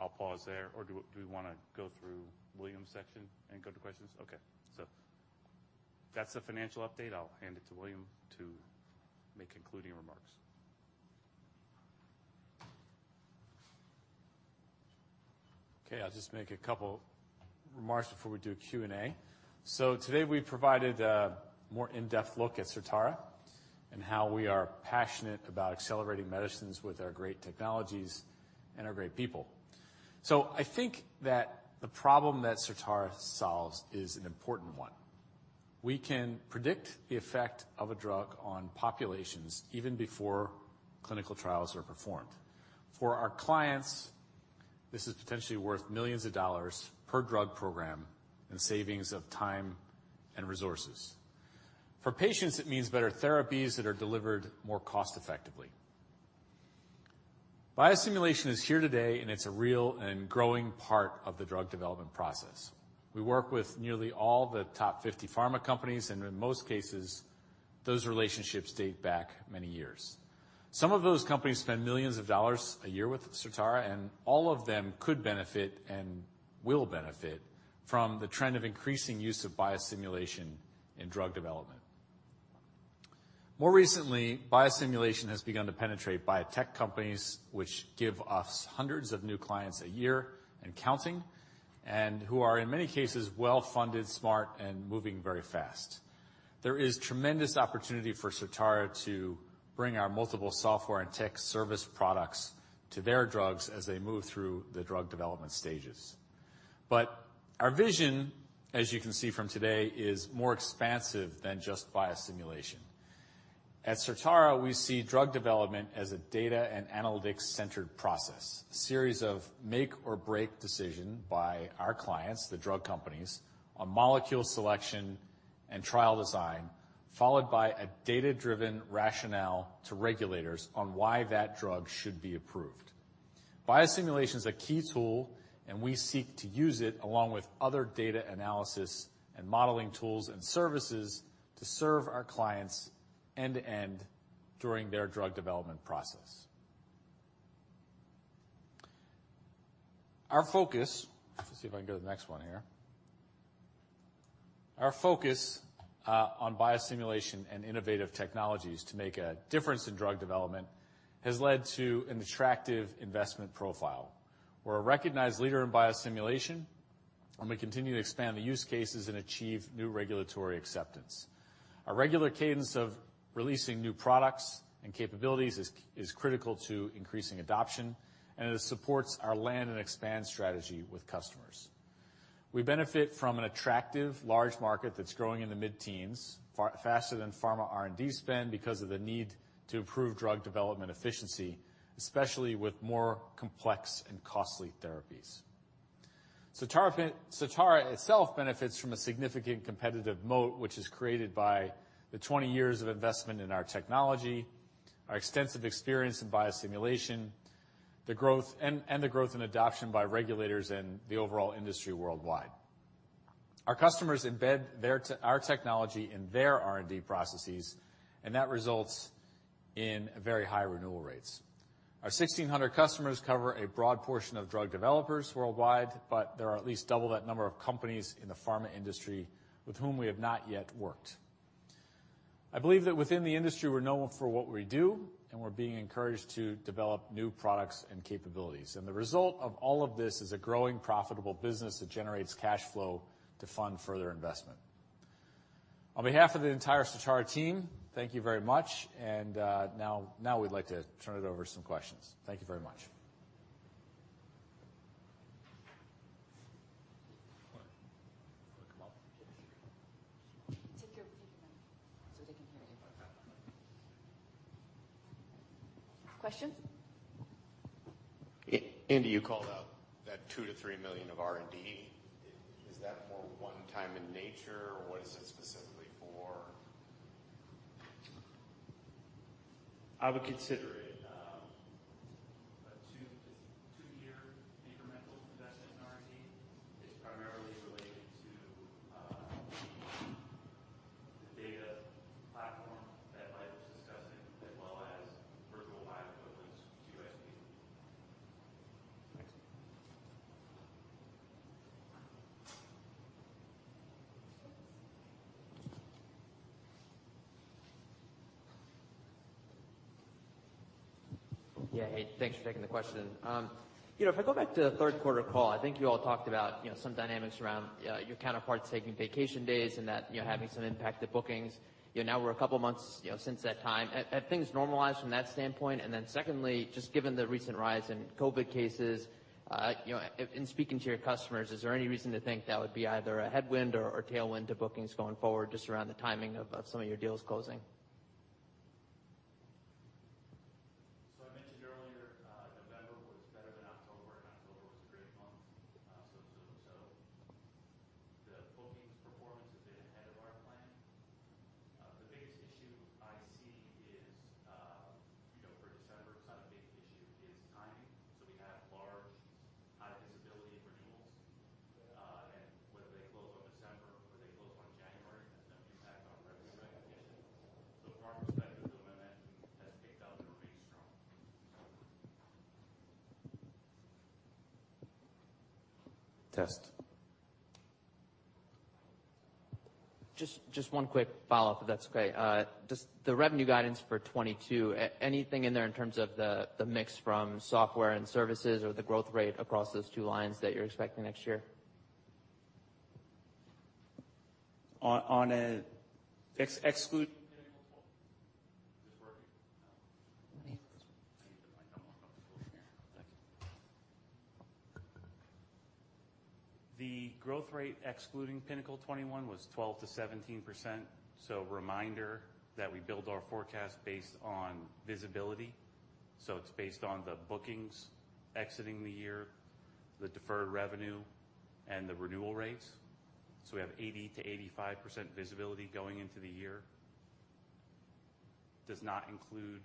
I'll pause there. Do we wanna go through William's section and go to questions? Okay. That's the financial update. I'll hand it to William to make concluding remarks. Okay, I'll just make a couple remarks before we do Q&A. Today, we provided a more in-depth look at Certara and how we are passionate about accelerating medicines with our great technologies and our great people. I think that the problem that Certara solves is an important one. We can predict the effect of a drug on populations even before clinical trials are performed. For our clients, this is potentially worth millions of dollars per drug program and savings of time and resources. For patients, it means better therapies that are delivered more cost-effectively. Biosimulation is here today, and it's a real and growing part of the drug development process. We work with nearly all the top 50 pharma companies, and in most cases, those relationships date back many years. Some of those companies spend millions of dollars a year with Certara, and all of them could benefit and will benefit from the trend of increasing use of biosimulation in drug development. More recently, biosimulation has begun to penetrate biotech companies, which give us hundreds of new clients a year and counting, and who are in many cases, well-funded, smart, and moving very fast. There is tremendous opportunity for Certara to bring our multiple software and tech service products to their drugs as they move through the drug development stages. Our vision, as you can see from today, is more expansive than just biosimulation. At Certara, we see drug development as a data and analytics-centered process, a series of make or break decision by our clients, the drug companies, on molecule selection and trial design, followed by a data-driven rationale to regulators on why that drug should be approved. Biosimulation is a key tool, and we seek to use it along with other data analysis and modeling tools and services to serve our clients end-to-end during their drug development process. Let's see if I can go to the next one here. Our focus on biosimulation and innovative technologies to make a difference in drug development has led to an attractive investment profile. We're a recognized leader in biosimulation, and we continue to expand the use cases and achieve new regulatory acceptance. Our regular cadence of releasing new products and capabilities is critical to increasing adoption, and it supports our land and expand strategy with customers. We benefit from an attractive large market that's growing in the mid-teens, far faster than pharma R&D spend because of the need to improve drug development efficiency, especially with more complex and costly therapies. Certara itself benefits from a significant competitive moat, which is created by the 20 years of investment in our technology, our extensive experience in biosimulation, the growth in adoption by regulators and the overall industry worldwide. Our customers embed our technology in their R&D processes, and that results in very high renewal rates. Our 1,600 customers cover a broad portion of drug developers worldwide, but there are at least double that number of companies in the pharma industry with whom we have not yet worked. I believe that within the industry, we're known for what we do, and we're being encouraged to develop new products and capabilities. The result of all of this is a growing, profitable business that generates cash flow to fund further investment. On behalf of the entire Certara team, thank you very much. Now we'd like to turn it over to some questions. Thank you very much. Wanna come up? Take your mic so they can hear you. Okay. Questions? Andy, you called out that $2 million-$3 million of R&D. Is that more one-time in nature, or what is it specifically for? I would consider it a two-year incremental investment in R&D. It's primarily related to the data platform that Mike was discussing, as well as virtual bioequivalence to SPD. Next. Yeah. Hey, thanks for taking the question. You know, if I go back to the third quarter call, I think you all talked about, you know, some dynamics around your counterparts taking vacation days and that, you know, having some impact to bookings. You know, now we're a couple months, you know, since that time. Have things normalized from that standpoint? And then secondly, just given the recent rise in COVID cases, you know, in speaking to your customers, is there any reason to think that would be either a headwind or tailwind to bookings going forward, just around the timing of some of your deals closing? growth rate excluding Pinnacle 21 was 12%-17%. Reminder that we build our forecast based on visibility, so it's based on the bookings exiting the year, the deferred revenue and the renewal rates. We have 80%-85% visibility going into the year. Does not include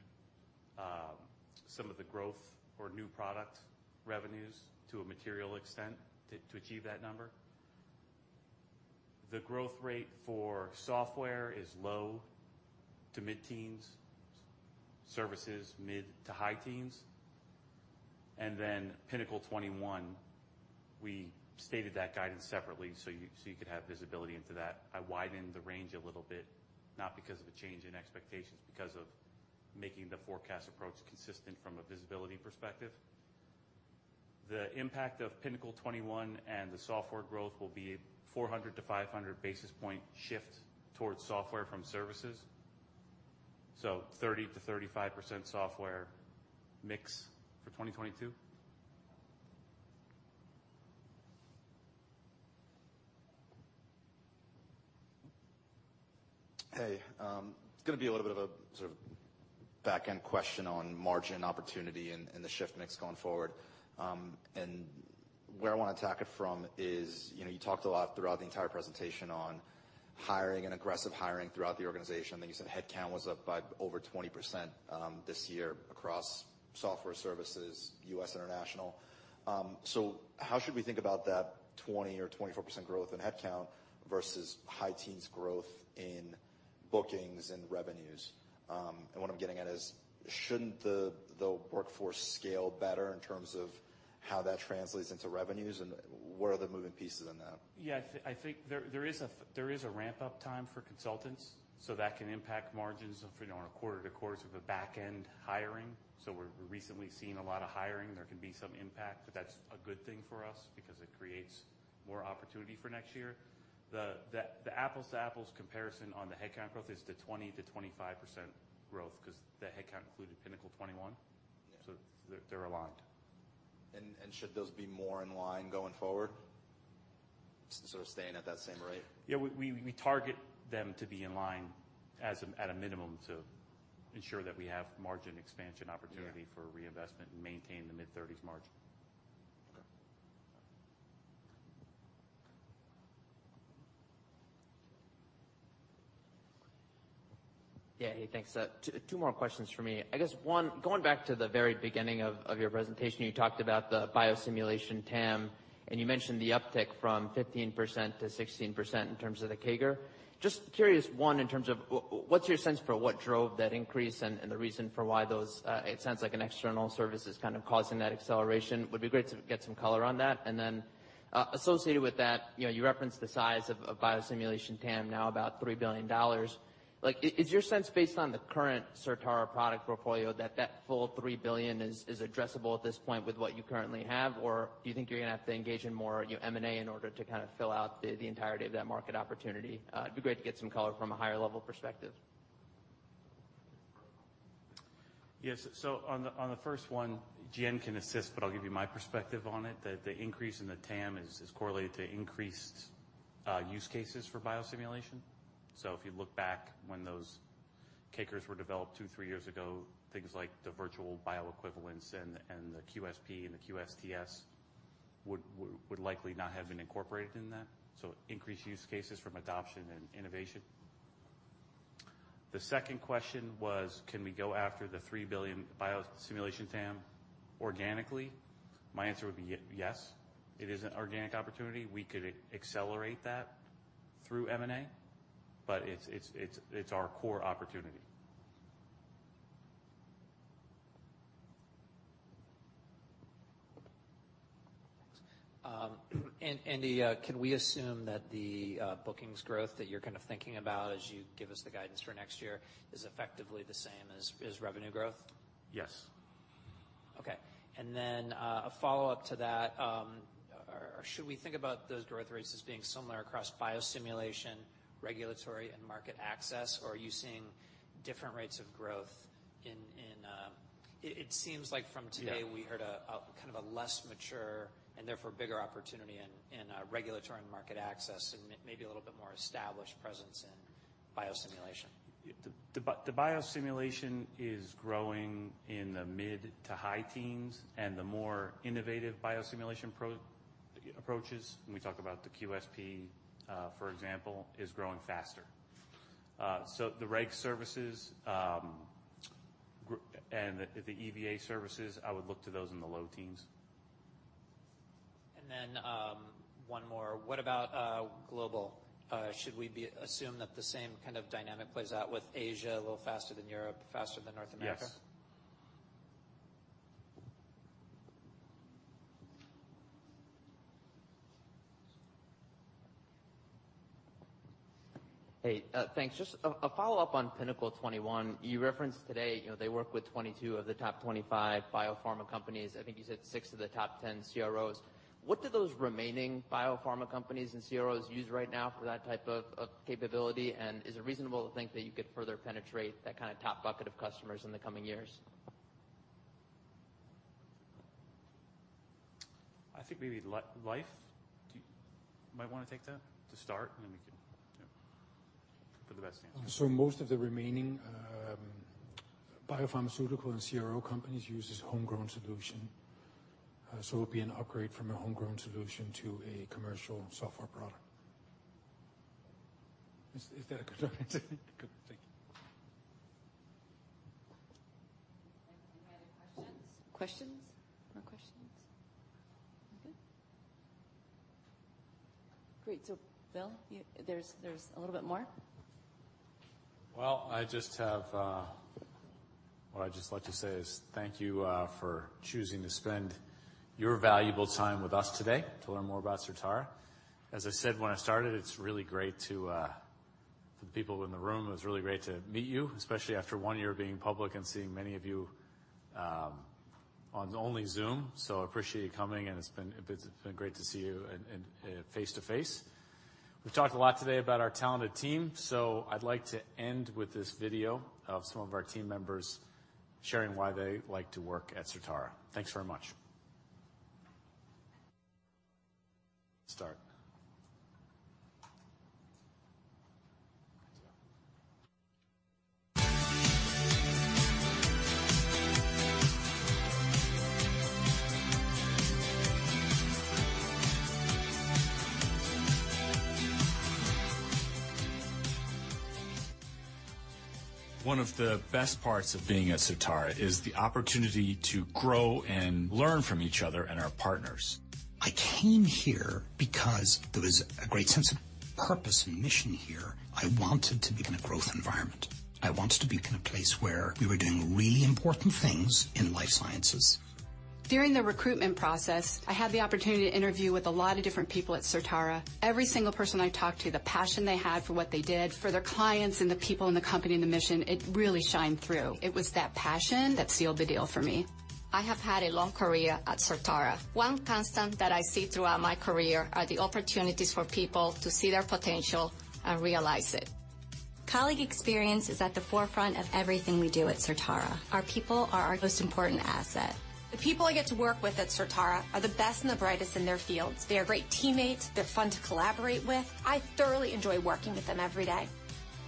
some of the growth or new product revenues to a material extent to achieve that number. The growth rate for software is low to mid-teens, services mid to high teens. Then Pinnacle 21, we stated that guidance separately, so you could have visibility into that. I widened the range a little bit, not because of a change in expectations, because of making the forecast approach consistent from a visibility perspective. The impact of Pinnacle 21 and the software growth will be 400-500 basis point shift towards software from services, so 30%-35% software mix for 2022. Hey, it's gonna be a little bit of a sort of back-end question on margin opportunity and the shift mix going forward. Where I wanna attack it from is, you know, you talked a lot throughout the entire presentation on hiring and aggressive hiring throughout the organization. You said headcount was up by over 20% this year across software services, U.S. international. How should we think about that 20% or 24% growth in headcount versus high teens growth in bookings and revenues? What I'm getting at is shouldn't the workforce scale better in terms of how that translates into revenues, and what are the moving pieces in that? Yeah. I think there is a ramp up time for consultants, so that can impact margins if, you know, on a quarter-to-quarter basis for back-end hiring. We're recently seeing a lot of hiring. There can be some impact, but that's a good thing for us because it creates more opportunity for next year. The apples to apples comparison on the headcount growth is the 20%-25% growth 'cause the headcount included Pinnacle 21. Yeah. They're aligned. Should those be more in line going forward, sort of staying at that same rate? Yeah. We target them to be in line as a, at a minimum to ensure that we have margin expansion opportunity. Yeah. for reinvestment and maintain the mid-30s% margin. Okay. Yeah. Hey, thanks. Two more questions from me. I guess one, going back to the very beginning of your presentation, you talked about the biosimulation TAM, and you mentioned the uptick from 15% to 16% in terms of the CAGR. Just curious, one, in terms of what's your sense for what drove that increase and the reason for why those it sounds like an external service is kind of causing that acceleration. Would be great to get some color on that. And then, associated with that, you know, you referenced the size of biosimulation TAM now about $3 billion. Like is your sense based on the current Certara product portfolio that that full $3 billion is addressable at this point with what you currently have? Do you think you're gonna have to engage in more, you know, M&A in order to kind of fill out the entirety of that market opportunity? It'd be great to get some color from a higher level perspective. Yes. On the first one, Gian can assist, but I'll give you my perspective on it. The increase in the TAM is correlated to increased use cases for biosimulation. If you look back when those CAGRs were developed 2, 3 years ago, things like the virtual bioequivalence and the QSP and the QSTS would likely not have been incorporated in that. Increased use cases from adoption and innovation. The second question was, can we go after the $3 billion biosimulation TAM organically? My answer would be yes, it is an organic opportunity. We could accelerate that through M&A, but it's our core opportunity. Can we assume that the bookings growth that you're kind of thinking about as you give us the guidance for next year is effectively the same as revenue growth? Yes. Okay. A follow-up to that, or should we think about those growth rates as being similar across biosimulation, regulatory, and market access? It seems like from today. Yeah. We heard a kind of a less mature and therefore bigger opportunity in regulatory and market access and maybe a little bit more established presence in biosimulation. The biosimulation is growing in the mid- to high-teens% and the more innovative biosimulation approaches, when we talk about the QSP, for example, is growing faster. The reg services and the EVA services, I would look to those in the low-teens%. One more. What about global? Should we assume that the same kind of dynamic plays out with Asia a little faster than Europe, faster than North America? Yes. Hey, thanks. Just a follow-up on Pinnacle 21. You referenced today, you know, they work with 22 of the top 25 biopharma companies. I think you said 6 of the top 10 CROs. What do those remaining biopharma companies and CROs use right now for that type of capability? And is it reasonable to think that you could further penetrate that kind of top bucket of customers in the coming years? I think maybe Leif, do you might wanna take that to start and then we can, you know, for the best answer. Most of the remaining biopharmaceutical and CRO companies use homegrown solutions. It'll be an upgrade from a homegrown solution to a commercial software product. Is that a good? Thank you. Any other questions? Questions? No questions? We're good? Great. Bill, you, there's a little bit more. Well, I just have what I'd just like to say is thank you for choosing to spend your valuable time with us today to learn more about Certara. As I said when I started, it's really great to for the people in the room, it was really great to meet you, especially after one year of being public and seeing many of you on only Zoom. I appreciate you coming and it's been great to see you in face to face. We've talked a lot today about our talented team, so I'd like to end with this video of some of our team members sharing why they like to work at Certara. Thanks very much. Start. One of the best parts of being at Certara is the opportunity to grow and learn from each other and our partners. I came here because there was a great sense of purpose and mission here. I wanted to be in a growth environment. I wanted to be in a place where we were doing really important things in life sciences. During the recruitment process, I had the opportunity to interview with a lot of different people at Certara. Every single person I talked to, the passion they had for what they did for their clients and the people in the company and the mission, it really shined through. It was that passion that sealed the deal for me. I have had a long career at Certara. One constant that I see throughout my career are the opportunities for people to see their potential and realize it. Colleague experience is at the forefront of everything we do at Certara. Our people are our most important asset. The people I get to work with at Certara are the best and the brightest in their fields. They are great teammates. They're fun to collaborate with. I thoroughly enjoy working with them every day.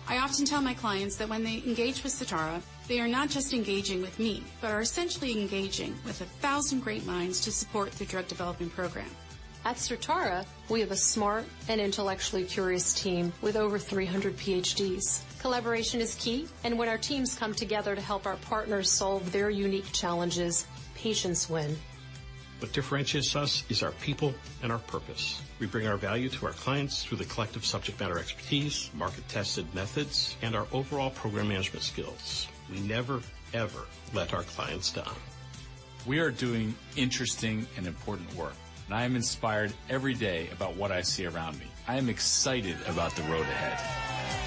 I often tell my clients that when they engage with Certara, they are not just engaging with me, but are essentially engaging with a thousand great minds to support the drug development program. At Certara, we have a smart and intellectually curious team with over 300 PhDs. Collaboration is key, and when our teams come together to help our partners solve their unique challenges, patients win. What differentiates us is our people and our purpose. We bring our value to our clients through the collective subject matter expertise, market-tested methods, and our overall program management skills. We never, ever let our clients down. We are doing interesting and important work. I am inspired every day about what I see around me. I am excited about the road ahead.